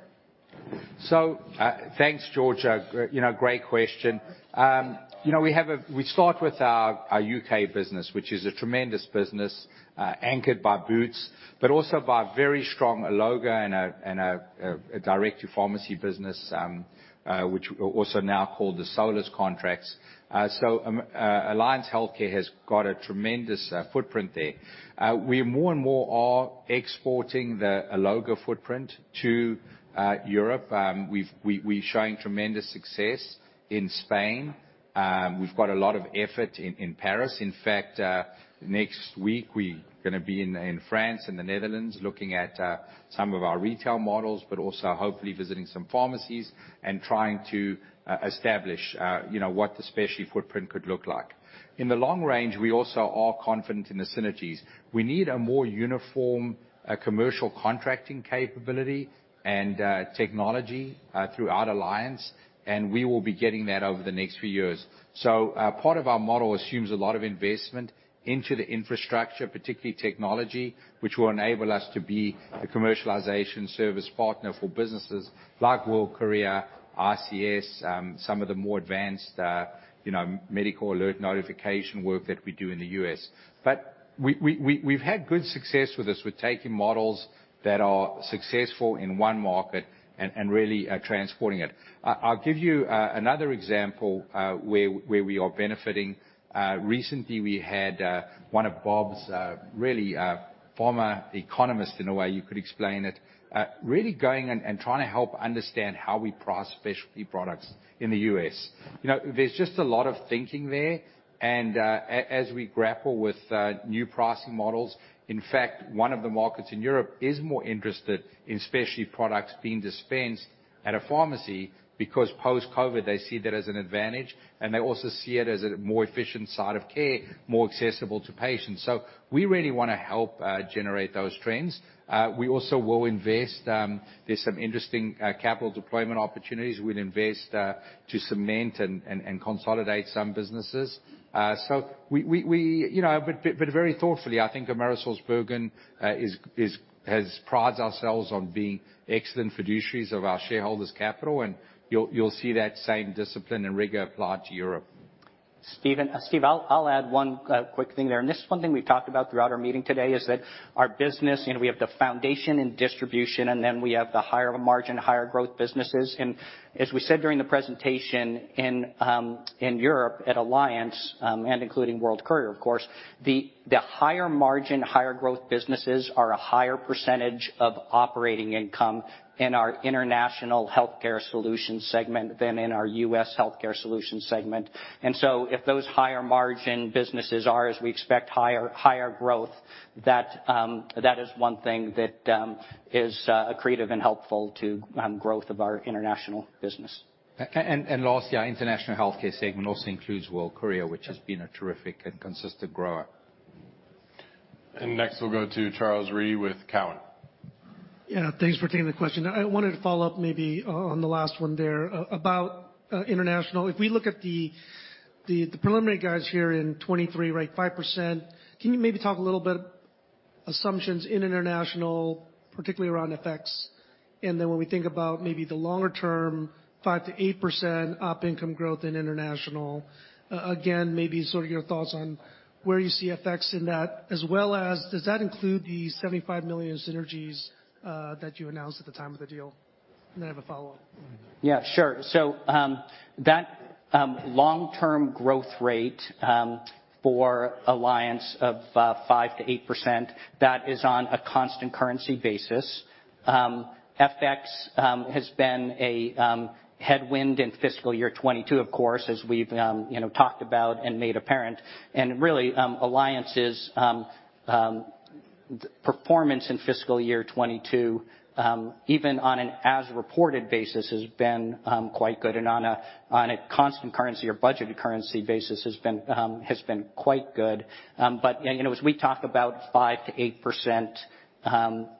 Thanks, George. You know, great question. You know, we start with our U.K. business, which is a tremendous business, anchored by Boots, but also by very strong Alloga and a direct-to-pharmacy business, which is also now called the Solus contracts. Alliance Healthcare has got a tremendous footprint there. We more and more are exporting the Alloga footprint to Europe. We're showing tremendous success in Spain. We've got a lot of effort in Paris. In fact, next week, we gonna be in France and the Netherlands looking at some of our retail models, but also hopefully visiting some pharmacies and trying to establish, you know, what the specialty footprint could look like. In the long range, we also are confident in the synergies. We need a more uniform commercial contracting capability and technology throughout Alliance, and we will be getting that over the next few years. Part of our model assumes a lot of investment into the infrastructure, particularly technology, which will enable us to be the commercialization service partner for businesses like World Courier, ICS, some of the more advanced, you know, medical alert notification work that we do in the U.S. We've had good success with this. We're taking models that are successful in one market and really transporting it. I'll give you another example where we are benefiting. Recently we had one of Bob's really former economist, in a way you could explain it, really going and trying to help understand how we price specialty products in the U.S. You know, there's just a lot of thinking there, and as we grapple with new pricing models. In fact, one of the markets in Europe is more interested in specialty products being dispensed at a pharmacy because post-COVID, they see that as an advantage, and they also see it as a more efficient side of care, more accessible to patients. We really wanna help generate those trends. We also will invest. There's some interesting capital deployment opportunities. We'll invest to cement and consolidate some businesses. We... You know, very thoughtfully, I think AmerisourceBergen prides ourselves on being excellent fiduciaries of our shareholders' capital, and you'll see that same discipline and rigor applied to Europe. Steve, I'll add one quick thing there. This is one thing we've talked about throughout our meeting today, is that our business, you know, we have the foundation in distribution, and then we have the higher margin, higher growth businesses. As we said during the presentation, in Europe at Alliance and including World Courier, of course, the higher margin, higher growth businesses are a higher percentage of operating income in our International Healthcare Solutions segment than in our U.S. Healthcare Solutions segment. If those higher margin businesses are, as we expect, higher growth, that is one thing that is accretive and helpful to growth of our international business. Last, yeah, international healthcare segment also includes World Courier, which has been a terrific and consistent grower. Next, we'll go to Charles Rhyee with Cowen. Yeah. Thanks for taking the question. I wanted to follow up maybe on the last one there about international. If we look at the preliminary guidance here in 2023, right, 5%, can you maybe talk a little bit about assumptions in international, particularly around FX? When we think about maybe the longer term, 5%-8% op income growth in international, again, maybe your thoughts on where you see FX in that, as well as does that include the $75 million synergies that you announced at the time of the deal? I have a follow-up. Yeah, sure. That long-term growth rate for Alliance of 5%-8%, that is on a constant currency basis. FX has been a headwind in fiscal year 2022, of course, as we've you know, talked about and made apparent. Really, Alliance's performance in fiscal year 2022, even on an as-reported basis, has been quite good and on a constant currency or budgeted currency basis has been quite good. But you know, as we talk about 5%-8%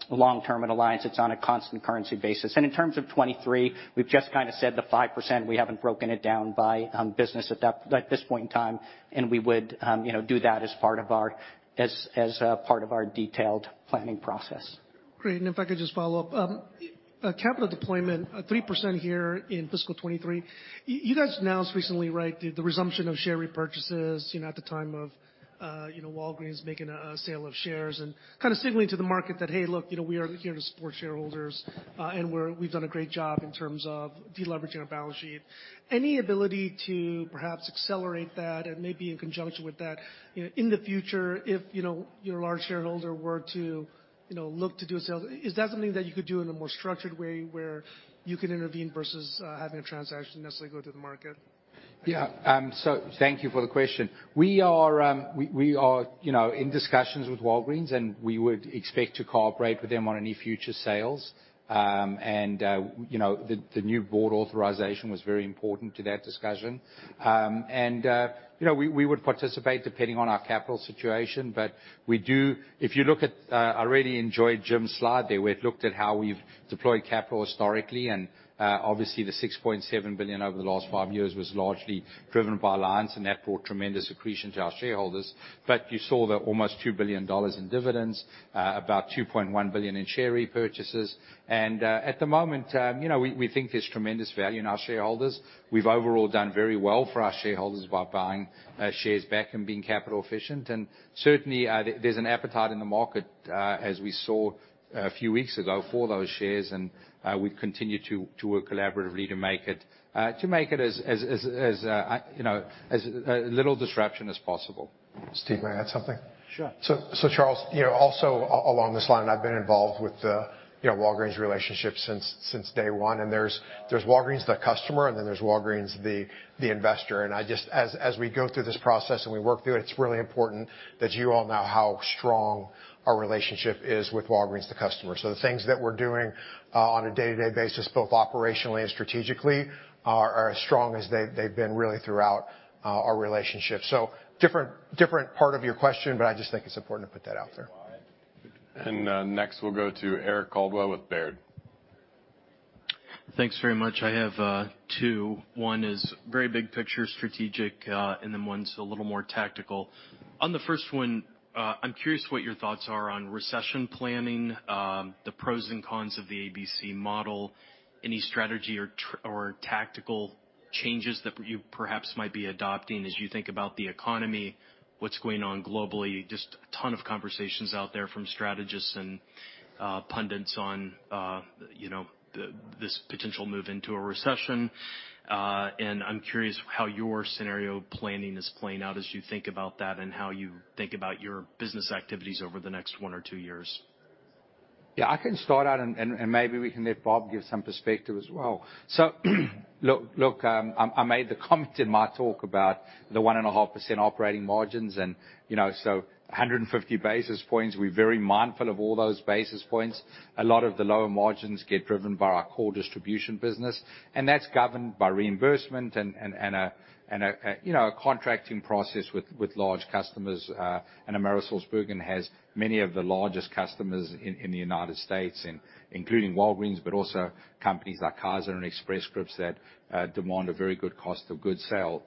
long term at Alliance, it's on a constant currency basis. In terms of 2023, we've just kinda said the 5%. We haven't broken it down by business at this point in time, and we would, you know, do that as part of our detailed planning process. Great. If I could just follow up. Capital deployment, 3% here in fiscal 2023. You guys announced recently, right, the resumption of share repurchases, you know, at the time of, you know, Walgreens making a sale of shares and kinda signaling to the market that, hey, look, you know, we are here to support shareholders, and we've done a great job in terms of deleveraging our balance sheet. Any ability to perhaps accelerate that and maybe in conjunction with that, you know, in the future if, you know, your large shareholder were to, you know, look to do a sale, is that something that you could do in a more structured way, where you can intervene versus, having a transaction necessarily go to the market? Yeah. So thank you for the question. We are, you know, in discussions with Walgreens, and we would expect to cooperate with them on any future sales. You know, the new board authorization was very important to that discussion. You know, we would participate depending on our capital situation. If you look at, I really enjoyed Jim's slide there, where it looked at how we've deployed capital historically. Obviously, the $6.7 billion over the last five years was largely driven by Alliance, and that brought tremendous accretion to our shareholders. You saw the almost $2 billion in dividends, about $2.1 billion in share repurchases. At the moment, you know, we think there's tremendous value in our shareholders. We've overall done very well for our shareholders by buying shares back and being capital efficient. Certainly there's an appetite in the market as we saw a few weeks ago for those shares, and we continue to work collaboratively to make it you know as little disruption as possible. Steve, may I add something? Sure. Charles, you know, also along this line, I've been involved with the, you know, Walgreens relationship since day one, and there's Walgreens the customer, and then there's Walgreens the investor. I just, as we go through this process and we work through it's really important that you all know how strong our relationship is with Walgreens the customer. The things that we're doing on a day-to-day basis, both operationally and strategically, are as strong as they've been really throughout our relationship. Different part of your question, but I just think it's important to put that out there. Next, we'll go to Eric Coldwell with Baird. Thanks very much. I have two. One is very big picture strategic, and then one's a little more tactical. On the first one, I'm curious what your thoughts are on recession planning, the pros and cons of the ABC model, any strategy or tactical changes that you perhaps might be adopting as you think about the economy, what's going on globally. Just a ton of conversations out there from strategists and pundits on, you know, this potential move into a recession. I'm curious how your scenario planning is playing out as you think about that and how you think about your business activities over the next one or two years. Yeah, I can start out, maybe we can let Bob give some perspective as well. Look, I made the comment in my talk about the 1.5% operating margins, you know, 150 basis points. We're very mindful of all those basis points. A lot of the lower margins get driven by our core distribution business, and that's governed by reimbursement and a contracting process with large customers. AmerisourceBergen has many of the largest customers in the United States, including Walgreens, but also companies like Kaiser and Express Scripts that demand a very good cost of goods sold.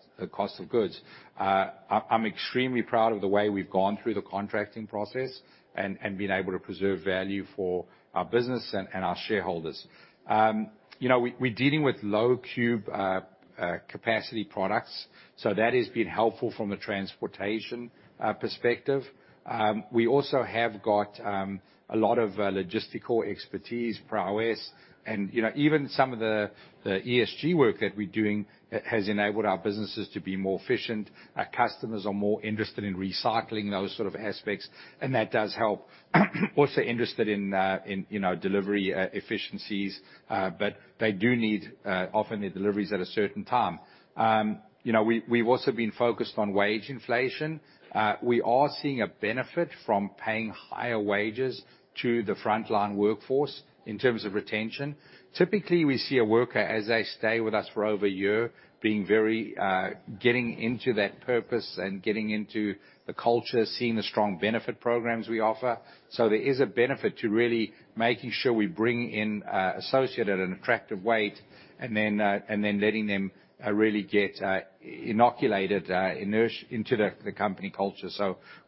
I'm extremely proud of the way we've gone through the contracting process and been able to preserve value for our business and our shareholders. You know, we're dealing with low cube capacity products, so that has been helpful from a transportation perspective. We also have got a lot of logistical expertise, prowess, and you know, even some of the ESG work that we're doing has enabled our businesses to be more efficient. Our customers are more interested in recycling those sort of aspects, and that does help. Also interested in you know, delivery efficiencies, but they do need often their deliveries at a certain time. You know, we've also been focused on wage inflation. We are seeing a benefit from paying higher wages to the frontline workforce in terms of retention. Typically, we see a worker, as they stay with us for over a year, being very getting into that purpose and getting into the culture, seeing the strong benefit programs we offer. There is a benefit to really making sure we bring in associate at an attractive wage and then letting them really get integrated into the company culture.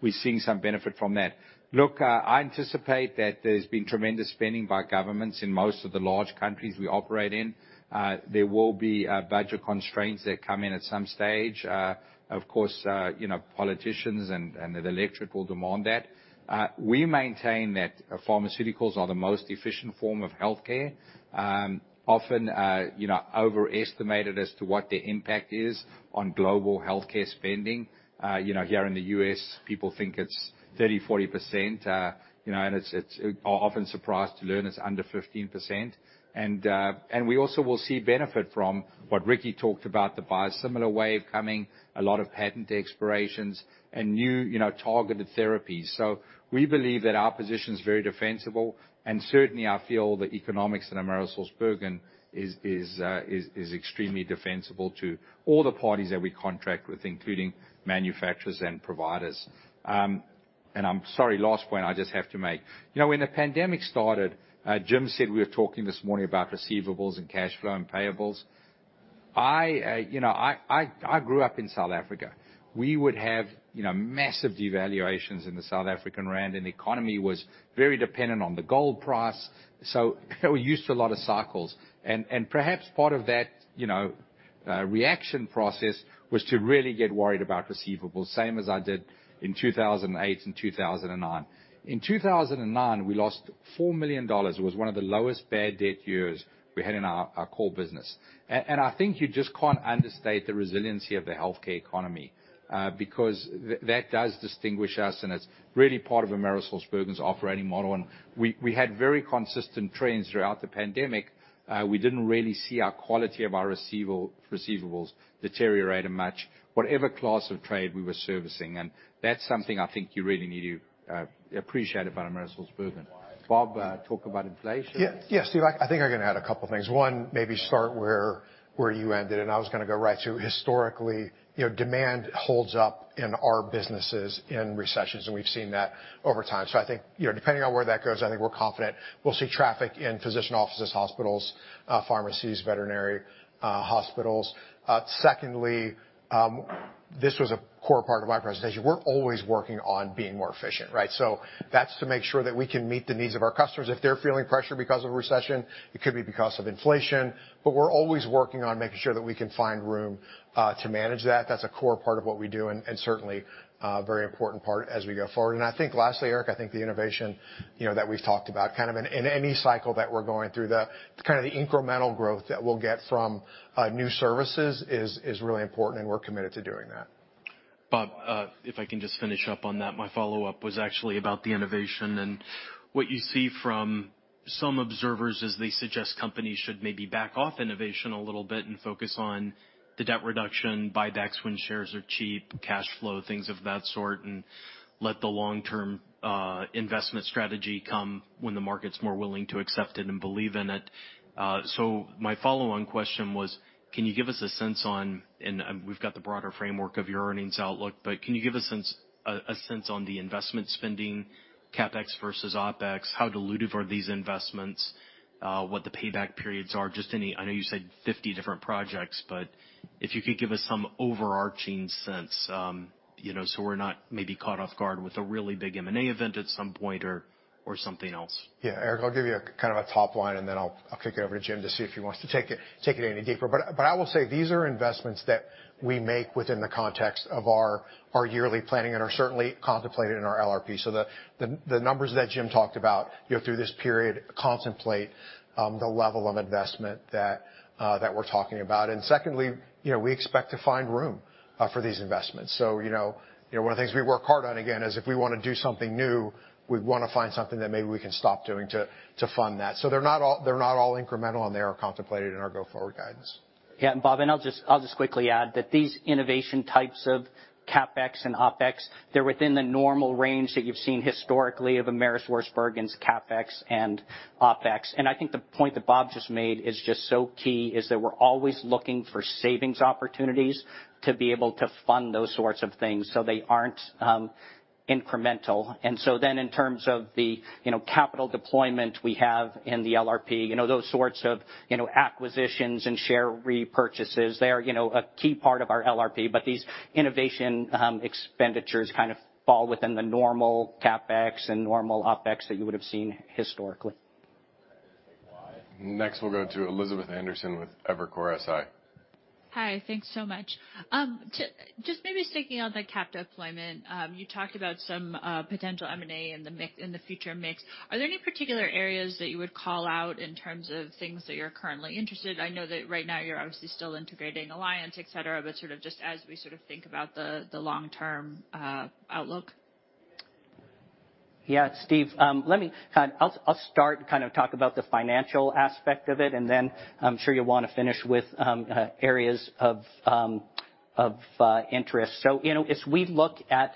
We're seeing some benefit from that. Look, I anticipate that there's been tremendous spending by governments in most of the large countries we operate in. There will be budget constraints that come in at some stage. Of course, you know, politicians and the electorate will demand that. We maintain that pharmaceuticals are the most efficient form of healthcare, often, you know, overestimated as to what the impact is on global healthcare spending. You know, here in the U.S., people think it's 30, 40%, you know, and it's are often surprised to learn it's under 15%. We also will see benefit from what Rikki talked about, the biosimilar wave coming, a lot of patent expirations and new, you know, targeted therapies. We believe that our position is very defensible, and certainly I feel the economics at AmerisourceBergen is extremely defensible to all the parties that we contract with, including manufacturers and providers. I'm sorry, last point I just have to make. You know, when the pandemic started, Jim said we were talking this morning about receivables and cash flow and payables. You know, I grew up in South Africa. We would have, you know, massive devaluations in the South African rand, and the economy was very dependent on the gold price, so we're used to a lot of cycles. Perhaps part of that, you know, reaction process was to really get worried about receivables, same as I did in 2008 and 2009. In 2009, we lost $4 million. It was one of the lowest bad debt years we had in our core business. I think you just can't understate the resiliency of the healthcare economy, because that does distinguish us, and it's really part of AmerisourceBergen's operating model. We had very consistent trends throughout the pandemic. We didn't really see our quality of our receivables deteriorate much, whatever class of trade we were servicing. That's something I think you really need to appreciate about AmerisourceBergen. Bob, talk about inflation. Yeah. Yeah, Steve, I think I can add a couple things. One, maybe start where you ended, and I was gonna go right to historically, you know, demand holds up in our businesses in recessions, and we've seen that over time. I think, you know, depending on where that goes, I think we're confident we'll see traffic in physician offices, hospitals, pharmacies, veterinary hospitals. Secondly, this was a core part of my presentation. We're always working on being more efficient, right? That's to make sure that we can meet the needs of our customers. If they're feeling pressure because of a recession, it could be because of inflation, but we're always working on making sure that we can find room to manage that. That's a core part of what we do and certainly a very important part as we go forward. I think lastly, Eric, I think the innovation, you know, that we've talked about, kind of in any cycle that we're going through, the kind of the incremental growth that we'll get from new services is really important, and we're committed to doing that. Bob, if I can just finish up on that, my follow-up was actually about the innovation and what you see from some observers is they suggest companies should maybe back off innovation a little bit and focus on the debt reduction, buybacks when shares are cheap, cash flow, things of that sort, and let the long-term investment strategy come when the market's more willing to accept it and believe in it. My follow-on question was, can you give us a sense on, we've got the broader framework of your earnings outlook, but can you give a sense on the investment spending, CapEx versus OpEx? How dilutive are these investments? What the payback periods are? I know you said 50 different projects, but if you could give us some overarching sense, you know, so we're not maybe caught off guard with a really big M&A event at some point or something else. Yeah. Eric, I'll give you a kind of a top line, and then I'll kick it over to Jim to see if he wants to take it any deeper. I will say these are investments that we make within the context of our yearly planning and are certainly contemplated in our LRP. The numbers that Jim talked about, you know, through this period contemplate the level of investment that we're talking about. Secondly, you know, we expect to find room for these investments. You know, one of the things we work hard on again is if we wanna do something new, we wanna find something that maybe we can stop doing to fund that. They're not all incremental, and they are contemplated in our go-forward guidance. Yeah. Bob, I'll just quickly add that these innovation types of CapEx and OpEx, they're within the normal range that you've seen historically of AmerisourceBergen's CapEx and OpEx. I think the point that Bob just made is just so key, is that we're always looking for savings opportunities to be able to fund those sorts of things, so they aren't incremental. In terms of the, you know, capital deployment we have in the LRP, you know, those sorts of, you know, acquisitions and share repurchases, they are, you know, a key part of our LRP. These innovation expenditures kind of fall within the normal CapEx and normal OpEx that you would've seen historically. Next, we'll go to Elizabeth Anderson with Evercore ISI. Hi. Thanks so much. Just maybe sticking on the capital deployment, you talked about some potential M&A in the mix, in the future mix. Are there any particular areas that you would call out in terms of things that you're currently interested? I know that right now you're obviously still integrating Alliance, et cetera, but sort of just as we sort of think about the long-term outlook. Yeah. Steve, I'll start, kind of talk about the financial aspect of it, and then I'm sure you'll wanna finish with areas of interest. You know, as we look at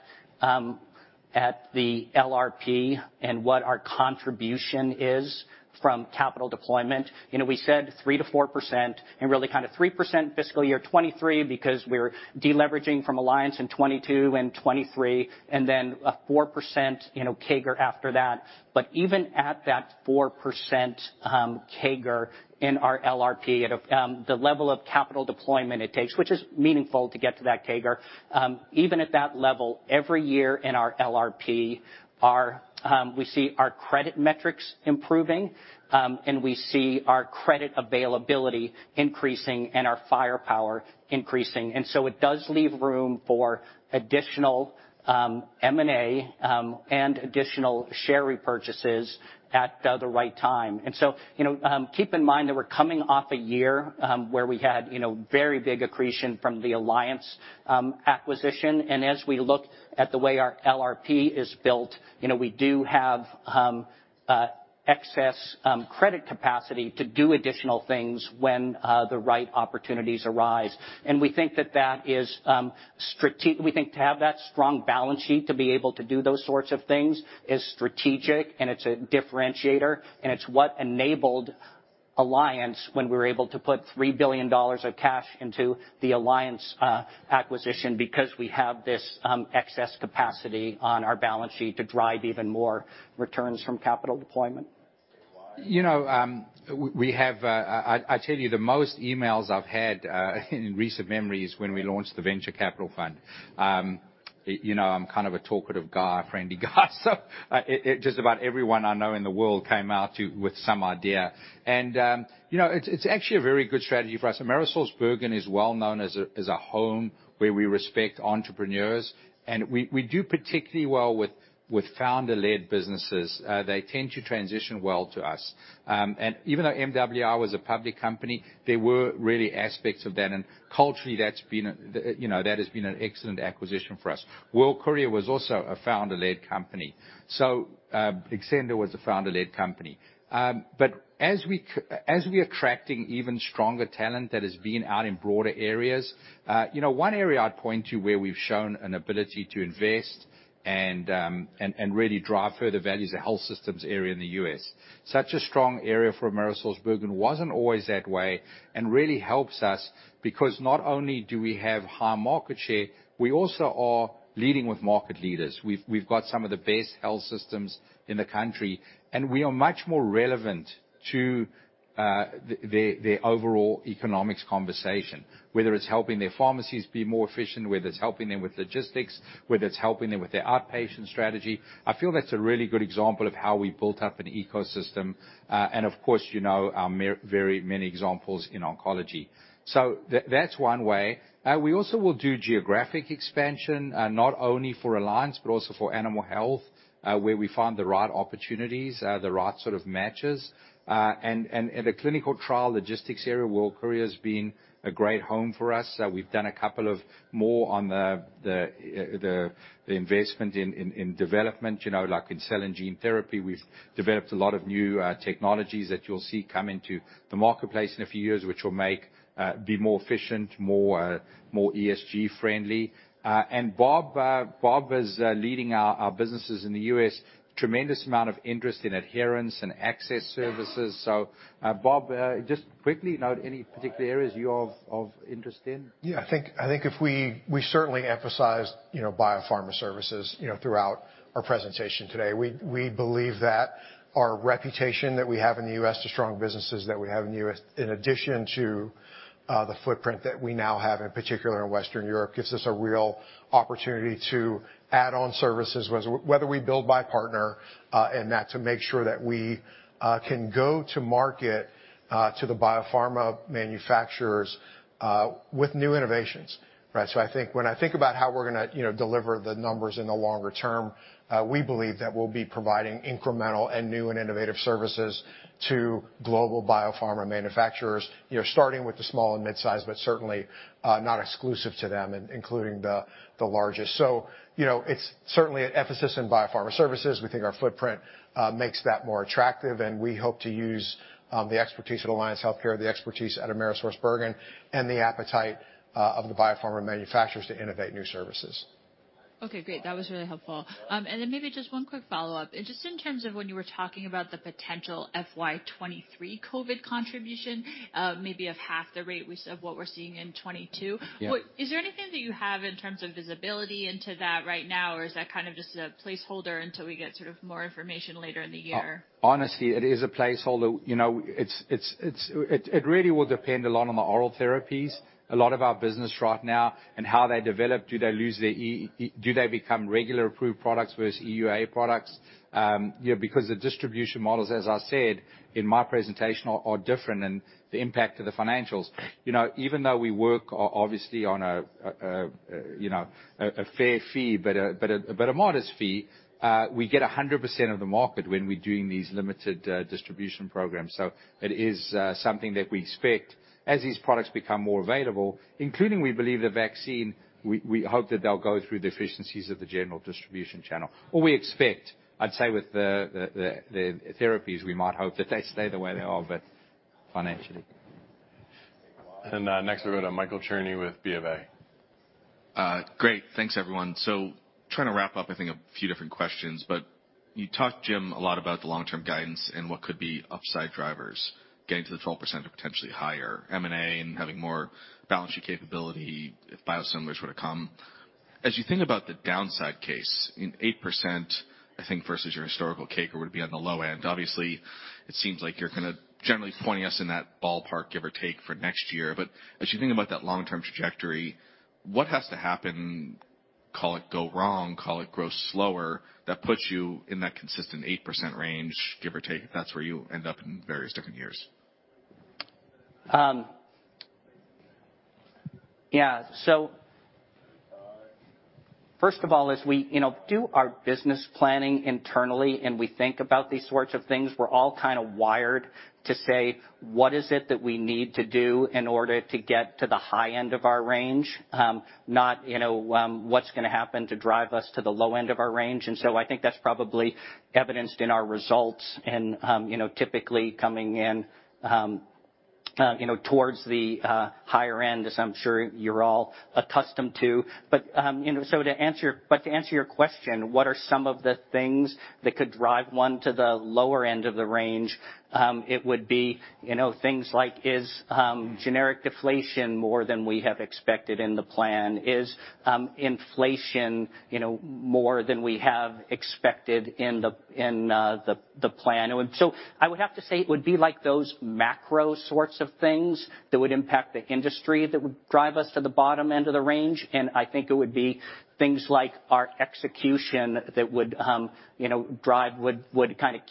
the LRP and what our contribution is from capital deployment, you know, we said 3%-4% and really kind of 3% fiscal year 2023 because we're deleveraging from Alliance in 2022 and 2023 and then a 4% CAGR after that. Even at that 4% CAGR in our LRP at the level of capital deployment it takes, which is meaningful to get to that CAGR, even at that level, every year in our LRP, we see our credit metrics improving, and we see our credit availability increasing and our firepower increasing. It does leave room for additional M&A and additional share repurchases at the right time. You know, keep in mind that we're coming off a year where we had you know very big accretion from the Alliance acquisition. As we look at the way our LRP is built, you know, we do have excess credit capacity to do additional things when the right opportunities arise. We think that is strategic. We think to have that strong balance sheet to be able to do those sorts of things is strategic, and it's a differentiator. It's what enabled Alliance when we were able to put $3 billion of cash into the Alliance acquisition because we have this excess capacity on our balance sheet to drive even more returns from capital deployment. You know, I tell you the most emails I've had in recent memory is when we launched the venture capital fund. You know, I'm kind of a talkative guy, friendly guy, so just about everyone I know in the world came out with some idea. You know, it's actually a very good strategy for us. AmerisourceBergen is well-known as a home where we respect entrepreneurs, and we do particularly well with founder-led businesses. They tend to transition well to us. Even though MWI was a public company, there were really aspects of that. Culturally, that's been the, you know, that has been an excellent acquisition for us. World Courier was also a founder-led company. Xcenda was a founder-led company. As we're attracting even stronger talent that has been out in broader areas, you know, one area I'd point to where we've shown an ability to invest and really drive further value is the health systems area in the US. Such a strong area for AmerisourceBergen. Wasn't always that way, and really helps us because not only do we have high market share, we also are leading with market leaders. We've got some of the best health systems in the country, and we are much more relevant to the overall economics conversation, whether it's helping their pharmacies be more efficient, whether it's helping them with logistics, whether it's helping them with their outpatient strategy. I feel that's a really good example of how we built up an ecosystem. Of course, you know our very many examples in oncology. That's one way. We also will do geographic expansion, not only for Alliance, but also for Animal Health, where we find the right opportunities, the right sort of matches. In the clinical trial logistics area, World Courier's been a great home for us. We've done a couple of more on the investment in development, you know, like in cell and gene therapy, we've developed a lot of new technologies that you'll see come into the marketplace in a few years, which will make be more efficient, more ESG friendly. Bob Mauch is leading our businesses in the U.S. Tremendous amount of interest in adherence and access services. Bob, just quickly note any particular areas you have of interest in. Yeah, I think if we—we certainly emphasized, you know, biopharma services, you know, throughout our presentation today. We believe that our reputation that we have in the U.S., the strong businesses that we have in the U.S., in addition to the footprint that we now have, in particular in Western Europe, gives us a real opportunity to add on services whether we build, buy, partner in that to make sure that we can go to market to the biopharma manufacturers with new innovations, right? I think when I think about how we're gonna, you know, deliver the numbers in the longer term, we believe that we'll be providing incremental and new and innovative services to global biopharma manufacturers, you know, starting with the small and mid-size, but certainly not exclusive to them, including the largest. you know, it's certainly an emphasis in biopharma services. We think our footprint makes that more attractive, and we hope to use the expertise at Alliance Healthcare, the expertise at AmerisourceBergen, and the appetite of the biopharma manufacturers to innovate new services. Okay, great. That was really helpful. Maybe just one quick follow-up. Just in terms of when you were talking about the potential FY 2023 COVID contribution, maybe of half the rate of what we're seeing in 2022. Yeah. Is there anything that you have in terms of visibility into that right now, or is that kind of just a placeholder until we get sort of more information later in the year? Honestly, it is a placeholder. You know, it really will depend a lot on the oral therapies. A lot of our business right now and how they develop, do they become regular approved products versus EUA products? You know, because the distribution models, as I said in my presentation, are different and the impact to the financials. You know, even though we work obviously on a, you know, a fair fee but a modest fee, we get 100% of the market when we're doing these limited distribution programs. It is something that we expect. As these products become more available, including, we believe, the vaccine, we hope that they'll go through the efficiencies of the general distribution channel. We expect, I'd say with the therapies, we might hope that they stay the way they are, but financially. Next we go to Michael Cherny with BofA. Great. Thanks, everyone. Trying to wrap up, I think, a few different questions, but you talked, Jim, a lot about the long-term guidance and what could be upside drivers, getting to the 12% or potentially higher M&A and having more balancing capability if biosimilars were to come. As you think about the downside case, 8%, I think, versus your historical CAGR would be on the low end. Obviously, it seems like you're gonna generally point us in that ballpark, give or take, for next year. As you think about that long-term trajectory, what has to happen, call it go wrong, call it grow slower, that puts you in that consistent 8% range, give or take, that's where you end up in various different years? Yeah. First of all, as we, you know, do our business planning internally and we think about these sorts of things, we're all kind of wired to say, "What is it that we need to do in order to get to the high end of our range?" Not, you know, what's gonna happen to drive us to the low end of our range. I think that's probably evidenced in our results and, you know, typically coming in, you know, towards the higher end as I'm sure you're all accustomed to. To answer your question, what are some of the things that could drive one to the lower end of the range? It would be, you know, things like is generic deflation more than we have expected in the plan? Is inflation, you know, more than we have expected in the plan? I would have to say it would be like those macro sorts of things that would impact the industry that would drive us to the bottom end of the range, and I think it would be things like our execution that would kinda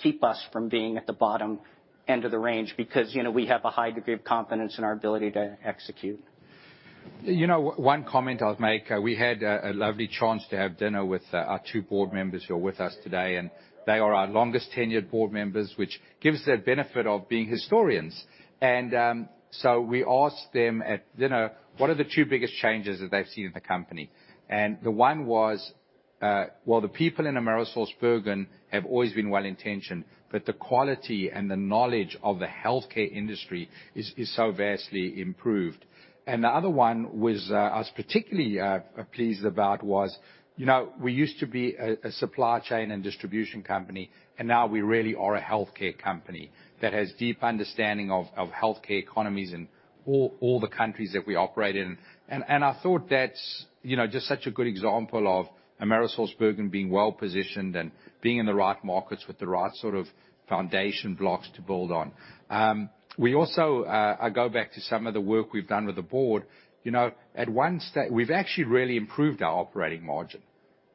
keep us from being at the bottom end of the range because, you know, we have a high degree of confidence in our ability to execute. You know, one comment I'll make, we had a lovely chance to have dinner with our two board members who are with us today, and they are our longest tenured board members, which gives the benefit of being historians. We asked them at dinner, what are the two biggest changes that they've seen in the company? The one was, well, the people in AmerisourceBergen have always been well-intentioned, but the quality and the knowledge of the healthcare industry is so vastly improved. The other one was, I was particularly pleased about was, you know, we used to be a supply chain and distribution company, and now we really are a healthcare company that has deep understanding of healthcare economies in all the countries that we operate in. I thought that's, you know, just such a good example of AmerisourceBergen being well-positioned and being in the right markets with the right sort of foundation blocks to build on. We also, I go back to some of the work we've done with the board. You know, we've actually really improved our operating margin,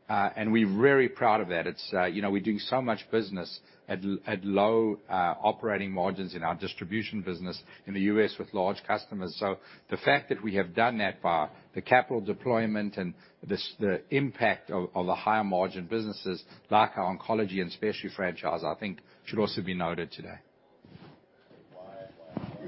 and we're very proud of that. It's, you know, we're doing so much business at low, operating margins in our distribution business in the U.S. with large customers. The fact that we have done that by the capital deployment and the impact of the higher margin businesses, like our oncology and specialty franchise, I think should also be noted today.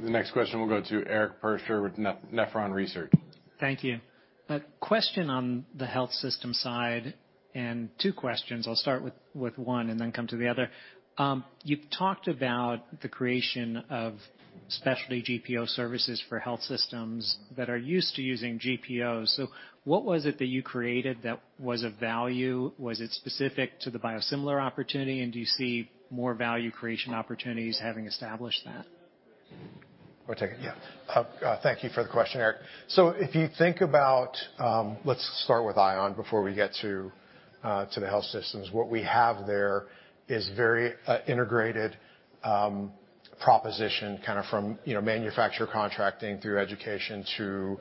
The next question will go to Eric Percher with Nephron Research. Thank you. A question on the health system side, and two questions. I'll start with one and then come to the other. You've talked about the creation of specialty GPO services for health systems that are used to using GPO. So what was it that you created that was of value? Was it specific to the biosimilar opportunity, and do you see more value creation opportunities having established that? I'll take it, yeah. Thank you for the question, Eric. If you think about, let's start with ION before we get to the health systems. What we have there is very integrated proposition kind of from, you know, manufacturer contracting through education to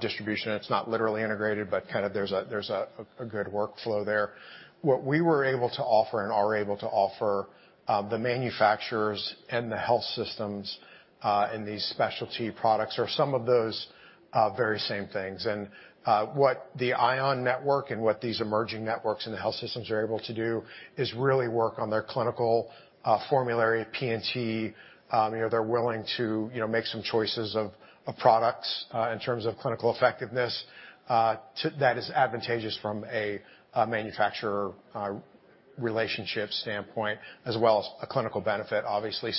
distribution. It's not literally integrated, but kind of there's a good workflow there. What we were able to offer and are able to offer the manufacturers and the health systems in these specialty products are some of those very same things. What the ION network and what these emerging networks in the health systems are able to do is really work on their clinical formulary, P&T. You know, they're willing to make some choices of products in terms of clinical effectiveness that is advantageous from a manufacturer relationship standpoint as well as a clinical benefit, obviously.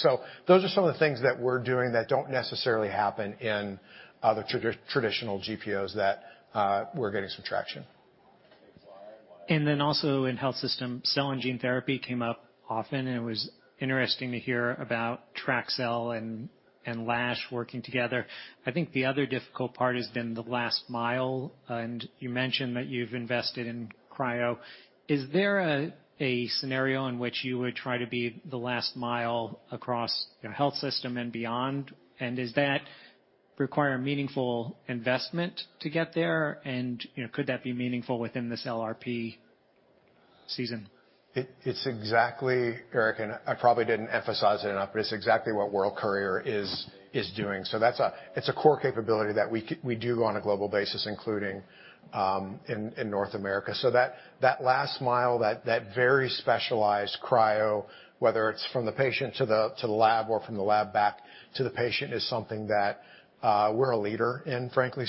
Those are some of the things that we're doing that don't necessarily happen in other traditional GPOs that we're getting some traction. Also in health system, cell and gene therapy came up often, and it was interesting to hear about TrakCel and Lash working together. I think the other difficult part has been the last mile, and you mentioned that you've invested in cryo. Is there a scenario in which you would try to be the last mile across your health system and beyond? Does that require meaningful investment to get there? You know, could that be meaningful within this LRP season? It's exactly, Eric, and I probably didn't emphasize it enough, but it's exactly what World Courier is doing. That's a core capability that we do on a global basis, including in North America. That last mile, that very specialized cryo, whether it's from the patient to the lab or from the lab back to the patient, is something that we're a leader in, frankly.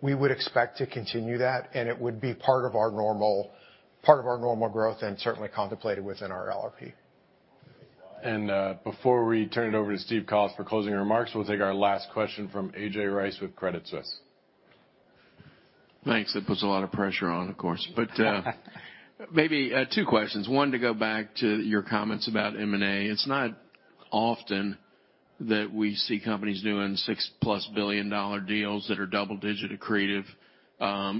We would expect to continue that, and it would be part of our normal growth and certainly contemplated within our LRP. Before we turn it over to Steve Collis for closing remarks, we'll take our last question from A.J. Rice with Credit Suisse. Thanks. That puts a lot of pressure on, of course. Maybe two questions. One, to go back to your comments about M&A. It's not often that we see companies doing $6+ billion deals that are double-digit accretive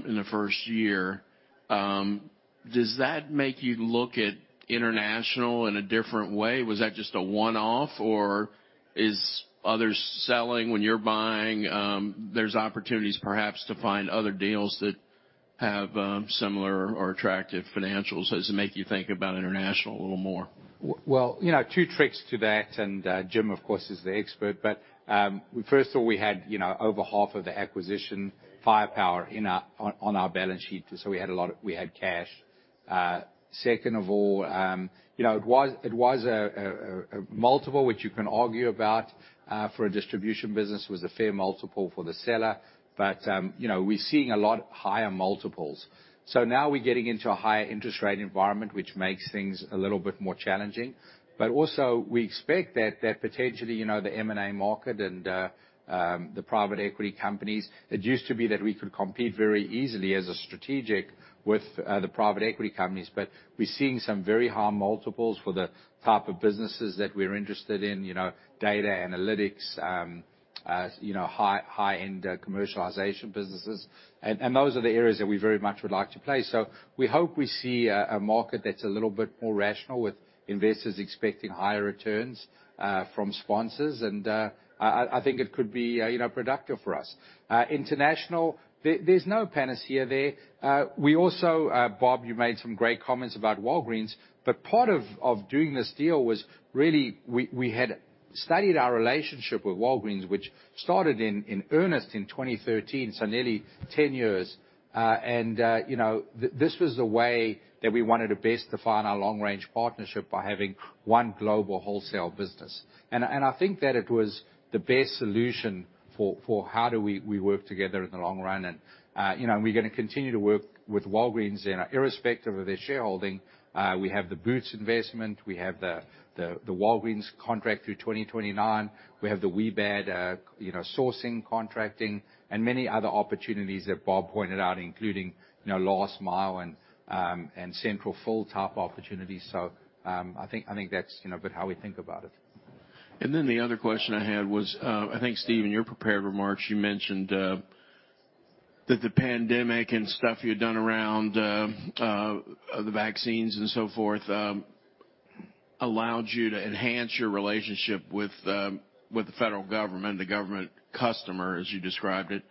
in the first year. Does that make you look at international in a different way? Was that just a one-off, or are others selling when you're buying? There's opportunities perhaps to find other deals that have similar or attractive financials. Does it make you think about international a little more? Well, you know, two tricks to that, and, Jim, of course, is the expert. First of all, we had, you know, over half of the acquisition firepower in our on our balance sheet, so we had a lot of. We had cash. Second of all, you know, it was a multiple which you can argue about for a distribution business. It was a fair multiple for the seller. You know, we're seeing a lot higher multiples. Now we're getting into a higher interest rate environment, which makes things a little bit more challenging. Also we expect that potentially, you know, the M&A market and the private equity companies, it used to be that we could compete very easily as a strategic with the private equity companies. We're seeing some very high multiples for the type of businesses that we're interested in, you know, data analytics, high-end commercialization businesses. Those are the areas that we very much would like to play. We hope we see a market that's a little bit more rational with investors expecting higher returns from sponsors. I think it could be productive for us. International, there's no panacea there. We also, Bob, you made some great comments about Walgreens, but part of doing this deal was really we had studied our relationship with Walgreens, which started in earnest in 2013, so nearly 10 years. This was a way that we wanted to best define our long-range partnership by having one global wholesale business. I think that it was the best solution for how we work together in the long run, you know, and we're gonna continue to work with Walgreens irrespective of their shareholding. We have the Boots investment. We have the Walgreens contract through 2029. We have the WBAD, you know, sourcing, contracting, and many other opportunities that Bob pointed out, including, you know, last mile and central fill type opportunities. I think that's a bit how we think about it. The other question I had was, I think, Steve, your prepared remarks, you mentioned, that the pandemic and stuff you'd done around, the vaccines and so forth, allowed you to enhance your relationship with, the federal government, the government customer, as you described it.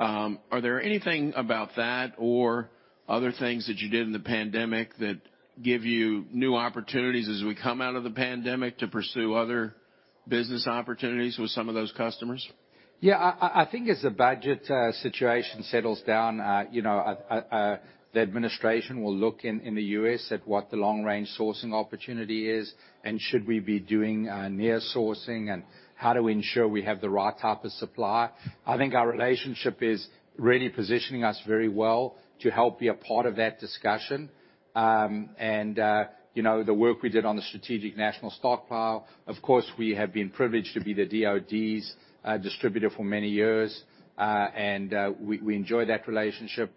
Are there anything about that or other things that you did in the pandemic that give you new opportunities as we come out of the pandemic to pursue other business opportunities with some of those customers? Yeah, I think as the budget situation settles down, you know, the administration will look in the U.S. at what the long-range sourcing opportunity is and should we be doing nearshoring and how do we ensure we have the right type of supply. I think our relationship is really positioning us very well to help be a part of that discussion. You know, the work we did on the strategic national stockpile, of course, we have been privileged to be the DOD's distributor for many years, and we enjoy that relationship.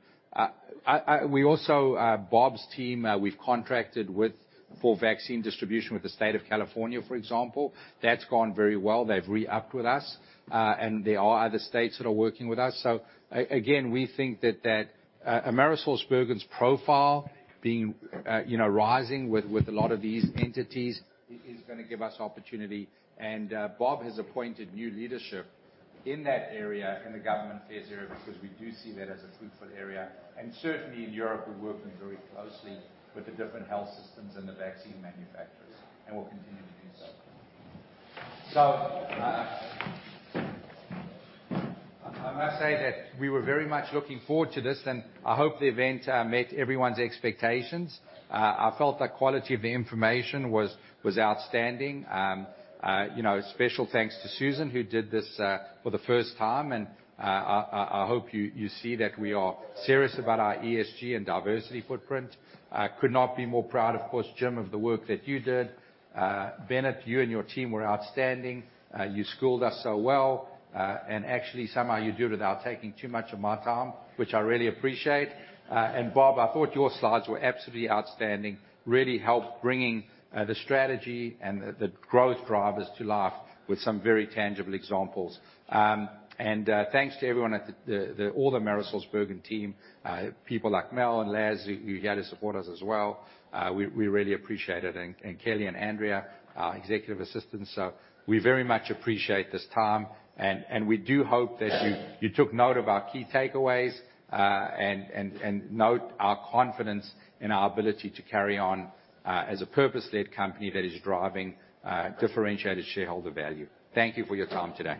We also, Bob's team, we've contracted with for vaccine distribution with the state of California, for example. That's gone very well. They've re-upped with us, and there are other states that are working with us. Again, we think that that AmerisourceBergen profile being, you know, rising with with a lot of these entities is gonna give us opportunity. Bob has appointed new leadership in that area, in the government affairs area, because we do see that as a fruitful area. Certainly, in Europe, we're working very closely with the different health systems and the vaccine manufacturers, and we'll continue to do so. I must say that we were very much looking forward to this, and I hope the event met everyone's expectations. I felt the quality of the information was outstanding. You know, special thanks to Susan, who did this for the first time, and I hope you see that we are serious about our ESG and diversity footprint. I could not be more proud, of course, Jim, of the work that you did. Bennett, you and your team were outstanding. You schooled us so well, and actually, somehow you do it without taking too much of my time, which I really appreciate. Bob, I thought your slides were absolutely outstanding, really helped bringing the strategy and the growth drivers to life with some very tangible examples. Thanks to everyone at all the AmerisourceBergen team, people like Mel and Laz who are here to support us as well. We really appreciate it. Kelly and Andrea, our executive assistants. We very much appreciate this time, and we do hope that you took note of our key takeaways, and note our confidence in our ability to carry on as a purpose-led company that is driving differentiated shareholder value. Thank you for your time today.